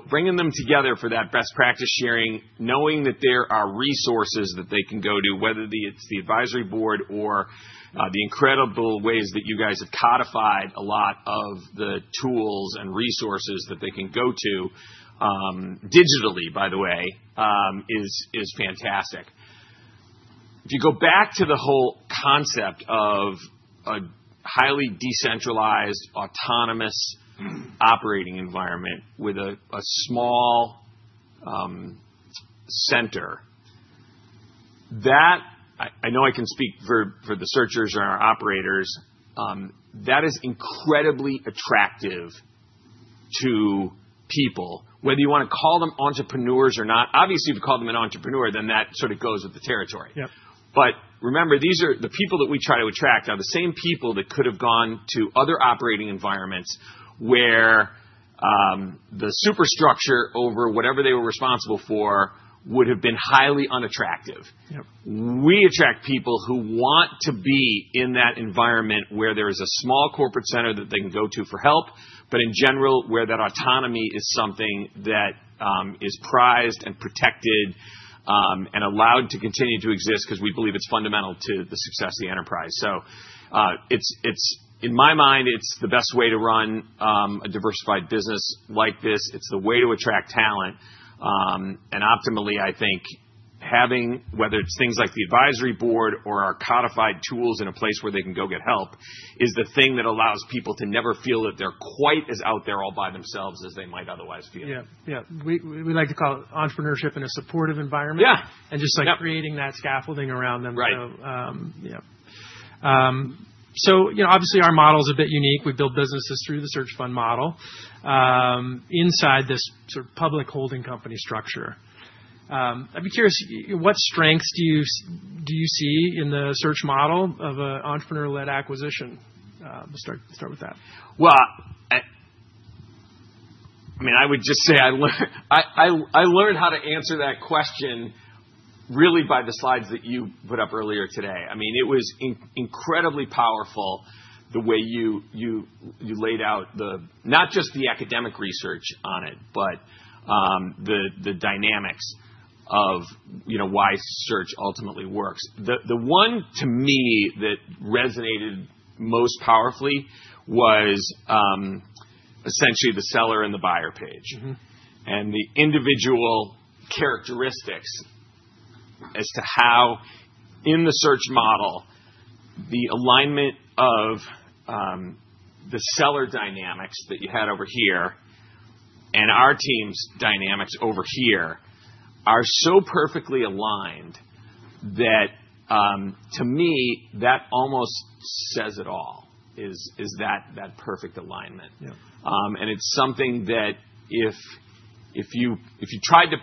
Bringing them together for that best practice sharing, knowing that there are resources that they can go to, whether it's the advisory board or the incredible ways that you guys have codified a lot of the tools and resources that they can go to digitally, by the way, is fantastic. If you go back to the whole concept of a highly decentralized, autonomous operating environment with a small center, that I know I can speak for the searchers or our operators. That is incredibly attractive to people, whether you want to call them entrepreneurs or not. Obviously, if you call them an entrepreneur, then that sort of goes with the territory. Remember, the people that we try to attract are the same people that could have gone to other operating environments where the superstructure over whatever they were responsible for would have been highly unattractive. We attract people who want to be in that environment where there is a small corporate center that they can go to for help, but in general, where that autonomy is something that is prized and protected and allowed to continue to exist because we believe it is fundamental to the success of the enterprise. In my mind, it is the best way to run a diversified business like this. It is the way to attract talent. Optimally, I think having, whether it's things like the advisory board or our codified tools in a place where they can go get help, is the thing that allows people to never feel that they're quite as out there all by themselves as they might otherwise feel. Yeah. Yeah. We like to call it entrepreneurship in a supportive environment. Yeah. Just creating that scaffolding around them. Right. Yeah. Obviously, our model is a bit unique. We build businesses through the search fund model inside this sort of public holding company structure. I'd be curious, what strengths do you see in the search model of an entrepreneur-led acquisition? We'll start with that. I mean, I would just say I learned how to answer that question really by the slides that you put up earlier today. I mean, it was incredibly powerful the way you laid out not just the academic research on it, but the dynamics of why search ultimately works. The one to me that resonated most powerfully was essentially the seller and the buyer page and the individual characteristics as to how in the search model, the alignment of the seller dynamics that you had over here and our team's dynamics over here are so perfectly aligned that to me, that almost says it all, is that perfect alignment. It is something that if you tried to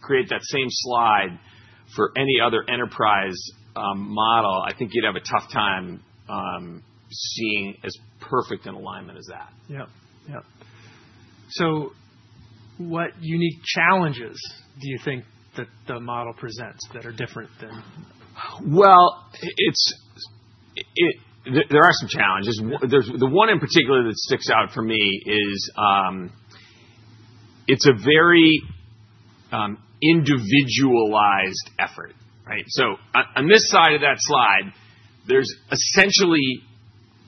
create that same slide for any other enterprise model, I think you'd have a tough time seeing as perfect an alignment as that. Yeah. Yeah. What unique challenges do you think that the model presents that are different than? There are some challenges. The one in particular that sticks out for me is it's a very individualized effort, right? On this side of that slide, there's essentially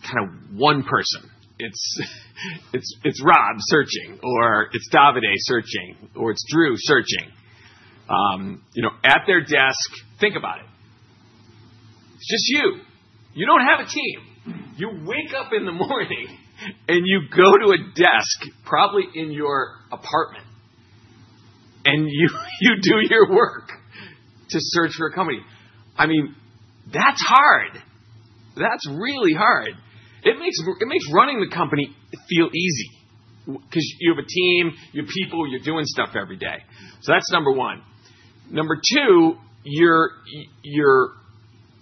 kind of one person. It's Rob searching, or it's Davide searching, or it's Drew searching. At their desk, think about it. It's just you. You don't have a team. You wake up in the morning and you go to a desk, probably in your apartment, and you do your work to search for a company. I mean, that's hard. That's really hard. It makes running the company feel easy because you have a team, you have people, you're doing stuff every day. That's number one. Number two, your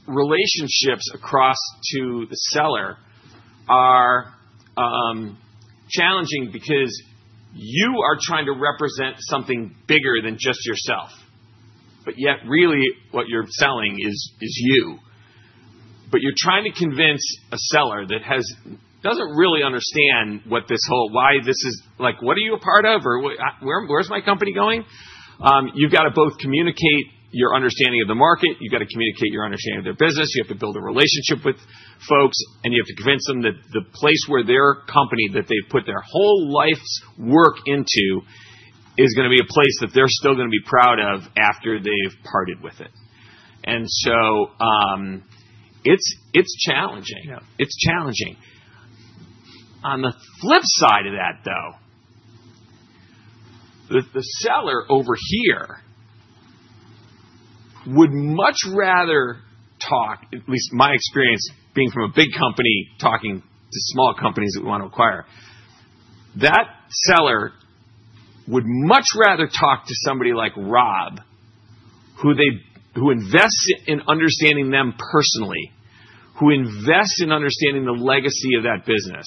relationships across to the seller are challenging because you are trying to represent something bigger than just yourself. Yet, really, what you're selling is you. You're trying to convince a seller that doesn't really understand why this is like, "What are you a part of? Or where's my company going?" You've got to both communicate your understanding of the market. You've got to communicate your understanding of their business. You have to build a relationship with folks. You have to convince them that the place where their company that they've put their whole life's work into is going to be a place that they're still going to be proud of after they've parted with it. It's challenging. It's challenging. On the flip side of that, though, the seller over here would much rather talk—at least my experience being from a big company talking to small companies that we want to acquire—that seller would much rather talk to somebody like Rob, who invests in understanding them personally, who invests in understanding the legacy of that business,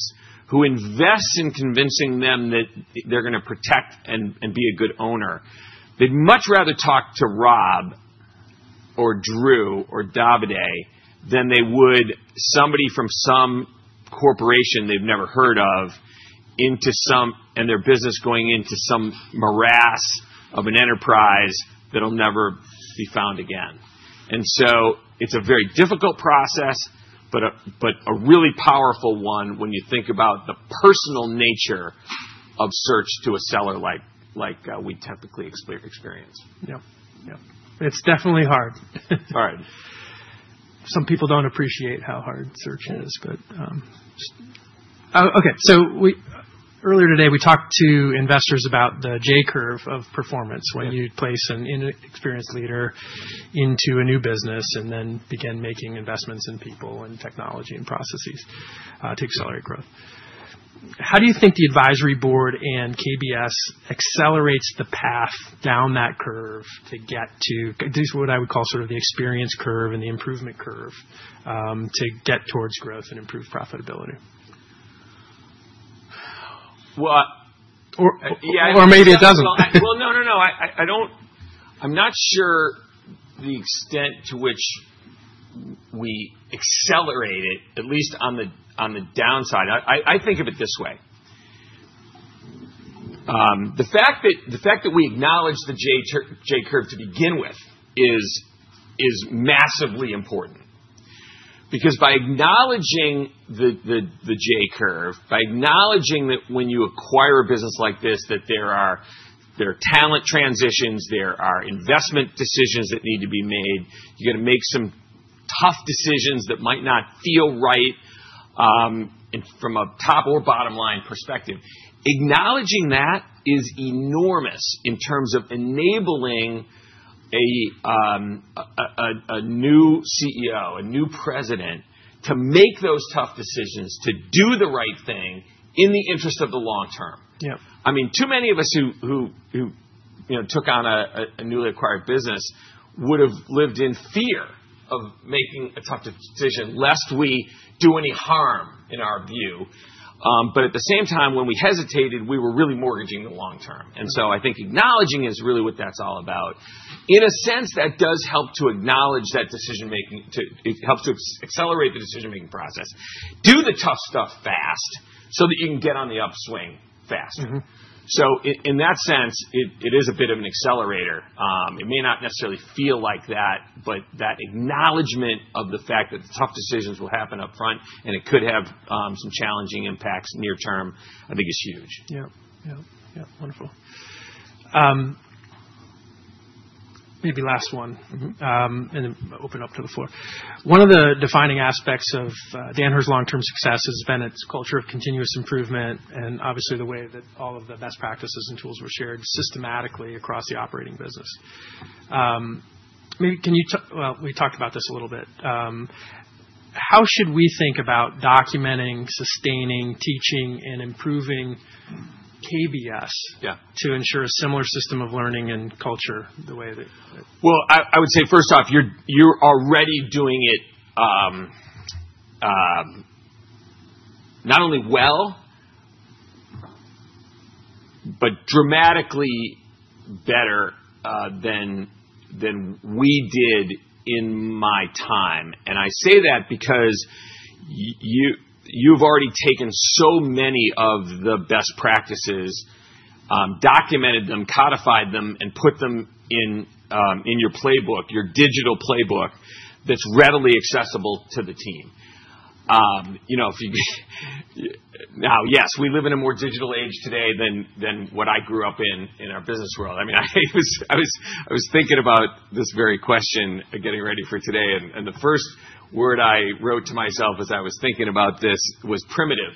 who invests in convincing them that they're going to protect and be a good owner. They'd much rather talk to Rob or Drew or Davide than they would somebody from some corporation they've never heard of and their business going into some morass of an enterprise that'll never be found again. It is a very difficult process, but a really powerful one when you think about the personal nature of search to a seller like we typically experience. Yeah. Yeah. It's definitely hard. All right. Some people don't appreciate how hard search is, but just—okay. Earlier today, we talked to investors about the J curve of performance when you'd place an inexperienced leader into a new business and then begin making investments in people and technology and processes to accelerate growth. How do you think the advisory board and KBS accelerates the path down that curve to get to—at least what I would call sort of the experience curve and the improvement curve—to get towards growth and improve profitability? Well, yeah. Or maybe it doesn't. No, no, no. I'm not sure the extent to which we accelerate it, at least on the downside. I think of it this way. The fact that we acknowledge the J-Curve to begin with is massively important because by acknowledging the J-Curve, by acknowledging that when you acquire a business like this, that there are talent transitions, there are investment decisions that need to be made, you're going to make some tough decisions that might not feel right from a top or bottom-line perspective. Acknowledging that is enormous in terms of enabling a new CEO, a new president, to make those tough decisions, to do the right thing in the interest of the long term. I mean, too many of us who took on a newly acquired business would have lived in fear of making a tough decision, lest we do any harm in our view. At the same time, when we hesitated, we were really mortgaging the long term. I think acknowledging is really what that's all about. In a sense, that does help to acknowledge that decision-making. It helps to accelerate the decision-making process. Do the tough stuff fast so that you can get on the upswing faster. In that sense, it is a bit of an accelerator. It may not necessarily feel like that, but that acknowledgment of the fact that the tough decisions will happen upfront and it could have some challenging impacts near term, I think, is huge. Yeah. Yeah. Yeah. Wonderful. Maybe last one and then open up to the floor. One of the defining aspects of Danaher's long-term success has been its culture of continuous improvement and obviously the way that all of the best practices and tools were shared systematically across the operating business. We talked about this a little bit. How should we think about documenting, sustaining, teaching, and improving KBS to ensure a similar system of learning and culture the way that? I would say, first off, you're already doing it not only well, but dramatically better than we did in my time. I say that because you've already taken so many of the best practices, documented them, codified them, and put them in your playbook, your digital playbook that's readily accessible to the team. Now, yes, we live in a more digital age today than what I grew up in, in our business world. I mean, I was thinking about this very question getting ready for today. The first word I wrote to myself as I was thinking about this was primitive.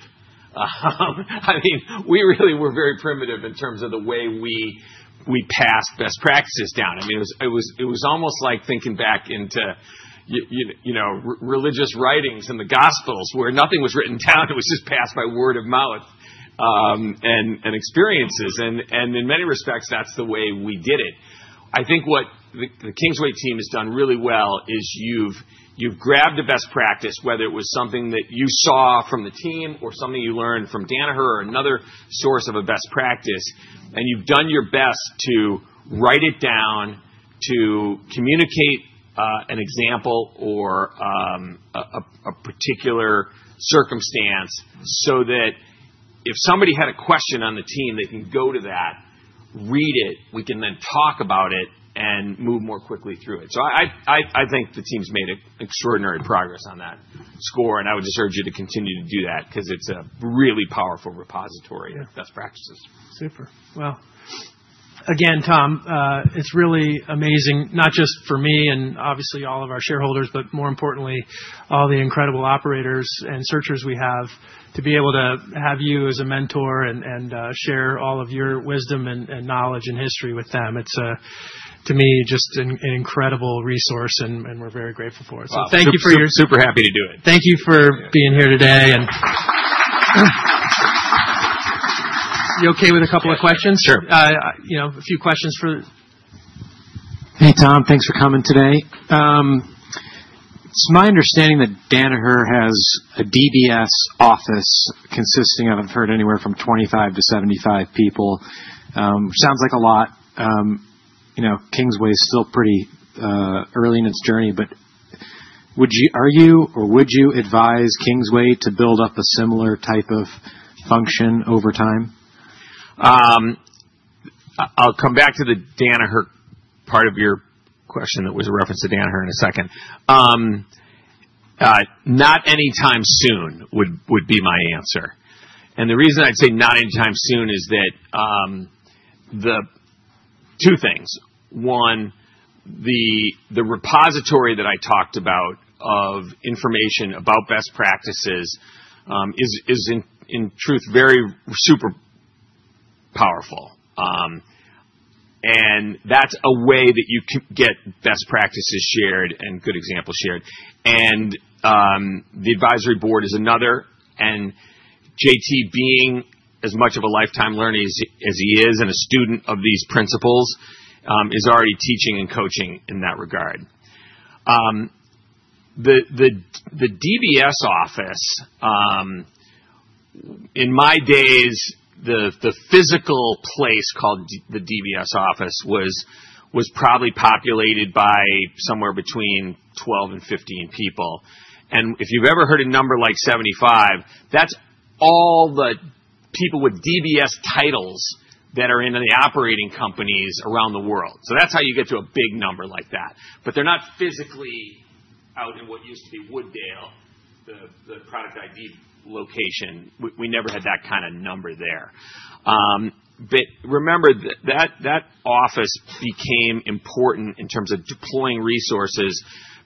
I mean, we really were very primitive in terms of the way we passed best practices down. I mean, it was almost like thinking back into religious writings and the Gospels where nothing was written down. It was just passed by word of mouth and experiences. In many respects, that's the way we did it. I think what the Kingsway team has done really well is you've grabbed a best practice, whether it was something that you saw from the team or something you learned from Danaher or another source of a best practice, and you've done your best to write it down, to communicate an example or a particular circumstance so that if somebody had a question on the team, they can go to that, read it, we can then talk about it and move more quickly through it. I think the team's made extraordinary progress on that score. I would just urge you to continue to do that because it's a really powerful repository of best practices. Super. Again, Tom, it's really amazing, not just for me and obviously all of our shareholders, but more importantly, all the incredible operators and searchers we have, to be able to have you as a mentor and share all of your wisdom and knowledge and history with them. It's, to me, just an incredible resource, and we're very grateful for it. Thank you for your. I'm super happy to do it. Thank you for being here today. Are you okay with a couple of questions? Sure. A few questions for. Hey, Tom. Thanks for coming today. It's my understanding that Danaher has a DBS office consisting of, I've heard, anywhere from 25 to 75 people, which sounds like a lot. Kingsway is still pretty early in its journey, but are you or would you advise Kingsway to build up a similar type of function over time? I'll come back to the Danaher part of your question. That was a reference to Danaher in a second. Not anytime soon would be my answer. The reason I'd say not anytime soon is two things. One, the repository that I talked about of information about best practices is, in truth, very super powerful. That's a way that you get best practices shared and good examples shared. The advisory board is another. JT, being as much of a lifetime learner as he is and a student of these principles, is already teaching and coaching in that regard. The DBS office, in my days, the physical place called the DBS office was probably populated by somewhere between 12 and 15 people. If you've ever heard a number like 75, that's all the people with DBS titles that are in the operating companies around the world. That's how you get to a big number like that. They're not physically out in what used to be Wooddale, the product ID location. We never had that kind of number there. Remember, that office became important in terms of deploying resources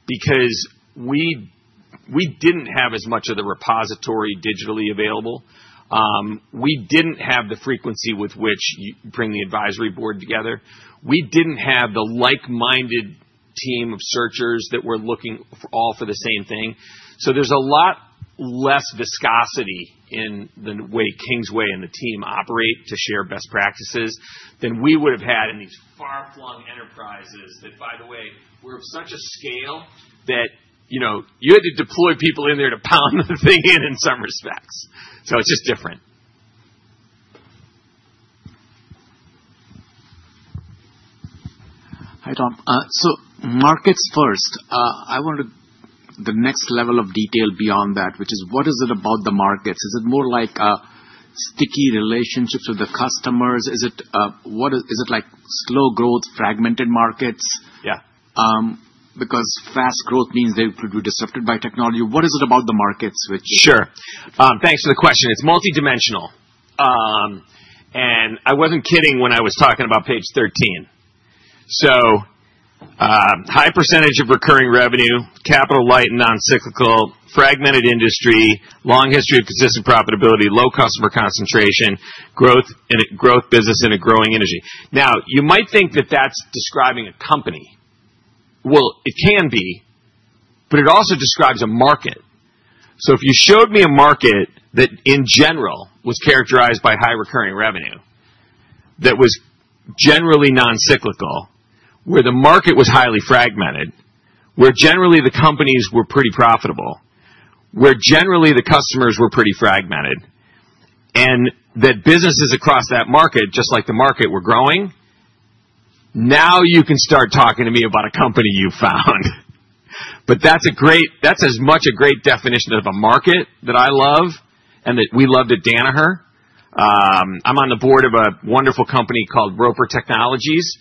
because we didn't have as much of the repository digitally available. We didn't have the frequency with which you bring the advisory board together. We didn't have the like-minded team of searchers that were looking all for the same thing. There's a lot less viscosity in the way Kingsway and the team operate to share best practices than we would have had in these far-flung enterprises that, by the way, were of such a scale that you had to deploy people in there to pound the thing in in some respects. It's just different. Hi, Tom. Markets first. I wanted the next level of detail beyond that, which is what is it about the markets? Is it more like sticky relationships with the customers? Is it like slow growth, fragmented markets? Yeah. Because fast growth means they could be disrupted by technology. What is it about the markets which? Sure. Thanks for the question. It's multidimensional. I wasn't kidding when I was talking about page 13. High percentage of recurring revenue, capital light and non-cyclical, fragmented industry, long history of consistent profitability, low customer concentration, growth business in a growing industry. You might think that that's describing a company. It can be, but it also describes a market. If you showed me a market that, in general, was characterized by high recurring revenue, that was generally non-cyclical, where the market was highly fragmented, where generally the companies were pretty profitable, where generally the customers were pretty fragmented, and that businesses across that market, just like the market, were growing, you can start talking to me about a company you found. That's as much a great definition of a market that I love and that we love at Danaher. I'm on the board of a wonderful company called Roper Technologies.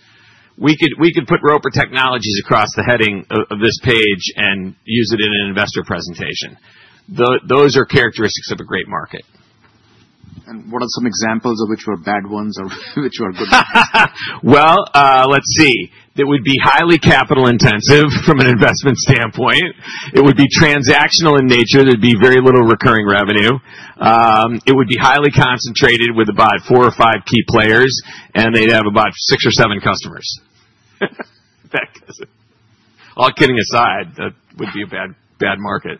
We could put Roper Technologies across the heading of this page and use it in an investor presentation. Those are characteristics of a great market. What are some examples of which were bad ones or which were good ones? Let's see. It would be highly capital-intensive from an investment standpoint. It would be transactional in nature. There'd be very little recurring revenue. It would be highly concentrated with about four or five key players, and they'd have about six or seven customers. All kidding aside, that would be a bad market.